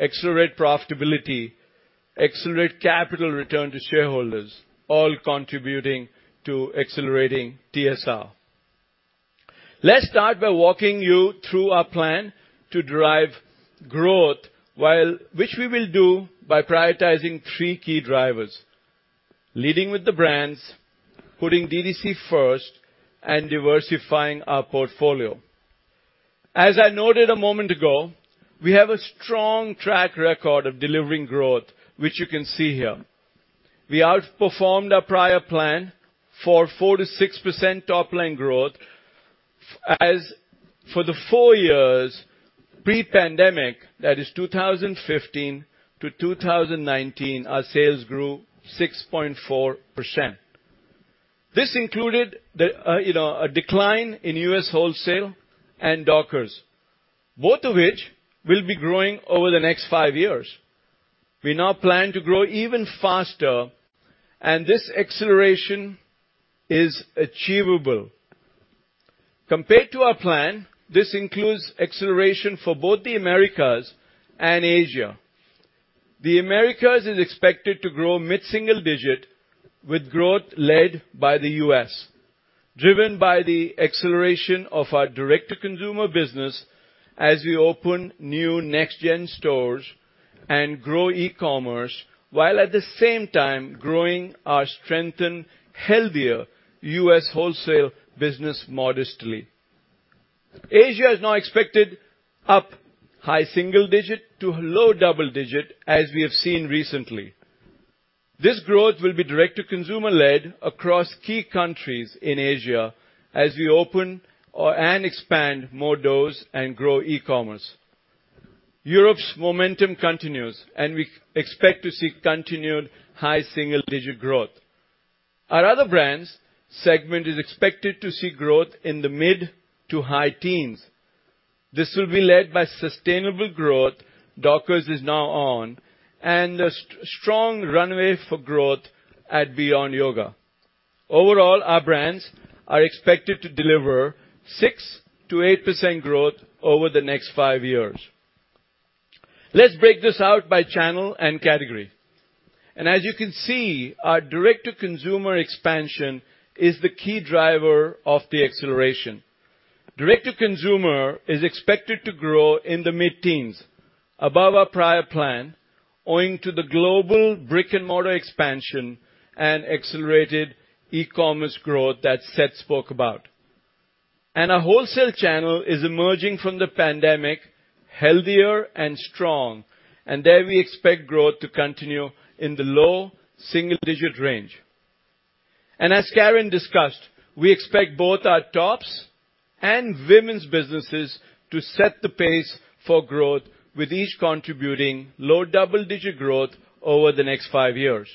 accelerate profitability, accelerate capital return to shareholders, all contributing to accelerating TSR. Let's start by walking you through our plan to derive growth, which we will do by prioritizing three key drivers, leading with the brands, putting first, and diversifying our portfolio. As I noted a moment ago, we have a strong track record of delivering growth, which you can see here. We outperformed our prior plan for 4%-6% top line growth. As for the four years pre-pandemic, that is 2015-2019, our sales grew 6.4%. This included a decline in U.S. wholesale and Dockers, both of which will be growing over the next five years. We now plan to grow even faster, and this acceleration is achievable. Compared to our plan, this includes acceleration for both the Americas and Asia. The Americas is expected to grow mid-single-digit% with growth led by the U.S., driven by the acceleration of our direct-to-consumer business as we open new next gen stores and grow e-commerce while at the same time growing our strengthened, healthier U.S. wholesale business modestly. Asia is now expected up high-single-digit% to low-double-digit% as we have seen recently. This growth will be direct-to-consumer-led across key countries in Asia as we open and expand more doors and grow e-commerce. Europe's momentum continues, and we expect to see continued high-single-digit% growth. Our other brands segment is expected to see growth in the mid- to high-teens%. This will be led by sustainable growth. Dockers is now on a strong runway for growth at Beyond Yoga. Overall, our brands are expected to deliver 6%-8% growth over the next five years. Let's break this out by channel and category. As you can see, our direct-to-consumer expansion is the key driver of the acceleration. Direct-to-consumer is expected to grow in the mid-teens above our prior plan, owing to the global brick-and-mortar expansion and accelerated e-commerce growth that Seth spoke about. Our wholesale channel is emerging from the pandemic healthier and strong, and there we expect growth to continue in the low single-digit range. As Karyn discussed, we expect both our tops and Women's businesses to set the pace for growth, with each contributing low double-digit growth over the next five years.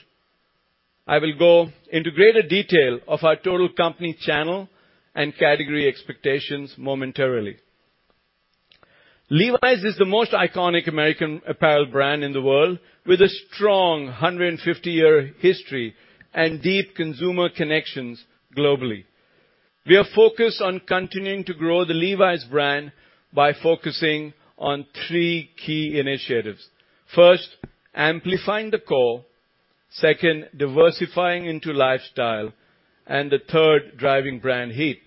I will go into greater detail of our total company channel and category expectations momentarily. Levi's is the most iconic American apparel brand in the world, with a strong 150-year history and deep consumer connections globally. We are focused on continuing to grow the Levi's brand by focusing on three key initiatives. First, amplifying the core. Second, diversifying into lifestyle. The third, driving brand heat.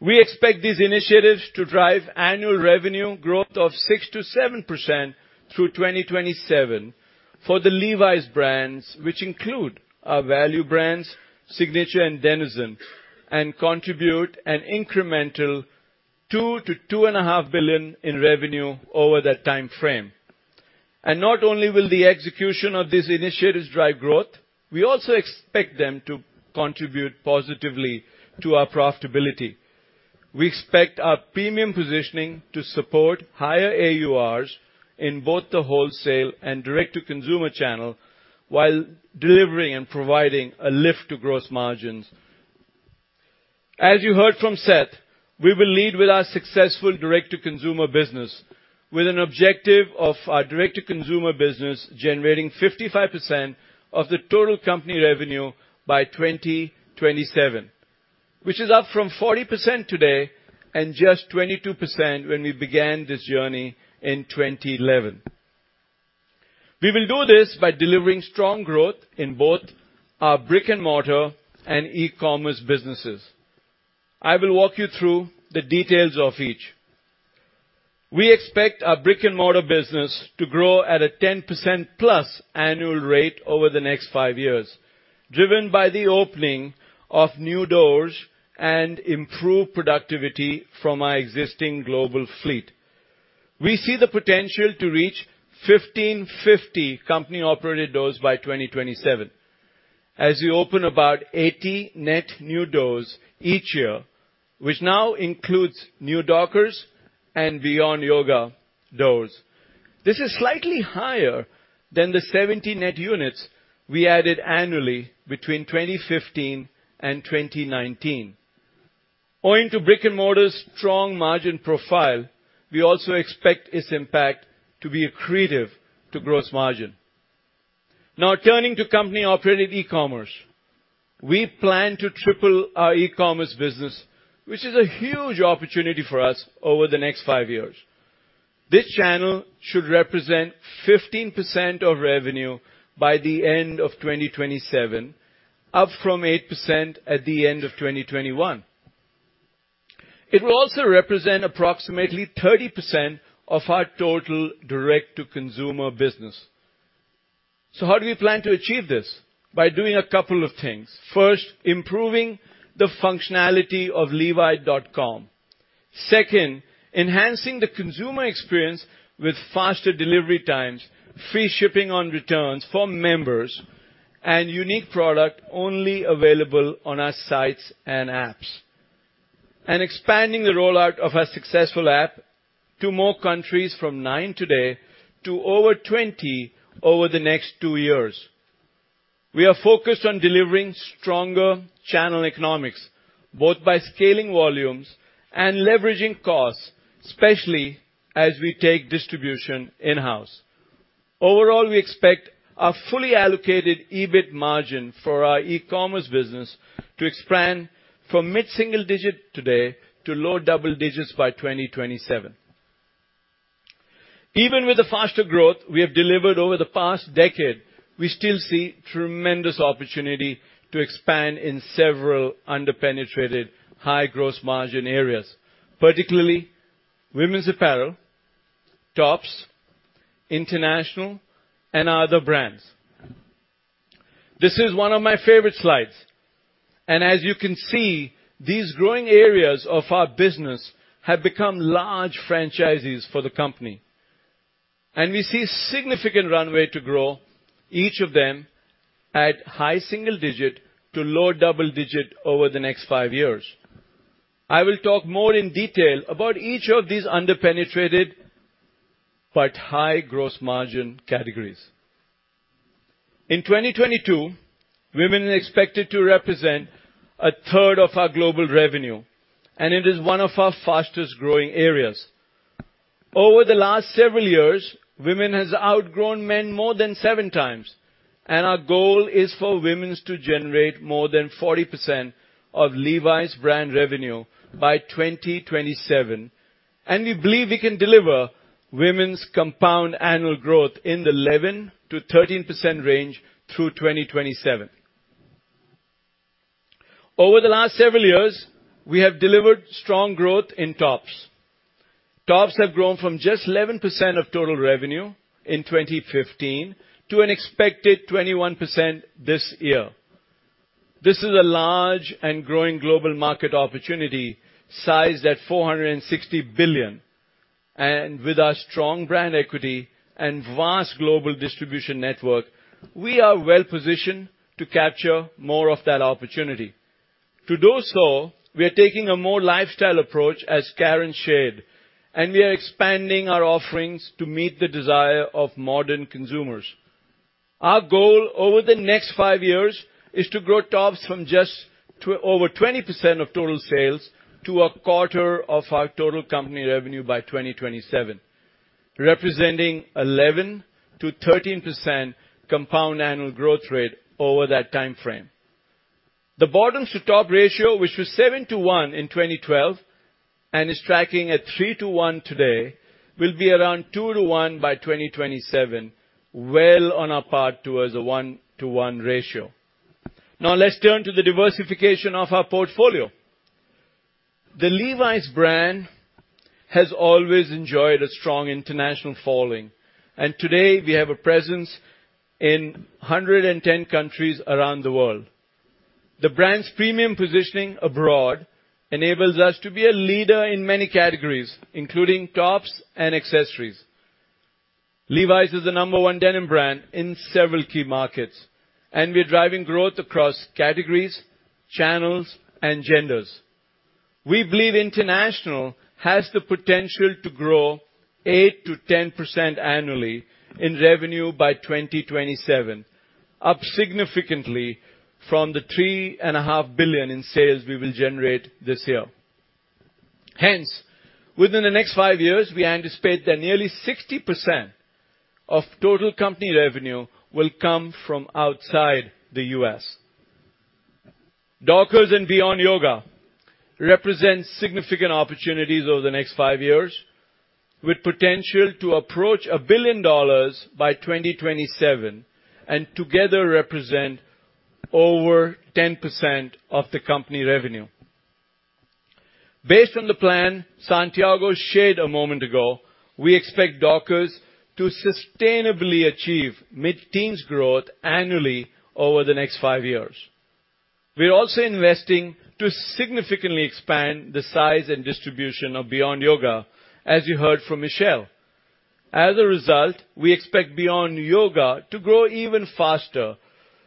We expect these initiatives to drive annual revenue growth of 6%-7% through 2027 for the Levi's brands, which include our value brands, Signature and Denizen, and contribute an incremental $2 billion-$2.5 billion in revenue over that timeframe. Not only will the execution of these initiatives drive growth, we also expect them to contribute positively to our profitability. We expect our premium positioning to support higher AURs in both the wholesale and direct-to-consumer channel while delivering and providing a lift to gross margins. As you heard from Seth, we will lead with our successful direct-to-consumer business with an objective of our direct-to-consumer business generating 55% of the total company revenue by 2027, which is up from 40% today and just 22% when we began this journey in 2011. We will do this by delivering strong growth in both our brick-and-mortar and e-commerce businesses. I will walk you through the details of each. We expect our brick-and-mortar business to grow at a 10%+ annual rate over the next 5 years, driven by the opening of new doors and improved productivity from our existing global fleet. We see the potential to reach 1,550 company-operated doors by 2027 as we open about 80 net new doors each year, which now includes new Dockers and Beyond Yoga doors. This is slightly higher than the 70 net units we added annually between 2015 and 2019. Owing to brick-and-mortar's strong margin profile, we also expect its impact to be accretive to gross margin. Now, turning to company-operated e-commerce. We plan to triple our e-commerce business, which is a huge opportunity for us over the next five years. This channel should represent 15% of revenue by the end of 2027, up from 8% at the end of 2021. It will also represent approximately 30% of our total direct-to-consumer business. How do we plan to achieve this? By doing a couple of things. First, improving the functionality of levi.com. Second, enhancing the consumer experience with faster delivery times, free shipping on returns for members and unique product only available on our sites and apps. Expanding the rollout of our successful app to more countries from ninetoday to over 20 over the next two years. We are focused on delivering stronger channel economics, both by scaling volumes and leveraging costs, especially as we take distribution in-house. Overall, we expect our fully allocated EBIT margin for our e-commerce business to expand from mid-single-digit% today to low double-digits% by 2027. Even with the faster growth we have delivered over the past decade, we still see tremendous opportunity to expand in several underpenetrated high gross margin areas, particularly Women's apparel, tops, international and other brands. This is one of my favorite slides. As you can see, these growing areas of our business have become large franchises for the company. We see significant runway to grow each of them at high single-digit% to low double-digit% over the next five years. I will talk more in detail about each of these underpenetrated but high gross margin categories. In 2022, women are expected to represent a third of our global revenue, and it is one of our fastest-growing areas. Over the last several years, Women has outgrown Men more than 7x and our goal is for Women's to generate more than 40% of Levi's brand revenue by 2027. We believe we can deliver Women's compound annual growth in the 11%-13% range through 2027. Over the last several years, we have delivered strong growth in tops. Tops have grown from just 11% of total revenue in 2015 to an expected 21% this year. This is a large and growing global market opportunity sized at $460 billion. With our strong brand equity and vast global distribution network, we are well positioned to capture more of that opportunity. To do so, we are taking a more lifestyle approach, as Karyn shared, and we are expanding our offerings to meet the desire of modern consumers. Our goal over the next five years is to grow tops from just over 20% of total sales to a quarter of our total company revenue by 2027, representing 11%-13% compound annual growth rate over that time frame. The bottoms to top ratio, which was 7:1 in 2012 and is tracking at 3:1 today, will be around 2:1 by 2027, well on our path towards a 1:1 ratio. Now, let's turn to the diversification of our portfolio. The Levi's brand has always enjoyed a strong international following, and today we have a presence in 110 countries around the world. The brand's premium positioning abroad enables us to be a leader in many categories, including tops and accessories. Levi's is the number one denim brand in several key markets, and we're driving growth across categories, channels, and genders. We believe international has the potential to grow 8%-10% annually in revenue by 2027, up significantly from the $3.5 billion in sales we will generate this year. Hence, within the next five5 years, we anticipate that nearly 60% of total company revenue will come from outside the US. Dockers and Beyond Yoga represent significant opportunities over the next five years, with potential to approach $1 billion by 2027 and together represent over 10% of the company revenue. Based on the plan Santiago shared a moment ago, we expect Dockers to sustainably achieve mid-teens growth annually over the next five years. We're also investing to significantly expand the size and distribution of Beyond Yoga, as you heard from Michelle. As a result, we expect Beyond Yoga to grow even faster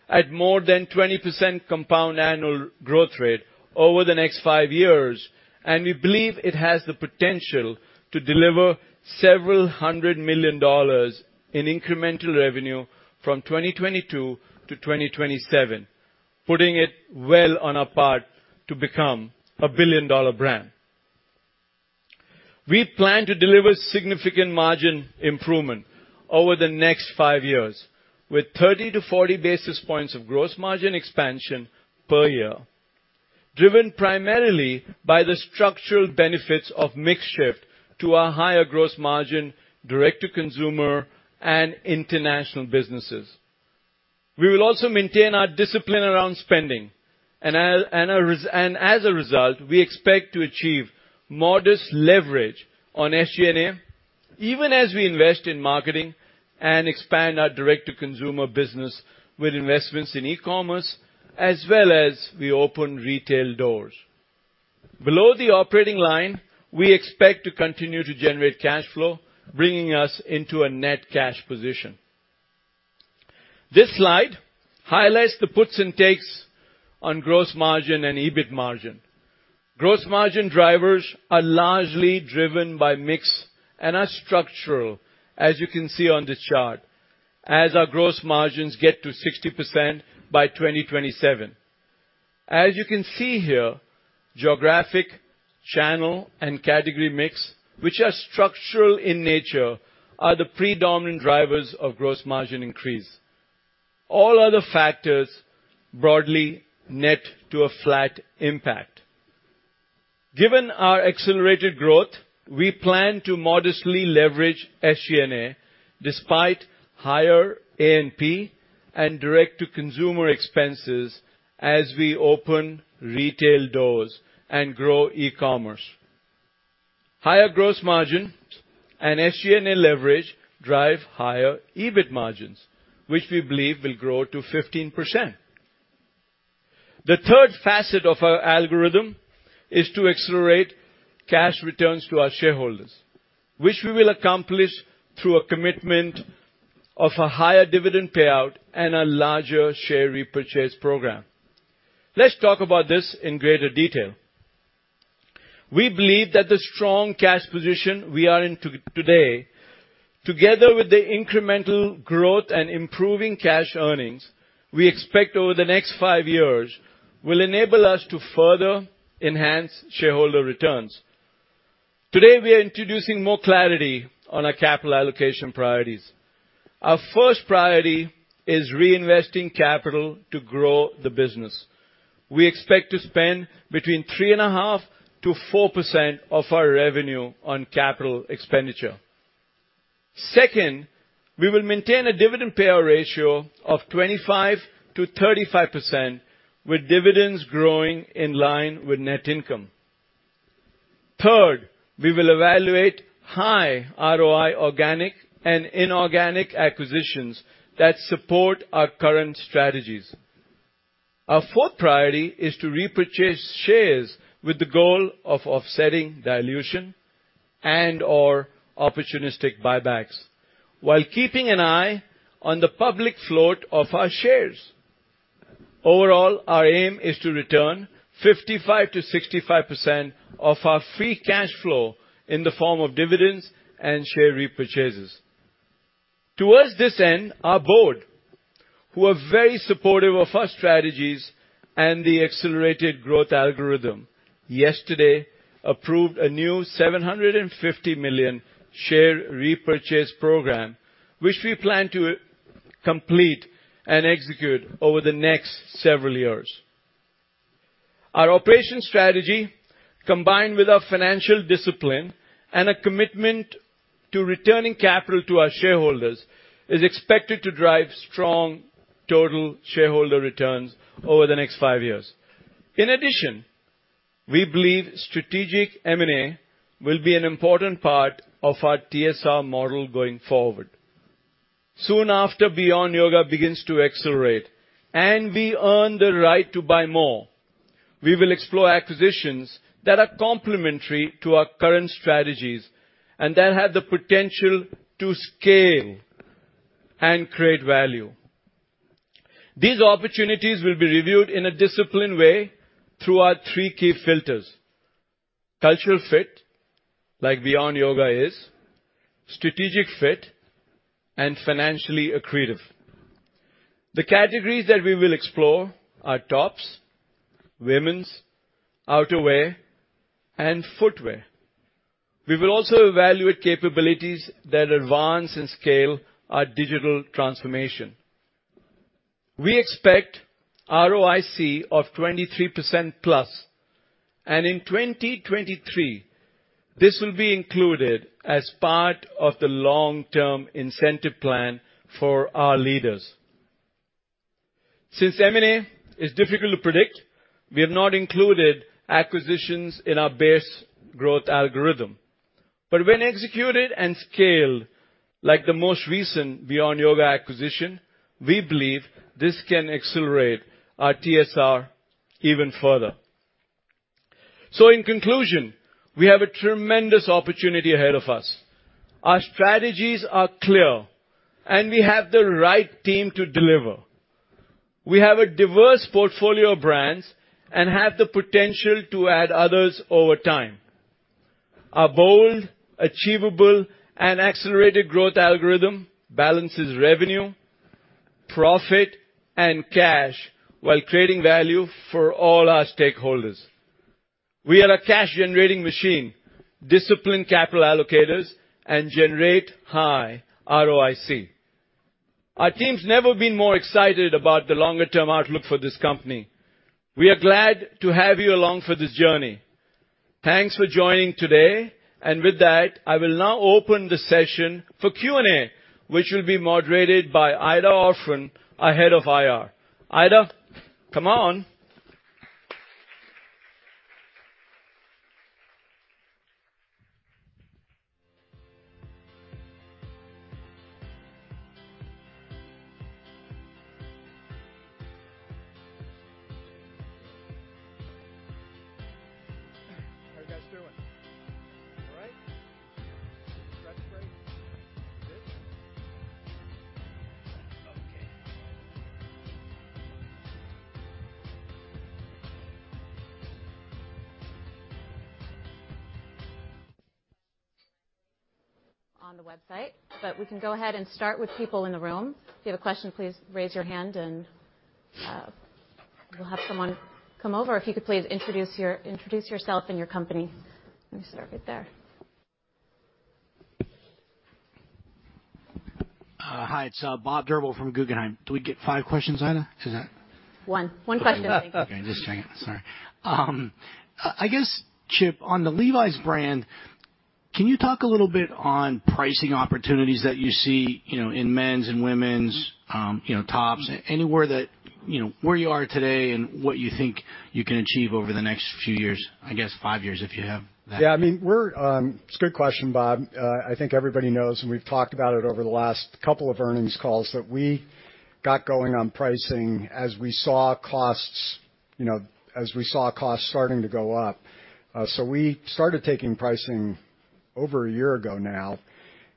at more than 20% compound annual growth rate over the next five years, and we believe it has the potential to deliver $several hundred million in incremental revenue from 2022 to 2027, putting it well on a path to become a billion-dollar brand. We plan to deliver significant margin improvement over the next five years with 30-40 basis points of gross margin expansion per year. Driven primarily by the structural benefits of mix shift to a higher gross margin direct-to-consumer and international businesses. We will also maintain our discipline around spending and as a result, we expect to achieve modest leverage on SG&A even as we invest in marketing and expand our direct-to-consumer business with investments in e-commerce, as well as we open retail doors. Below the operating line, we expect to continue to generate cash flow, bringing us into a net cash position. This slide highlights the puts and takes on gross margin and EBIT margin. Gross margin drivers are largely driven by mix and are structural, as you can see on this chart, as our gross margins get to 60% by 2027. As you can see here, geographic, channel, and category mix, which are structural in nature, are the predominant drivers of gross margin increase. All other factors broadly net to a flat impact. Given our accelerated growth, we plan to modestly leverage SG&A despite higher A&P and direct-to-consumer expenses as we open retail doors and grow e-commerce. Higher gross margin and SG&A leverage drive higher EBIT margins, which we believe will grow to 15%. The third facet of our algorithm is to accelerate cash returns to our shareholders, which we will accomplish through a commitment of a higher dividend payout and a larger share repurchase program. Let's talk about this in greater detail. We believe that the strong cash position we are in today, together with the incremental growth and improving cash earnings we expect over the next five years, will enable us to further enhance shareholder returns. Today, we are introducing more clarity on our capital allocation priorities. Our first priority is reinvesting capital to grow the business. We expect to spend between 3.5%-4% of our revenue on capital expenditure. Second, we will maintain a dividend payout ratio of 25%-35%, with dividends growing in line with net income. Third, we will evaluate high ROI organic and inorganic acquisitions that support our current strategies. Our fourth priority is to repurchase shares with the goal of offsetting dilution and/or opportunistic buybacks while keeping an eye on the public float of our shares. Overall, our aim is to return 55%-65% of our free cash flow in the form of dividends and share repurchases. Towards this end, our board, who are very supportive of our strategies and the accelerated growth algorithm, yesterday approved a new $750 million share repurchase program, which we plan to complete and execute over the next several years. Our operation strategy, combined with our financial discipline and a commitment to returning capital to our shareholders, is expected to drive strong total shareholder returns over the next five years. In addition, we believe strategic M&A will be an important part of our TSR model going forward. Soon after Beyond Yoga begins to accelerate, and we earn the right to buy more, we will explore acquisitions that are complementary to our current strategies and that have the potential to scale and create value. These opportunities will be reviewed in a disciplined way through our three key filters, cultural fit, like Beyond Yoga is, strategic fit, and financially accretive. The categories that we will explore are tops, Women's outerwear, and footwear. We will also evaluate capabilities that advance and scale our digital transformation. We expect ROIC of 23%+, and in 2023, this will be included as part of the long-term incentive plan for our leaders. Since M&A is difficult to predict, we have not included acquisitions in our base growth algorithm. When executed and scaled, like the most recent Beyond Yoga acquisition, we believe this can accelerate our TSR even further. In conclusion, we have a tremendous opportunity ahead of us. Our strategies are clear, and we have the right team to deliver. We have a diverse portfolio of brands and have the potential to add others over time. Our bold, achievable, and accelerated growth algorithm balances revenue, profit, and cash while creating value for all our stakeholders. We are a cash generating machine, disciplined capital allocators, and generate high ROIC. Our team's never been more excited about the longer-term outlook for this company. We are glad to have you along for this journey. Thanks for joining today. With that, I will now open the session for Q&A, which will be moderated by Aida Orphan, our head of IR. Aida, come on. How are you guys doing? All right? You got the phrase? Good. Okay. On the website. We can go ahead and start with people in the room. If you have a question, please raise your hand and we'll have someone come over. If you could please introduce yourself and your company. Let me start right there. Hi, it's Bob Drbul from Guggenheim. Do we get five questions, Aida? Is that- One question. I guess, Chip, on the Levi's brand, can you talk a little bit on pricing opportunities that you see, you know, in Men's and Women's, you know, tops, anywhere that, you know, where you are today and what you think you can achieve over the next few years, I guess five years, if you have that. It's a great question, Bob. I think everybody knows, and we've talked about it over the last couple of earnings calls, that we got going on pricing as we saw costs starting to go up. We started taking pricing over a year ago now,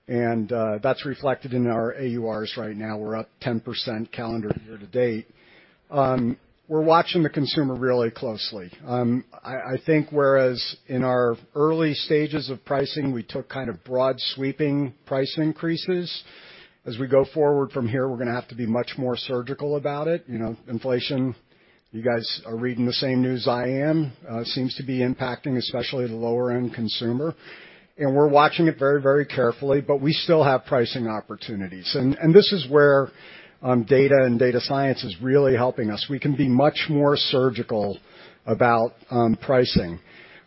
and that's reflected in our AURs right now. We're up 10% calendar year-to-date. We're watching the consumer really closely. I think whereas in our early stages of pricing, we took kind of broad, sweeping price increases. As we go forward from here, we're gonna have to be much more surgical about it. You know, inflation, you guys are reading the same news I am, seems to be impacting especially the lower end consumer. We're watching it very, very carefully, but we still have pricing opportunities. This is where data and data science is really helping us. We can be much more surgical about pricing.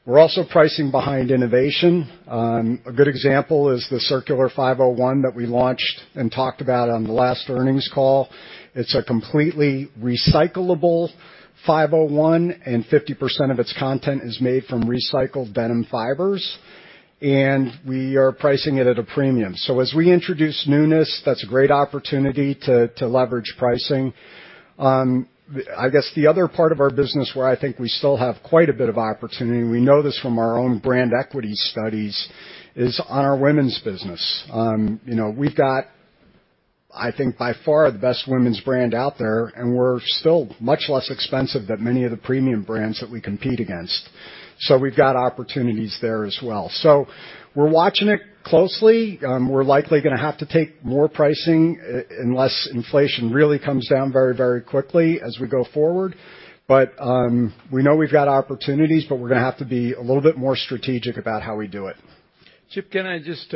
We're also pricing behind innovation. A good example is the Circular 501 that we launched and talked about on the last earnings call. It's a completely recyclable 501, and 50% of its content is made from recycled denim fibers, and we are pricing it at a premium. As we introduce newness, that's a great opportunity to leverage pricing. I guess the other part of our business where I think we still have quite a bit of opportunity, we know this from our own brand equity studies, is on our Women's business. You know, we've got, I think by far, the best Women's brand out there, and we're still much less expensive than many of the premium brands that we compete against. We've got opportunities there as well. We're watching it closely. We're likely gonna have to take more pricing unless inflation really comes down very, very quickly as we go forward. We know we've got opportunities, but we're gonna have to be a little bit more strategic about how we do it. Chip, can I just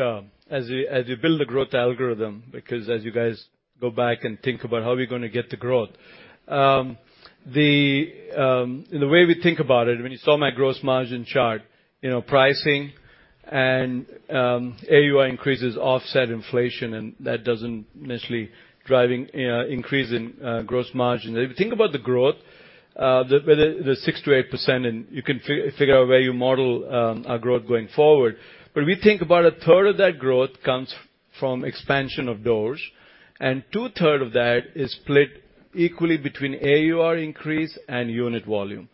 as you build a growth algorithm, because as you guys go back and think about how we're gonna get the growth, the way we think about it, when you saw my gross margin chart, you know, pricing and AUR increases offset inflation, and that doesn't necessarily driving increase in gross margin. If you think about the growth, the 6%-8%, and you can figure out where you model our growth going forward. We think about a third of that growth comes from expansion of doors, and two third of that is split equally between AUR increase and unit volume.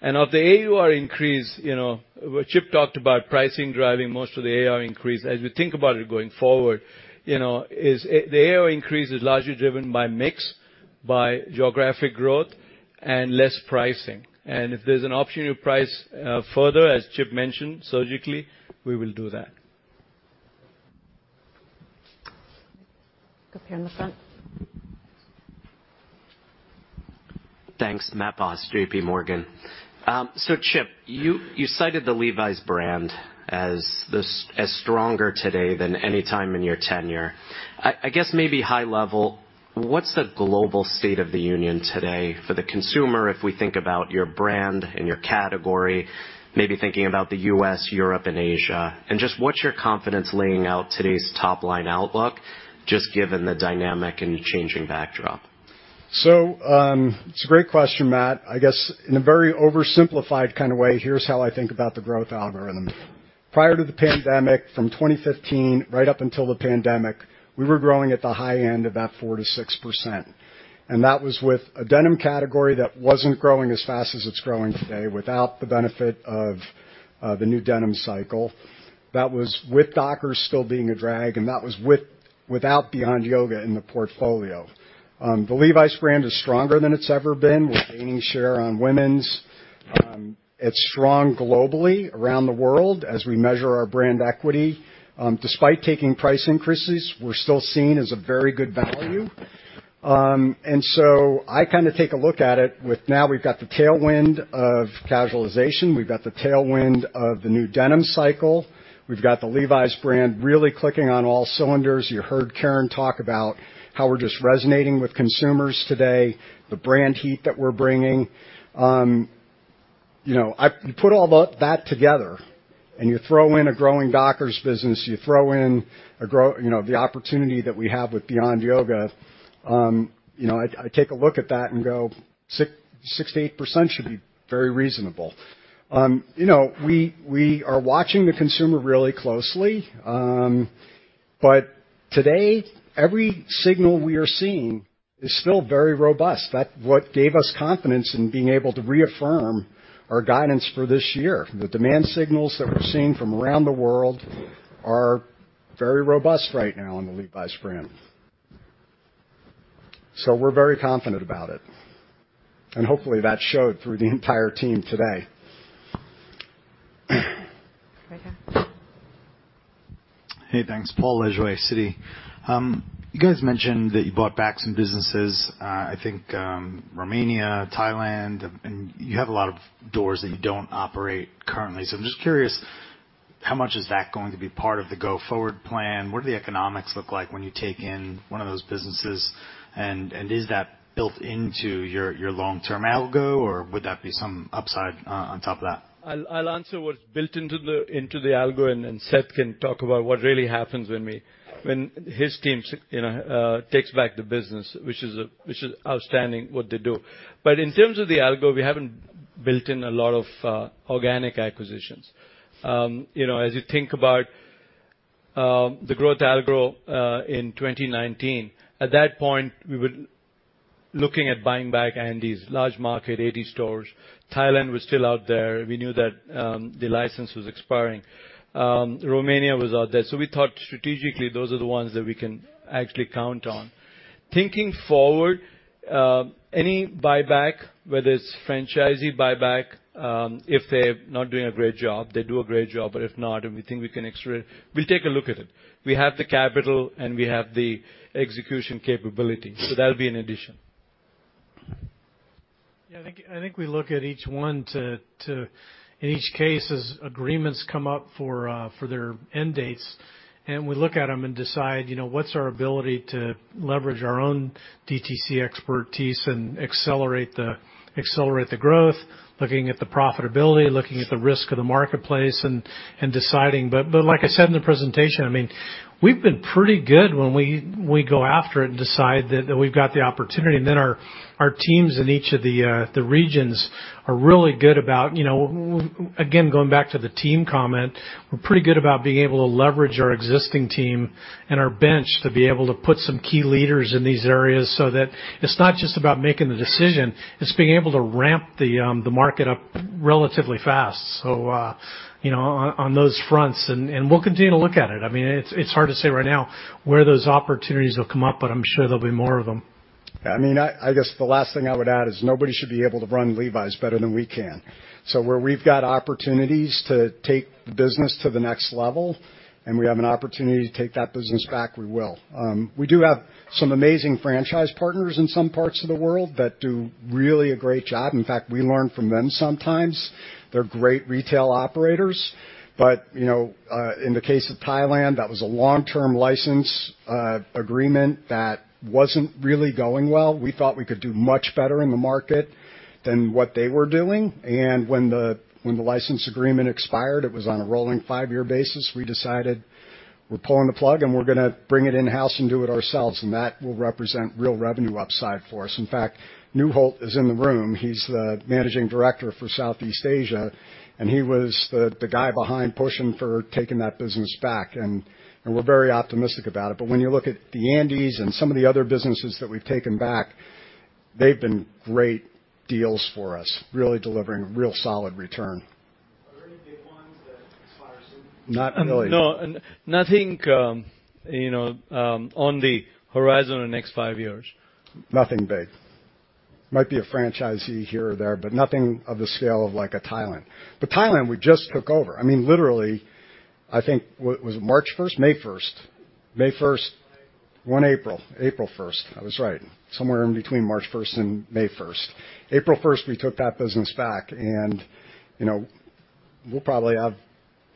Of the AUR increase, you know, Chip talked about pricing driving most of the AUR increase. As we think about it going forward, you know, the AUR increase is largely driven by mix, by geographic growth and less pricing. If there's an option to price further, as Chip mentioned, surgically, we will do that. Up here in the front. Thanks. Matthew Boss, JPMorgan. So Chip, you cited the Levi's brand as stronger today than any time in your tenure. I guess maybe high level, what's the global state of the union today for the consumer if we think about your brand and your category, maybe thinking about the U.S., Europe and Asia? What's your confidence laying out today's top-line outlook, just given the dynamic and changing backdrop? It's a great question, Matt. I guess in a very oversimplified kind of way, here's how I think about the growth algorithm. Prior to the pandemic, from 2015 right up until the pandemic, we were growing at the high end of that 4%-6%. That was with a denim category that wasn't growing as fast as it's growing today, without the benefit of the new denim cycle. That was with Dockers still being a drag, and that was without Beyond Yoga in the portfolio. The Levi's brand is stronger than it's ever been. We're gaining share on Women's. It's strong globally around the world as we measure our brand equity. Despite taking price increases, we're still seen as a very good value. I kind of take a look at it with now we've got the tailwind of casualization, we've got the tailwind of the new denim cycle, we've got the Levi's brand really clicking on all cylinders. You heard Karyn talk about how we're just resonating with consumers today, the brand heat that we're bringing. You know, you put all of that together and you throw in a growing Dockers business, you throw in the opportunity that we have with Beyond Yoga, you know, I take a look at that and go 6%-8% should be very reasonable. You know, we are watching the consumer really closely. Today, every signal we are seeing is still very robust. That's what gave us confidence in being able to reaffirm our guidance for this year. The demand signals that we're seeing from around the world are very robust right now on the Levi's brand. We're very confident about it, and hopefully that showed through the entire team today. Right here. Hey, thanks. Paul Lejuez, Citi. You guys mentioned that you bought back some businesses, Romania, Thailand, and you have a lot of doors that you don't operate currently. I'm just curious, how much is that going to be part of the go-forward plan? What do the economics look like when you take in one of those businesses? And is that built into your long-term algo, or would that be some upside on top of that? I'll answer what's built into the algo, and Seth can talk about what really happens when his team you know takes back the business, which is outstanding what they do. In terms of the algo, we haven't built in a lot of inorganic acquisitions. You know, as you think about the growth algo in 2019, at that point, we were looking at buying back India's large market, 80 stores. Thailand was still out there. We knew that the license was expiring. Romania was out there. We thought strategically, those are the ones that we can actually count on. Thinking forward, any buyback, whether it's franchisee buyback, if they're not doing a great job, they do a great job, but if not, and we think we can out-trade, we'll take a look at it. We have the capital, and we have the execution capability. That'll be an addition. Yeah. I think we look at each one in each case as agreements come up for their end dates, and we look at them and decide, you know, what's our ability to leverage our own DTC expertise and accelerate the growth, looking at the profitability, looking at the risk of the marketplace and deciding. But like I said in the presentation, I mean, we've been pretty good when we go after it and decide that we've got the opportunity. Our teams in each of the regions are really good about, you know, again, going back to the team comment, we're pretty good about being able to leverage our existing team and our bench to be able to put some key leaders in these areas so that it's not just about making the decision, it's being able to ramp the market up relatively fast. You know, on those fronts. We'll continue to look at it. I mean, it's hard to say right now where those opportunities will come up, but I'm sure there'll be more of them. I mean, I guess the last thing I would add is nobody should be able to run Levi's better than we can. Where we've got opportunities to take the business to the next level, and we have an opportunity to take that business back, we will. We do have some amazing franchise partners in some parts of the world that do really a great job. In fact, we learn from them sometimes. They're great retail operators. In the case of Thailand, that was a long-term license agreement that wasn't really going well. We thought we could do much better in the market than what they were doing. When the license agreement expired, it was on a rolling five-year basis, we decided we're pulling the plug, and we're gonna bring it in-house and do it ourselves, and that will represent real revenue upside for us. In fact, Nuholt is in the room. He's the managing director for Southeast Asia, and he was the guy behind pushing for taking that business back. We're very optimistic about it. When you look at India's and some of the other businesses that we've taken back, they've been great deals for us, really delivering real solid return. Are there any big ones that expire soon? Not really. No. Nothing, you know, on the horizon in the next five years. Nothing big. Might be a franchisee here or there, but nothing of the scale of like a Thailand. Thailand, we just took over. I mean, literally, I think was it March 1st? May 1st? April 1st. I was right. Somewhere in between March 1st and May 1st. April 1st, we took that business back and, you know, we'll probably have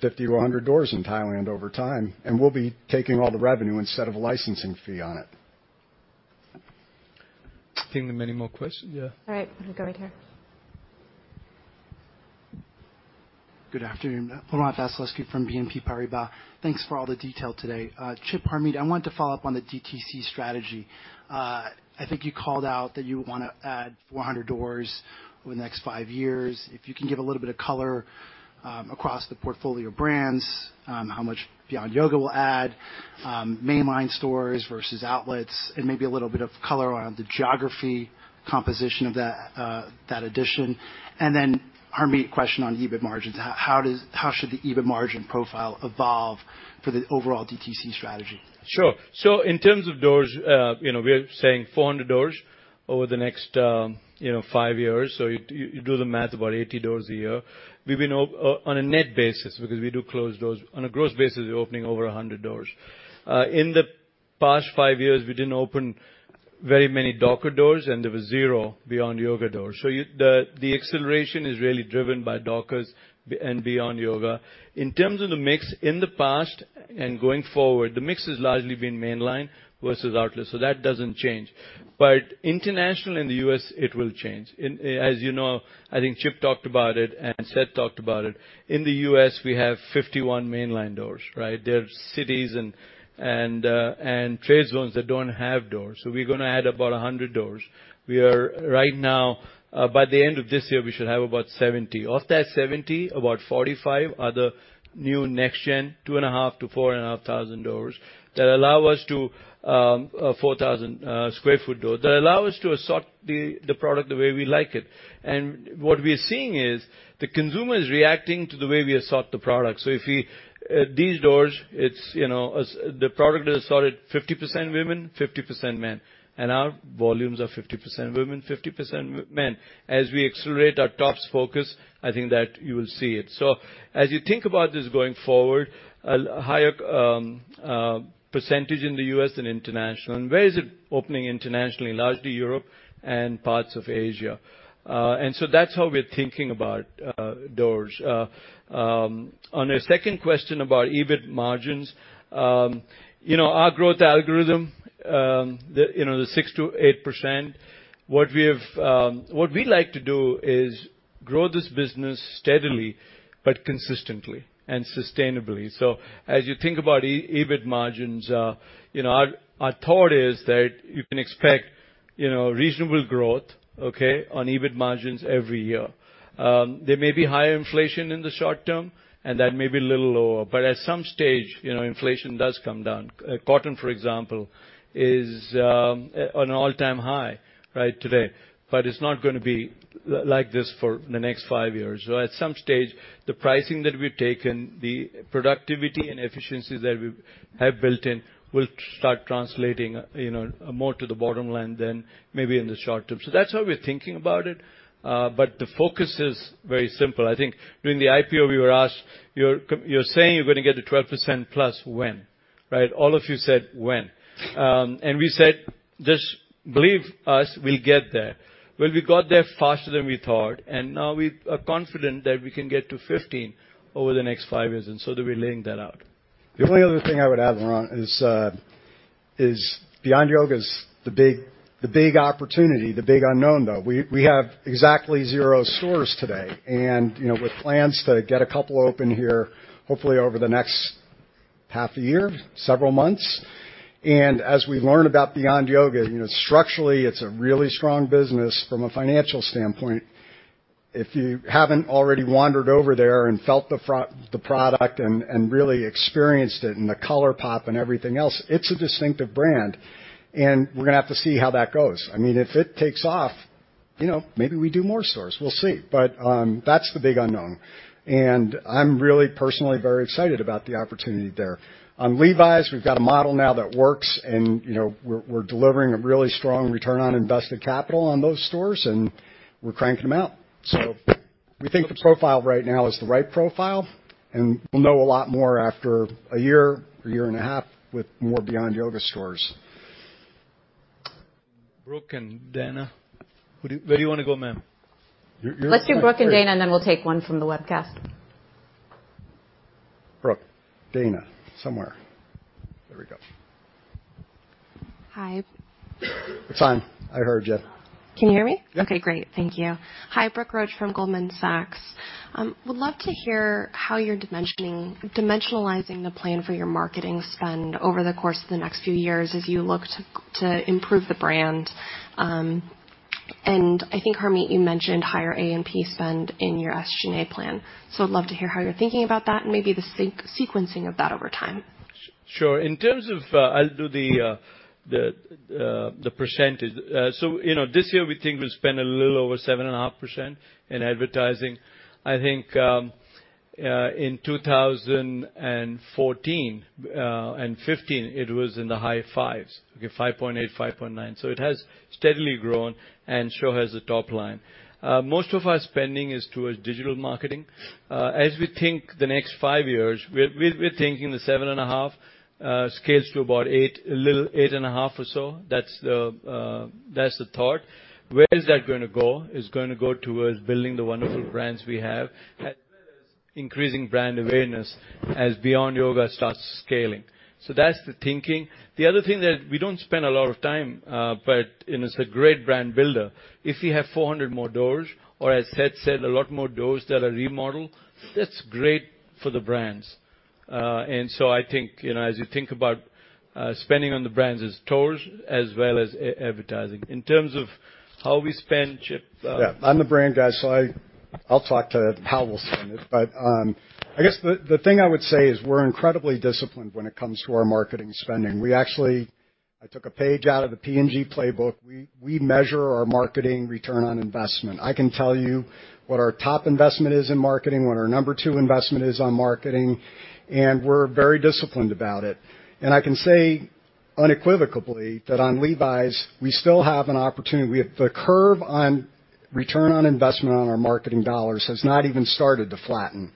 50-100 doors in Thailand over time, and we'll be taking all the revenue instead of a licensing fee on it. I think there are many more questions. Yeah. All right. We'll go right here. Good afternoon. Laurent Vasilescu from BNP Paribas. Thanks for all the detail today. Chip, Harmit, I wanted to follow up on the DTC strategy. I think you called out that you wanna add 400 doors over the next five years. If you can give a little bit of color across the portfolio brands, how much Beyond Yoga will add, mainline stores versus outlets, and maybe a little bit of color around the geography composition of that addition. Harmit, question on EBIT margins. How should the EBIT margin profile evolve for the overall DTC strategy? Sure. In terms of doors, you know, we're saying 400 doors over the next, you know, five years. You do the math, about 80 doors a year. We've been on a net basis because we do close doors. On a gross basis, we're opening over 100 doors. In the past five years, we didn't open very many Dockers doors, and there was zero Beyond Yoga doors. The acceleration is really driven by Dockers and Beyond Yoga. In terms of the mix, in the past and going forward, the mix has largely been mainline versus outlet, so that doesn't change. International and the U.S., it will change. As you know, I think Chip talked about it, and Seth talked about it. In the U.S., we have 51 mainline doors, right? There's cities and trade zones that don't have doors. We're gonna add about 100 doors. We are right now, by the end of this year, we should have about 70. Of that 70, about 45 are the new NextGen, 2,500-4,500 sq ft doors that allow us to 4,000 sq ft doors that allow us to assort the product the way we like it. What we're seeing is the consumer is reacting to the way we assort the product. If we these doors, it's, you know, as the product is assorted 50% Women, 50% Men, and our volumes are 50% Women, 50% Men. As we accelerate our tops focus, I think that you will see it. As you think about this going forward, a higher percentage in the U.S. and international. Where is it opening internationally? Largely Europe and parts of Asia. That's how we're thinking about doors. On a second question about EBIT margins, you know, our growth algorithm, the 6%-8%, what we have, what we like to do is grow this business steadily but consistently and sustainably. As you think about EBIT margins, you know, our thought is that you can expect reasonable growth, okay, on EBIT margins every year. There may be higher inflation in the short term, and that may be a little lower, but at some stage, you know, inflation does come down. Cotton, for example, is at an all-time high right today, but it's not gonna be like this for the next five years. At some stage, the pricing that we've taken, the productivity and efficiencies that we have built in will start translating, you know, more to the bottom line than maybe in the short term. That's how we're thinking about it, but the focus is very simple. I think during the IPO, we were asked, "You're saying you're gonna get to 12% plus when?" Right? All of you said, "When?" and we said, "Just believe us, we'll get there." Well, we got there faster than we thought, and now we are confident that we can get to 15 over the next five years, and so that we're laying that out. The only other thing I would add, Laurent, is Beyond Yoga's the big opportunity, the big unknown, though. We have exactly zero stores today and, you know, with plans to get a couple open here, hopefully over the next half a year, several months. As we learn about Beyond Yoga, you know, structurally, it's a really strong business from a financial standpoint. If you haven't already wandered over there and felt the product and really experienced it and the color pop and everything else, it's a distinctive brand, and we're gonna have to see how that goes. I mean, if it takes off, you know, maybe we do more stores. We'll see. That's the big unknown. I'm really personally very excited about the opportunity there. On Levi's, we've got a model now that works and, you know, we're delivering a really strong return on invested capital on those stores, and we're cranking them out. We think the profile right now is the right profile, and we'll know a lot more after a year or a year and a half with more Beyond Yoga stores. Brooke and Dana. Where do you wanna go, ma'am? You're Let's do Brooke and Dana, and then we'll take one from the webcast. Brooke, Dana, somewhere. There we go. Hi. It's on. I heard ya. Can you hear me? Yeah. Okay, great. Thank you. Hi, Brooke Roach from Goldman Sachs. Would love to hear how you're dimensionalizing the plan for your marketing spend over the course of the next few years as you look to improve the brand. I think, Harmit, you mentioned higher A&P spend in your SG&A plan. I'd love to hear how you're thinking about that and maybe the sequencing of that over time. Sure. In terms of, I'll do the percentage. You know, this year, we think we'll spend a little over 7.5% in advertising. I think in 2014 and 2015, it was in the high fives, okay, 5.8%, 5.9%. It has steadily grown and so has the top line. Most of our spending is towards digital marketing. As we think the next five years, we're thinking the 7.5% scales to about 8%, a little 8.5% or so. That's the thought. Where is that gonna go? It's gonna go towards building the wonderful brands we have, as well as increasing brand awareness as Beyond Yoga starts scaling. That's the thinking. The other thing that we don't spend a lot of time, but it's a great brand builder, if we have 400 more doors or, as Seth said, a lot more doors that are remodeled, that's great for the brands. I think, you know, as you think about spending on the brands in stores as well as advertising. In terms of how we spend, Chip. Yeah. I'm the brand guy, so I'll talk to how we'll spend it. I guess the thing I would say is we're incredibly disciplined when it comes to our marketing spending. I actually took a page out of the P&G playbook. We measure our marketing return on investment. I can tell you what our top investment is in marketing, what our number two investment is on marketing, and we're very disciplined about it. I can say unequivocally that on Levi's, we still have an opportunity. The curve on return on investment on our marketing dollars has not even started to flatten.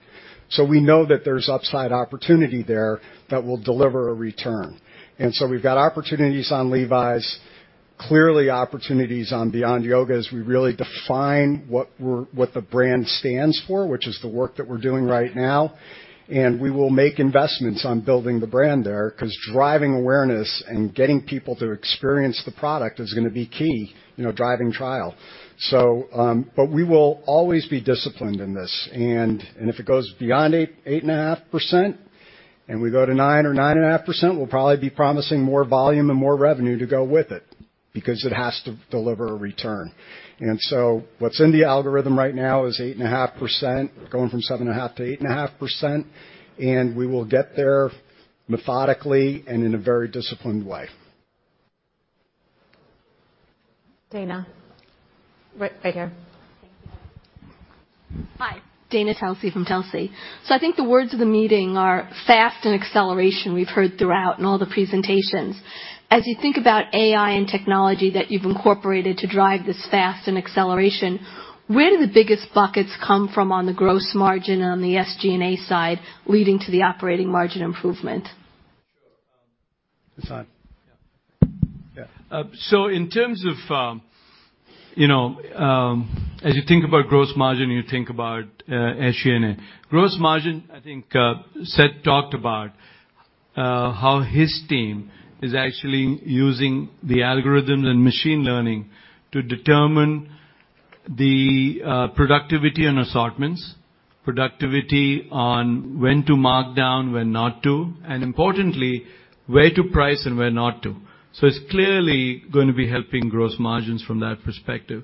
We know that there's upside opportunity there that will deliver a return. We've got opportunities on Levi's. Clearly, opportunities on Beyond Yoga as we really define what the brand stands for, which is the work that we're doing right now. We will make investments on building the brand there, 'cause driving awareness and getting people to experience the product is gonna be key, you know, driving trial. We will always be disciplined in this. If it goes beyond 8.5% and we go to 9% or 9.5%, we'll probably be promising more volume and more revenue to go with it because it has to deliver a return. What's in the algorithm right now is 8.5%, going from 7.5%-8.5%, and we will get there methodically and in a very disciplined way. Dana. Right, right here. Thank you. Hi, Dana Telsey from Telsey. I think the words of the meeting are fast and acceleration we've heard throughout in all the presentations. As you think about AI and technology that you've incorporated to drive this fast and acceleration, where do the biggest buckets come from on the gross margin on the SG&A side leading to the operating margin improvement? Sure. Harmit? Yeah. Yeah. In terms of, you know, as you think about gross margin, you think about SG&A. Gross margin, I think, Seth talked about how his team is actually using the algorithms and machine learning to determine the productivity on assortments, productivity on when to mark down, when not to, and importantly, where to price and where not to. It's clearly gonna be helping gross margins from that perspective.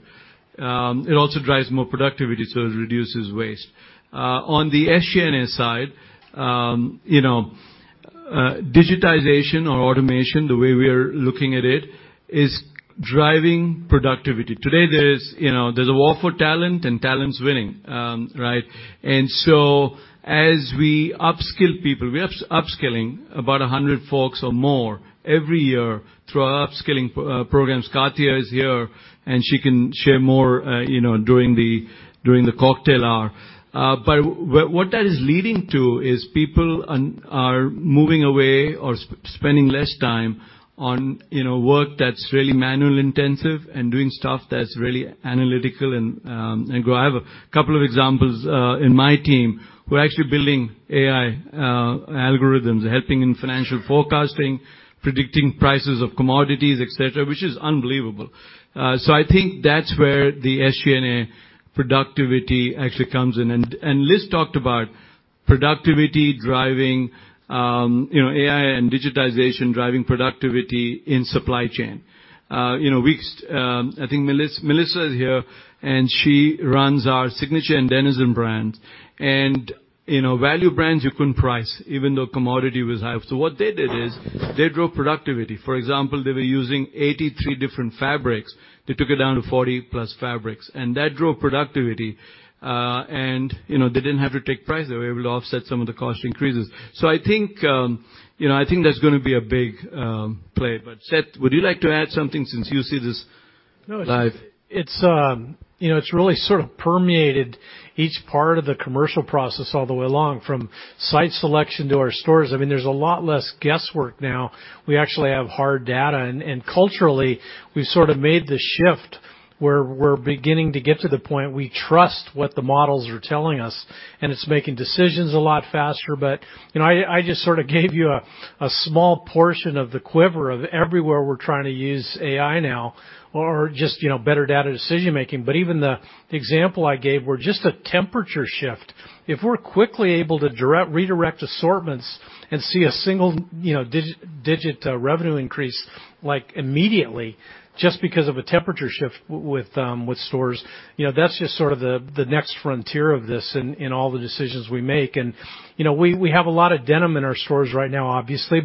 It also drives more productivity, so it reduces waste. On the SG&A side, you know, digitization or automation, the way we are looking at it, is driving productivity. Today, there's, you know, a war for talent, and talent's winning, right? We upskill people, we are upskilling about 100 folks or more every year through our upskilling programs. Katia is here, and she can share more, you know, during the cocktail hour. What that is leading to is people are moving away or spending less time on, you know, work that's really manual intensive and doing stuff that's really analytical and growth. I have a couple of examples in my team. We're actually building AI algorithms, helping in financial forecasting, predicting prices of commodities, et cetera, which is unbelievable. I think that's where the SG&A productivity actually comes in. Liz talked about productivity driving, you know, AI and digitization driving productivity in supply chain. I think Melissa is here, and she runs our Signature and Denizen brands. You know, value brands you couldn't price even though commodity was high. What they did is they drove productivity. For example, they were using 83 different fabrics. They took it down to 40+ fabrics, and that drove productivity. You know, they didn't have to take price. They were able to offset some of the cost increases. I think, you know, I think that's gonna be a big play. Seth, would you like to add something since you see this live? No, it's you know, it's really sort of permeated each part of the commercial process all the way along, from site selection to our stores. I mean, there's a lot less guesswork now. We actually have hard data and culturally, we've sorta made the shift where we're beginning to get to the point we trust what the models are telling us, and it's making decisions a lot faster. You know, I just sorta gave you a small portion of the quiver of everywhere we're trying to use AI now or just you know, better data decision-making. Even the example I gave, where just a temperature shift, if we're quickly able to redirect assortments and see a single-digit, you know, revenue increase like immediately just because of a temperature shift with stores, you know, that's just sort of the next frontier of this in all the decisions we make. We have a lot of denim in our stores right now, obviously.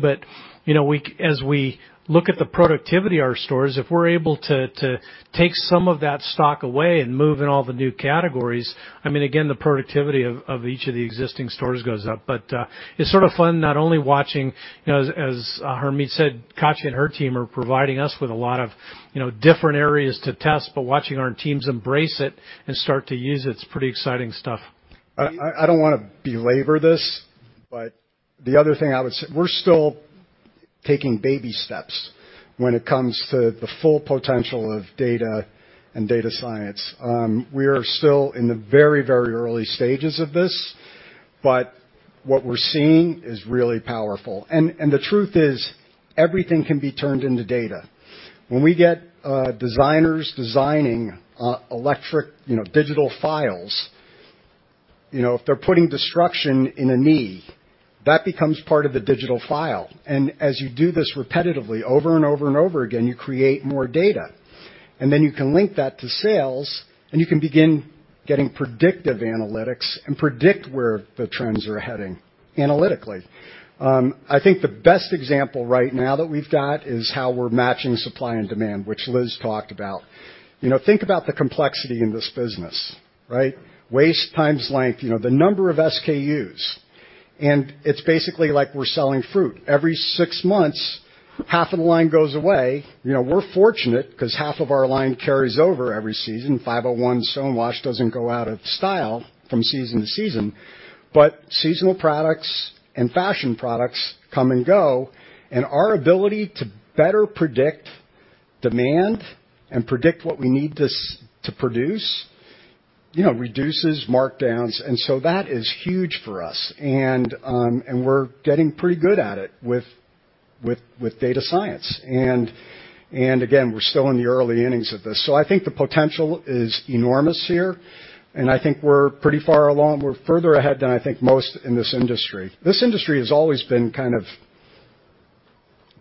As we look at the productivity of our stores, if we're able to take some of that stock away and move in all the new categories, I mean, again, the productivity of each of the existing stores goes up. it's sort of fun not only watching, you know, as Harmit said, Katia and her team are providing us with a lot of, you know, different areas to test, but watching our teams embrace it and start to use it's pretty exciting stuff. I don't wanna belabor this, but the other thing I would say, we're still taking baby steps when it comes to the full potential of data and data science. We are still in the very, very early stages of this, but what we're seeing is really powerful. The truth is everything can be turned into data. When we get designers designing electronic, you know, digital files, you know, if they're putting destruction in a knee, that becomes part of the digital file. As you do this repetitively over and over and over again, you create more data. Then you can link that to sales, and you can begin getting predictive analytics and predict where the trends are heading analytically. I think the best example right now that we've got is how we're matching supply and demand, which Liz talked about. You know, think about the complexity in this business, right? Waist times length, you know, the number of SKUs, and it's basically like we're selling fruit. Every six months, half of the line goes away. You know, we're fortunate 'cause half of our line carries over every season. 501 Stone Wash doesn't go out of style from season to season. Seasonal products and fashion products come and go, and our ability to better predict demand and predict what we need to produce, you know, reduces markdowns, and so that is huge for us. We're getting pretty good at it with data science. Again, we're still in the early innings of this. I think the potential is enormous here, and I think we're pretty far along. We're further ahead than I think most in this industry. This industry has always been kind of.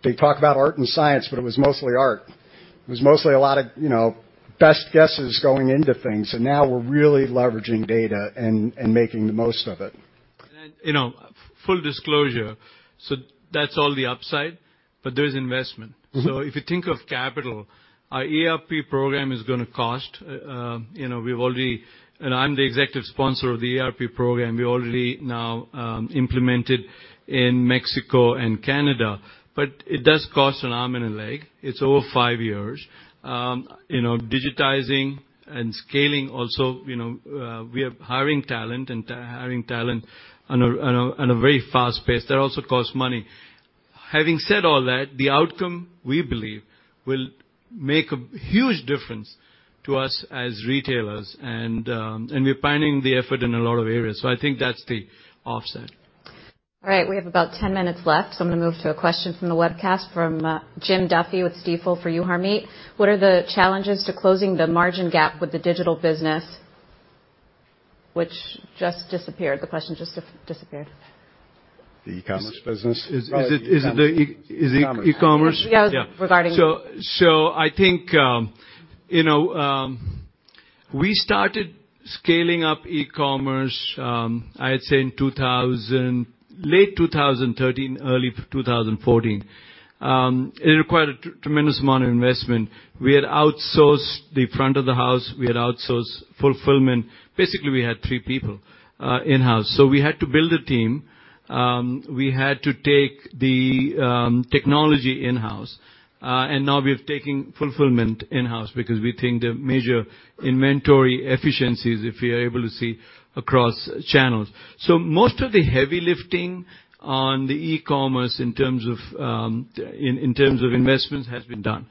They talk about art and science, but it was mostly art. It was mostly a lot of, you know, best guesses going into things, and now we're really leveraging data and making the most of it. You know, full disclosure, so that's all the upside, but there is investment. Mm-hmm. If you think of capital, our ERP program is gonna cost. I'm the executive sponsor of the ERP program. We already now implement it in Mexico and Canada, but it does cost an arm and a leg. It's over five years. Digitizing and scaling also, we are hiring talent on a very fast pace. That also costs money. Having said all that, the outcome, we believe, will make a huge difference to us as retailers. We're planning the effort in a lot of areas. I think that's the offset. All right, we have about 10 minutes left, so I'm gonna move to a question from the webcast from Jim Duffy with Stifel for you, Harmit. What are the challenges to closing the margin gap with the digital business? Which just disappeared. The question just disappeared. The e-commerce business? Is it the e-commerce? Yeah, regarding. I think, you know, we started scaling up e-commerce, I'd say in late 2013, early 2014. It required a tremendous amount of investment. We had outsourced the front of the house. We had outsourced fulfillment. Basically, we had three people in-house. We had to build a team. We had to take the technology in-house. Now we're taking fulfillment in-house because we think the major inventory efficiencies if we are able to see across channels. Most of the heavy lifting on the e-commerce in terms of investments has been done.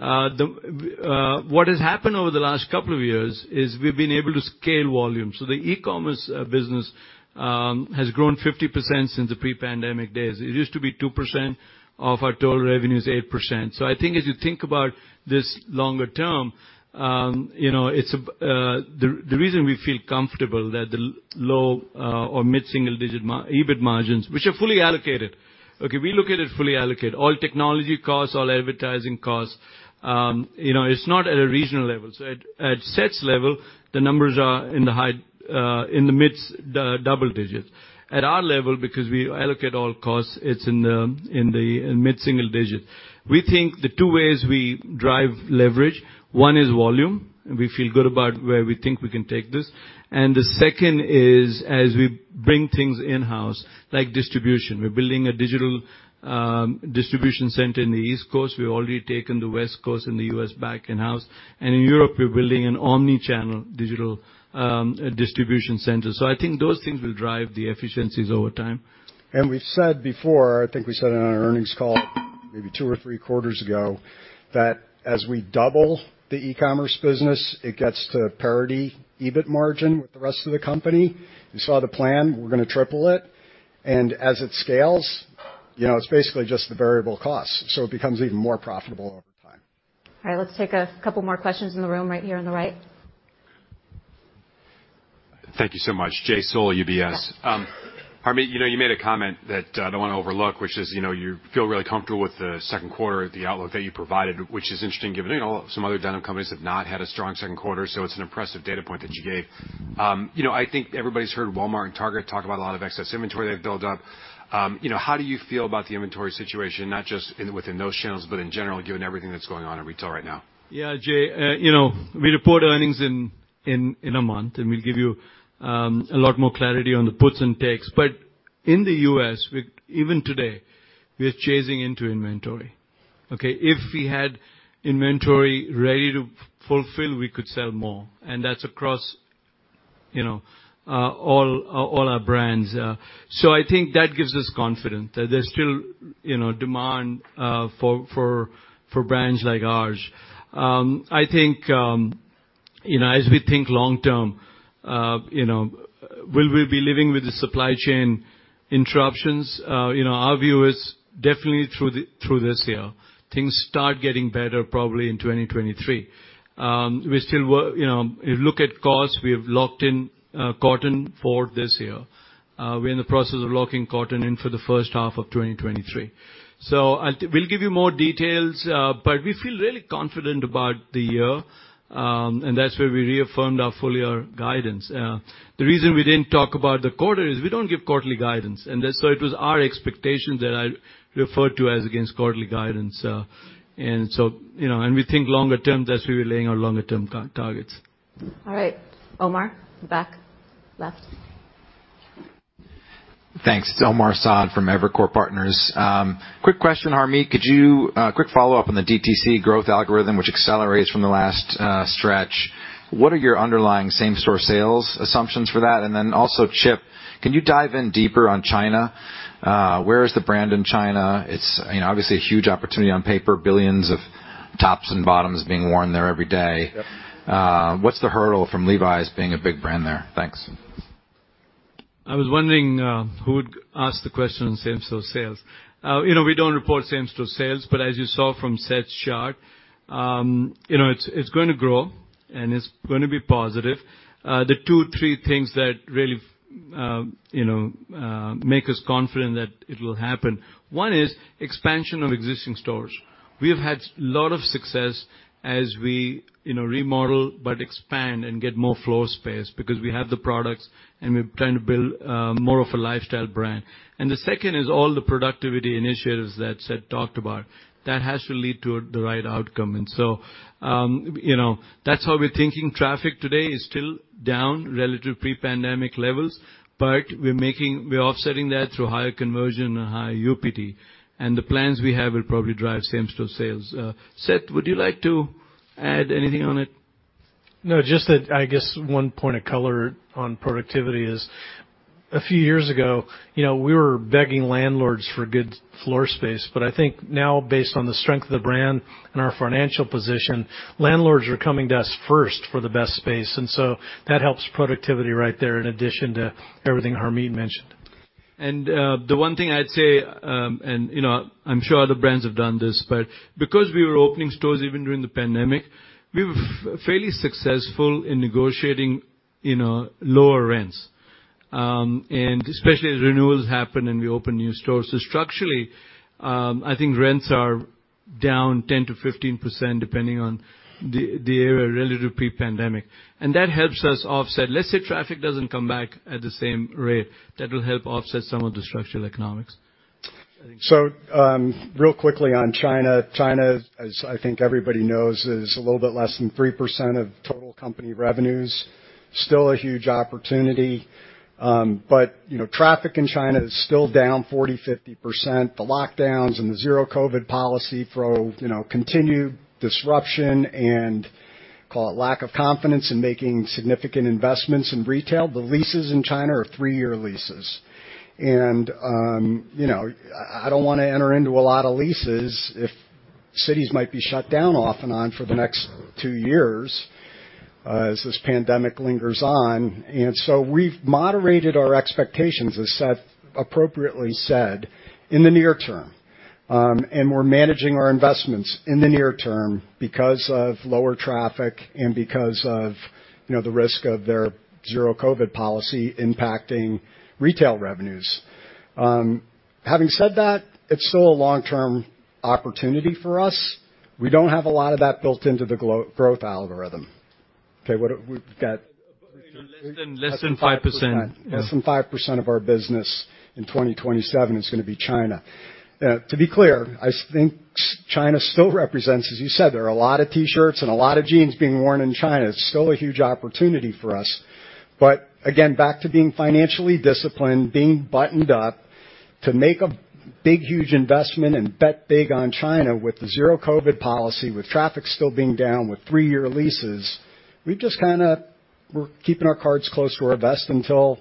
What has happened over the last couple of years is we've been able to scale volume. The e-commerce business has grown 50% since the pre-pandemic days. It used to be 2%. Of our total revenue, it's 8%. I think as you think about this longer term, you know, it's the reason we feel comfortable that the low- or mid-single-digit EBIT margins, which are fully allocated. Okay, we look at it fully allocated, all technology costs, all advertising costs. You know, it's not at a regional level. At Seth's level, the numbers are in the high double digits. At our level, because we allocate all costs, it's in the mid-single digits. We think the two ways we drive leverage, one is volume, and we feel good about where we think we can take this. The second is, as we bring things in-house, like distribution. We're building a digital distribution center in the East Coast. We've already taken the West Coast and the U.S. back in-house. In Europe, we're building an omnichannel digital distribution center. I think those things will drive the efficiencies over time. We've said before, I think we said it on our earnings call maybe two or three quarters ago, that as we double the e-commerce business, it gets to parity EBIT margin with the rest of the company. You saw the plan, we're gonna triple it. As it scales, you know, it's basically just the variable cost. It becomes even more profitable over time. All right, let's take a couple more questions in the room right here on the right. Thank you so much. Jay Sole, UBS. Harmit, you know, you made a comment that, I don't wanna overlook, which is, you know, you feel really comfortable with the second quarter, the outlook that you provided, which is interesting given, you know, some other denim companies have not had a strong second quarter, so it's an impressive data point that you gave. You know, I think everybody's heard Walmart and Target talk about a lot of excess inventory they've built up. You know, how do you feel about the inventory situation, not just within those channels, but in general, given everything that's going on in retail right now? Yeah. Jay, you know, we report earnings in a month, and we'll give you a lot more clarity on the puts and takes. In the U.S., even today, we are chasing into inventory, okay? If we had inventory ready to fulfill, we could sell more, and that's across, you know, all our brands. I think that gives us confidence that there's still, you know, demand for brands like ours. I think, you know, as we think long term, you know, will we be living with the supply chain interruptions? You know, our view is definitely through this year. Things start getting better probably in 2023. You know, if you look at costs, we have locked in cotton for this year. We're in the process of locking cotton in for the first half of 2023. We'll give you more details, but we feel really confident about the year, and that's where we reaffirmed our full year guidance. The reason we didn't talk about the quarter is we don't give quarterly guidance, and that's our expectations that I referred to as against quarterly guidance. You know, we think longer term, that's where we're laying our longer term targets. All right. Omar, back left. Thanks. It's Omar Saad from Evercore ISI. Quick question, Harmit. Could you quick follow-up on the DTC growth algorithm, which accelerates from the last stretch. What are your underlying same-store sales assumptions for that? Chip, can you dive in deeper on China? Where is the brand in China? It's, you know, obviously a huge opportunity on paper. Billions of tops and bottoms being worn there every day. Yep. What's the hurdle from Levi's being a big brand there? Thanks. I was wondering who would ask the question on same-store sales. You know, we don't report same-store sales, but as you saw from Seth's chart, you know, it's gonna grow, and it's gonna be positive. The two, three things that really make us confident that it will happen, one is expansion of existing stores. We have had a lot of success as we, you know, remodel but expand and get more floor space because we have the products, and we're trying to build more of a lifestyle brand. The second is all the productivity initiatives that Seth talked about. That has to lead to the right outcome. You know, that's how we're thinking. Traffic today is still down relative pre-pandemic levels, but we're offsetting that through higher conversion and higher UPT. The plans we have will probably drive same-store sales. Seth, would you like to add anything on it? No, just that, I guess, one point of color on productivity is a few years ago, you know, we were begging landlords for good floor space. I think now, based on the strength of the brand and our financial position, landlords are coming to us first for the best space. That helps productivity right there in addition to everything Harmit mentioned. The one thing I'd say, and you know, I'm sure other brands have done this, but because we were opening stores even during the pandemic, we were fairly successful in negotiating, you know, lower rents. Especially as renewals happen and we open new stores. Structurally, I think rents are down 10%-15% depending on the era relative pre-pandemic. That helps us offset. Let's say traffic doesn't come back at the same rate. That will help offset some of the structural economics. Real quickly on China. China, as I think everybody knows, is a little bit less than 3% of total company revenues. Still a huge opportunity. But you know, traffic in China is still down 40%-50%. The lockdowns and the Zero-COVID policy drove, you know, continued disruption and call it lack of confidence in making significant investments in retail. The leases in China are three-year leases. You know, I don't wanna enter into a lot of leases if cities might be shut down off and on for the next two years, as this pandemic lingers on. We've moderated our expectations, as Seth appropriately said, in the near term. We're managing our investments in the near term because of lower traffic and because of, you know, the risk of their Zero-COVID policy impacting retail revenues. Having said that, it's still a long-term opportunity for us. We don't have a lot of that built into the growth algorithm. Okay, what have we got? Less than 5%. Less than 5% of our business in 2027 is gonna be China. To be clear, I think China still represents, as you said, there are a lot of T-shirts and a lot of jeans being worn in China. It's still a huge opportunity for us. Again, back to being financially disciplined, being buttoned up. To make a big, huge investment and bet big on China with the Zero-COVID policy, with traffic still being down, with three-year leases, we've just. We're keeping our cards close to our vest until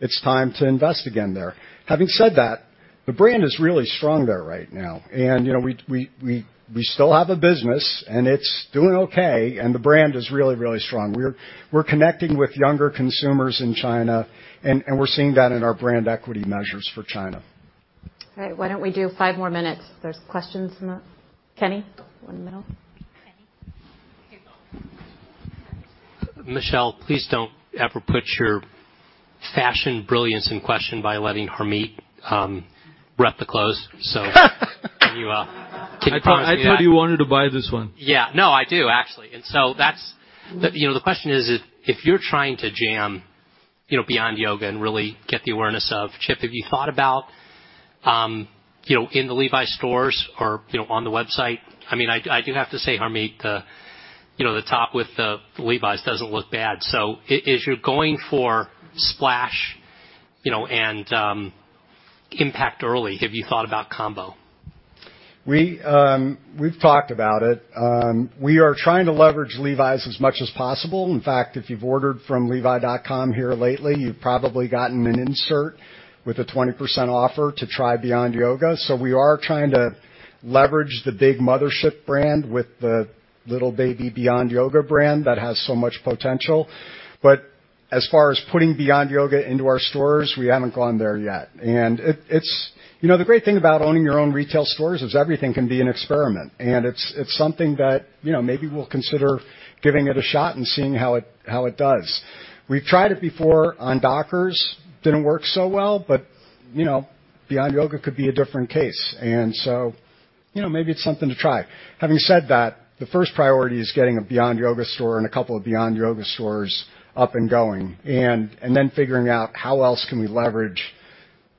it's time to invest again there. Having said that, the brand is really strong there right now. You know, we still have a business, and it's doing okay, and the brand is really, really strong. We're connecting with younger consumers in China, and we're seeing that in our brand equity measures for China. All right. Why don't we do five more minutes? There's questions from Kenny, one in the middle. Kenny. Michelle, please don't ever put your fashion brilliance in question by letting Harmit rep the clothes. Can you promise me that? I thought you wanted to buy this one. Yeah. No, I do, actually. That's you know, the question is, if you're trying to jam, you know, Beyond Yoga and really get the awareness of Chip, have you thought about, you know, in the Levi's stores or, you know, on the website? I mean, I do have to say, Harmit, you know, the top with the Levi's doesn't look bad. So if you're going for splash, you know, and impact early, have you thought about combo? We've talked about it. We are trying to leverage Levi's as much as possible. In fact, if you've ordered from levi.com here lately, you've probably gotten an insert with a 20% offer to try Beyond Yoga. We are trying to leverage the big mothership brand with the little baby Beyond Yoga brand that has so much potential. As far as putting Beyond Yoga into our stores, we haven't gone there yet. You know, the great thing about owning your own retail stores is everything can be an experiment. It's something that, you know, maybe we'll consider giving it a shot and seeing how it does. We've tried it before on Dockers. Didn't work so well, but, you know, Beyond Yoga could be a different case. You know, maybe it's something to try. Having said that, the first priority is getting a Beyond Yoga store and a couple of Beyond Yoga stores up and going, and then figuring out how else can we leverage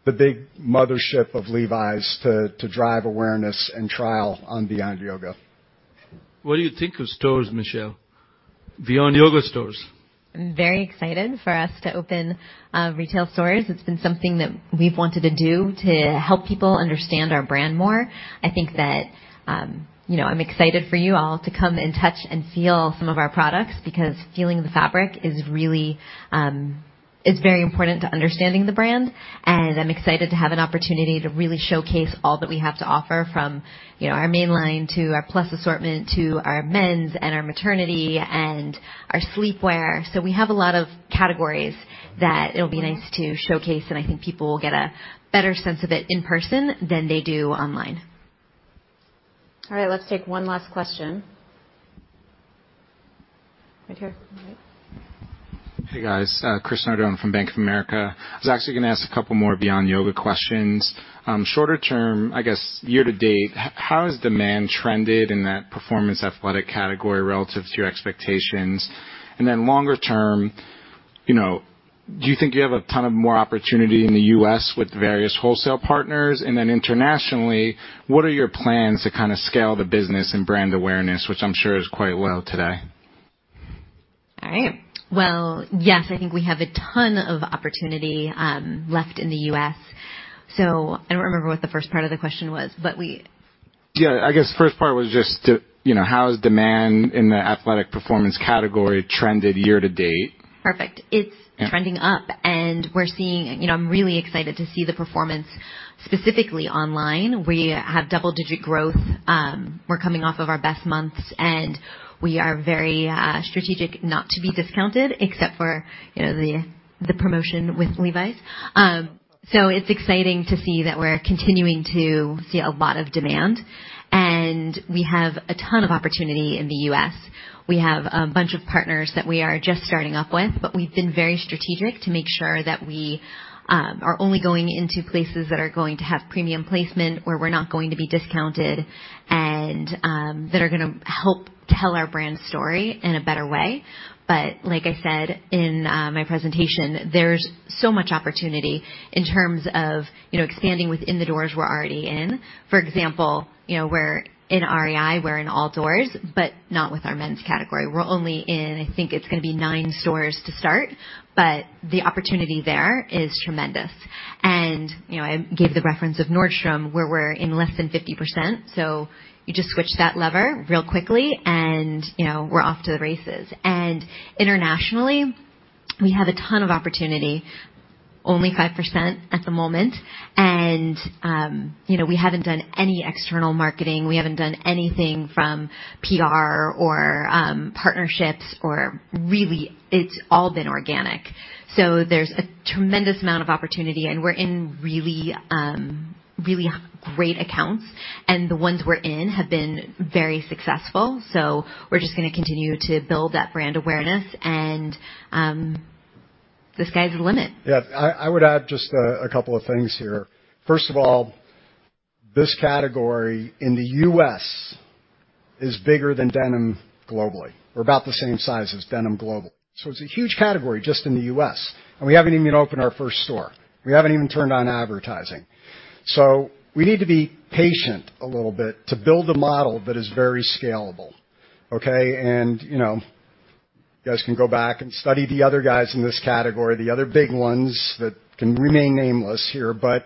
the big mothership of Levi's to drive awareness and trial on Beyond Yoga. What do you think of stores, Michelle? Beyond Yoga stores. I'm very excited for us to open retail stores. It's been something that we've wanted to do to help people understand our brand more. I think that, you know, I'm excited for you all to come and touch and feel some of our products because feeling the fabric is really. It's very important to understanding the brand, and I'm excited to have an opportunity to really showcase all that we have to offer from, you know, our main line to our plus assortment to our Men's and our maternity and our sleepwear. We have a lot of categories that it'll be nice to showcase, and I think people will get a better sense of it in person than they do online. All right, let's take one last question. Right here. Hey, guys. Chris from Bank of America. I was actually gonna ask a couple more Beyond Yoga questions. Shorter term, I guess year to date, how has demand trended in that performance athletic category relative to your expectations? And then longer term, you know, do you think you have a ton of more opportunity in the U.S. with various wholesale partners? And then internationally, what are your plans to kinda scale the business and brand awareness, which I'm sure is quite well today? All right. Well, yes, I think we have a ton of opportunity left in the U.S. I don't remember what the first part of the question was, but we- Yeah, I guess first part was just, you know, how has demand in the athletic performance category trended year to date? Perfect. Yeah. Trending up, we're seeing. You know, I'm really excited to see the performance specifically online. We have double-digit growth. We're coming off of our best months, and we are very strategic not to be discounted except for, you know, the promotion with Levi's. So it's exciting to see that we're continuing to see a lot of demand. We have a ton of opportunity in the U.S. We have a bunch of partners that we are just starting off with, but we've been very strategic to make sure that we are only going into places that are going to have premium placement, where we're not going to be discounted and that are gonna help tell our brand story in a better way. Like I said in my presentation, there's so much opportunity in terms of, you know, expanding within the doors we're already in. For example, you know, we're in REI, we're in all doors, but not with our Men's category. We're only in, I think it's gonna be nine stores to start, but the opportunity there is tremendous. I gave the reference of Nordstrom, where we're in less than 50%, so you just switch that lever real quickly and, you know, we're off to the races. Internationally, we have a ton of opportunity. Only 5% at the moment. You know, we haven't done any external marketing. We haven't done anything from PR or partnerships or really it's all been organic. There's a tremendous amount of opportunity, and we're in really, really great accounts, and the ones we're in have been very successful, so we're just gonna continue to build that brand awareness. The sky's the limit. Yeah. I would add just a couple of things here. First of all, this category in the U.S. is bigger than denim globally, or about the same size as denim globally. It's a huge category just in the U.S., and we haven't even opened our first store. We haven't even turned on advertising. We need to be patient a little bit to build a model that is very scalable, okay? You know, you guys can go back and study the other guys in this category, the other big ones that can remain nameless here, but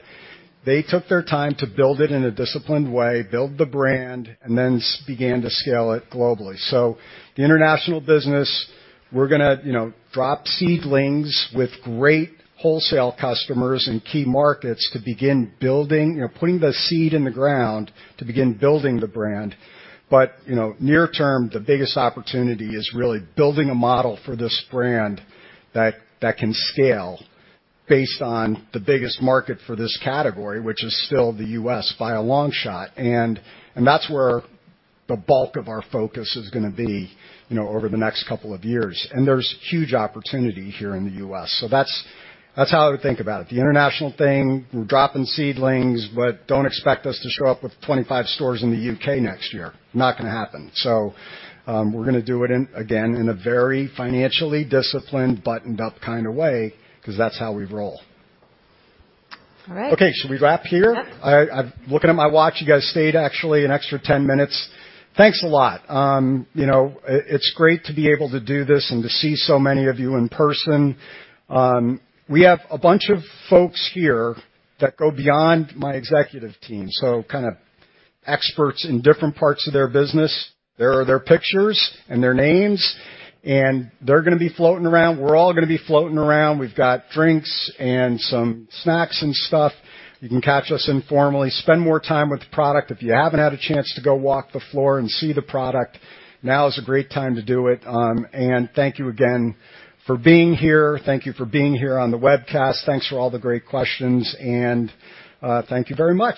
they took their time to build it in a disciplined way, build the brand, and then began to scale it globally. The international business, we're gonna, you know, drop seedlings with great wholesale customers in key markets to begin building, you know, putting the seed in the ground to begin building the brand. You know, near term, the biggest opportunity is really building a model for this brand that can scale based on the biggest market for this category, which is still the U.S. by a long shot. That's where the bulk of our focus is gonna be, you know, over the next couple of years. There's huge opportunity here in the U.S. That's how I would think about it. The international thing, we're dropping seedlings, but don't expect us to show up with 25 stores in the U.K. next year. Not gonna happen. We're gonna do it again in a very financially disciplined, buttoned-up kinda way 'cause that's how we roll. All right. Okay, should we wrap here? Yep. Looking at my watch, you guys stayed actually an extra 10 minutes. Thanks a lot. It's great to be able to do this and to see so many of you in person. We have a bunch of folks here that go beyond my executive team, so kind of experts in different parts of their business. There are their pictures and their names, and they're gonna be floating around. We're all gonna be floating around. We've got drinks and some snacks and stuff. You can catch us informally, spend more time with the product. If you haven't had a chance to go walk the floor and see the product, now is a great time to do it. Thank you again for being here. Thank you for being here on the webcast. Thanks for all the great questions, thank you very much.